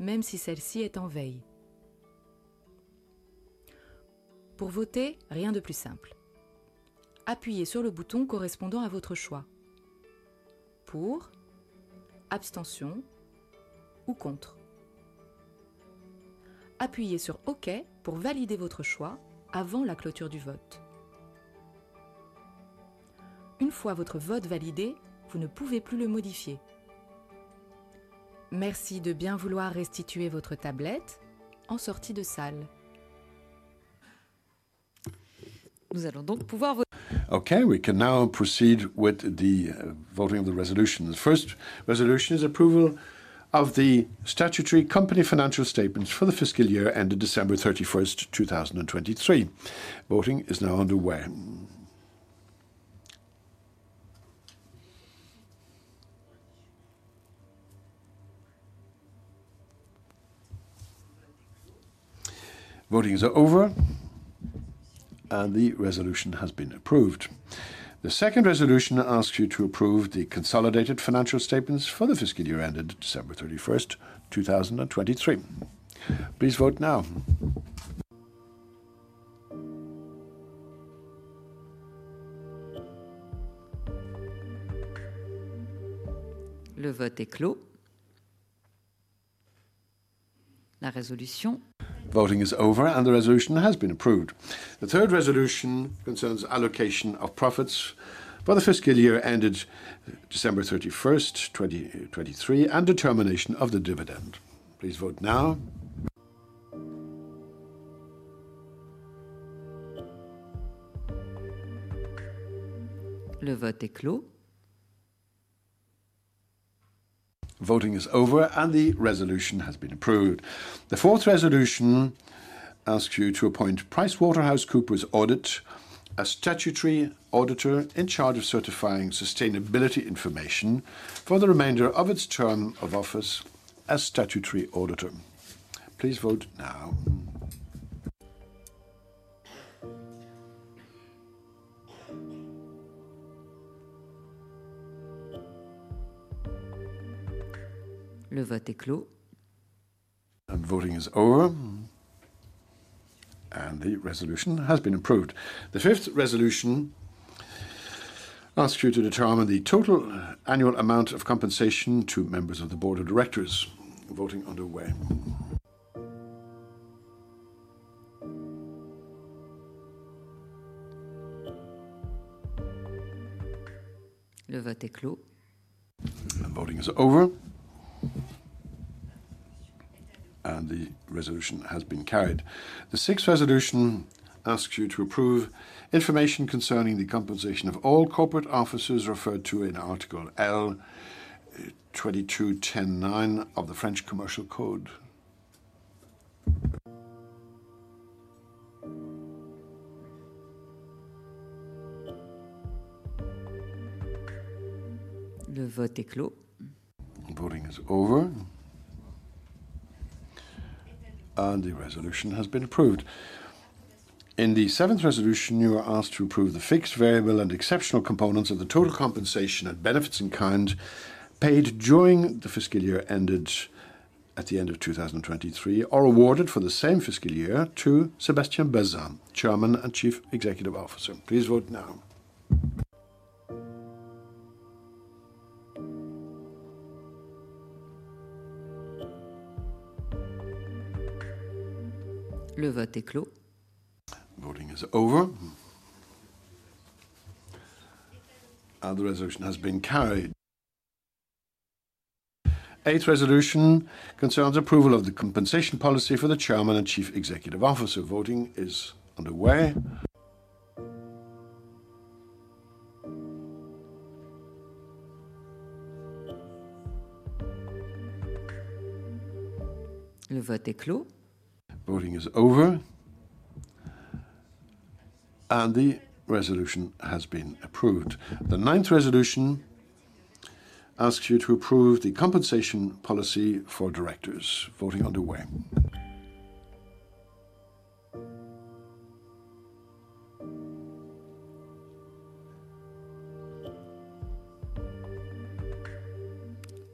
only during this meeting. When a resolution is announced, the voting window appears automatically on your tablet, even if it is in standby mode. Voting is very simple. Press the button corresponding to your choice: for, abstain, or against. Press OK to validate your choice before the vote closes. Once your vote is validated, you cannot change it. Thank you, please return your tablet when leaving the room. Okay, we can now proceed with the voting of the resolution. The first resolution is approval of the statutory company financial statements for the fiscal year ended December 31, 2023. Voting is now underway. Voting is over, and the resolution has been approved. The second resolution asks you to approve the consolidated financial statements for the fiscal year ended December 31, 2023. Please vote now. Voting is over, and the resolution has been approved. The third resolution concerns allocation of profits for the fiscal year ended December 31, 2023, and determination of the dividend. Please vote now. Voting is over, and the resolution has been approved. The fourth resolution asks you to appoint PricewaterhouseCoopers Audit as statutory auditor in charge of certifying sustainability information for the remainder of its term of office as statutory auditor. Please vote now. Voting is over, and the resolution has been approved. The fifth resolution asks you to determine the total annual amount of compensation to members of the Board of Directors. Voting underway. The voting is over, and the resolution has been carried. The sixth resolution asks you to approve information concerning the compensation of all corporate officers referred to in Article L2210-9 of the French Commercial Code. Voting is over, and the resolution has been approved. In the seventh resolution, you are asked to approve the fixed, variable, and exceptional components of the total compensation and benefits in kind paid during the fiscal year ended at the end of 2023, or awarded for the same fiscal year to Sébastien Bazin, Chairman and Chief Executive Officer. Please vote now. Voting is over, and the resolution has been carried. Eighth resolution concerns approval of the compensation policy for the Chairman and Chief Executive Officer. Voting is underway. Voting is over, and the resolution has been approved. The ninth resolution asks you to approve the compensation policy for directors. Voting underway.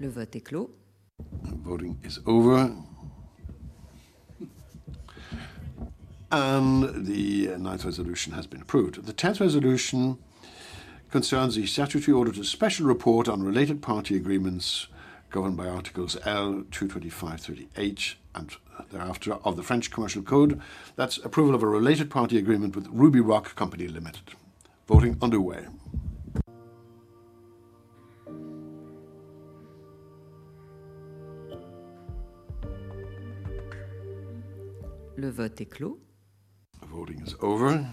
The voting is over, and the ninth resolution has been approved. The tenth resolution concerns the statutory auditor's special report on related party agreements governed by Articles L. 225-38 and thereafter of the French Commercial Code. That's approval of a related party agreement with Rubyrock Capital Co., Limited. Voting underway. The voting is over,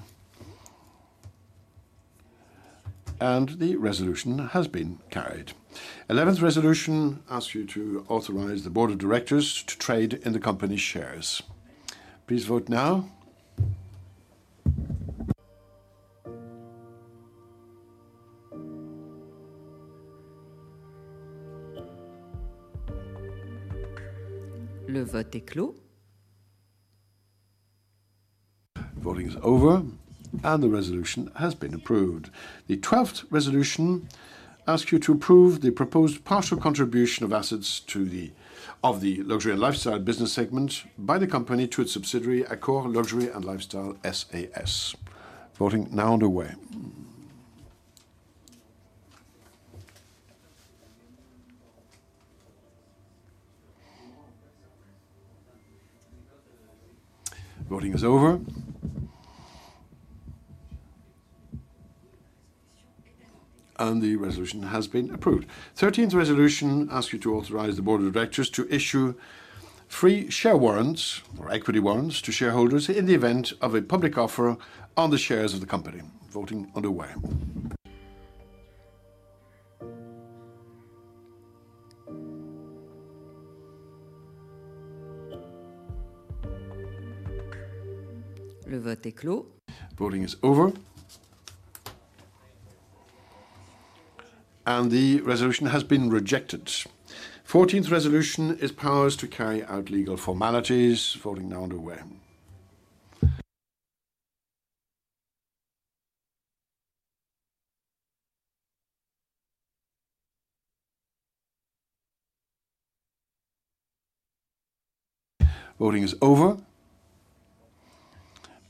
and the resolution has been carried. Eleventh resolution asks you to authorize the Board of Directors to trade in the company's shares. Please vote now. Voting is over, and the resolution has been approved. The twelfth resolution asks you to approve the proposed partial contribution of assets to the... of the Luxury and Lifestyle business segment by the company to its subsidiary, Accor Luxury & Lifestyle SAS. Voting now underway. Voting is over, and the resolution has been approved. Thirteenth resolution asks you to authorize the Board of Directors to issue free share warrants or equity warrants to shareholders in the event of a public offer on the shares of the company. Voting underway. Voting is over, and the resolution has been rejected. 14th resolution is powers to carry out legal formalities. Voting now underway. Voting is over,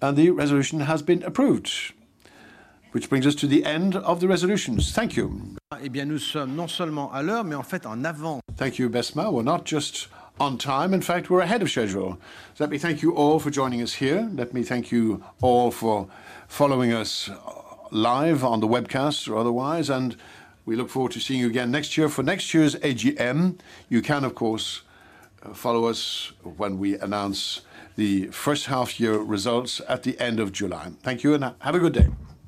and the resolution has been approved, which brings us to the end of the resolutions. Thank you. ...Thank you, Besma. We're not just on time, in fact, we're ahead of schedule. Let me thank you all for joining us here. Let me thank you all for following us live on the webcast or otherwise, and we look forward to seeing you again next year for next year's AGM. You can, of course, follow us when we announce the first half year results at the end of July. Thank you, and have a good day.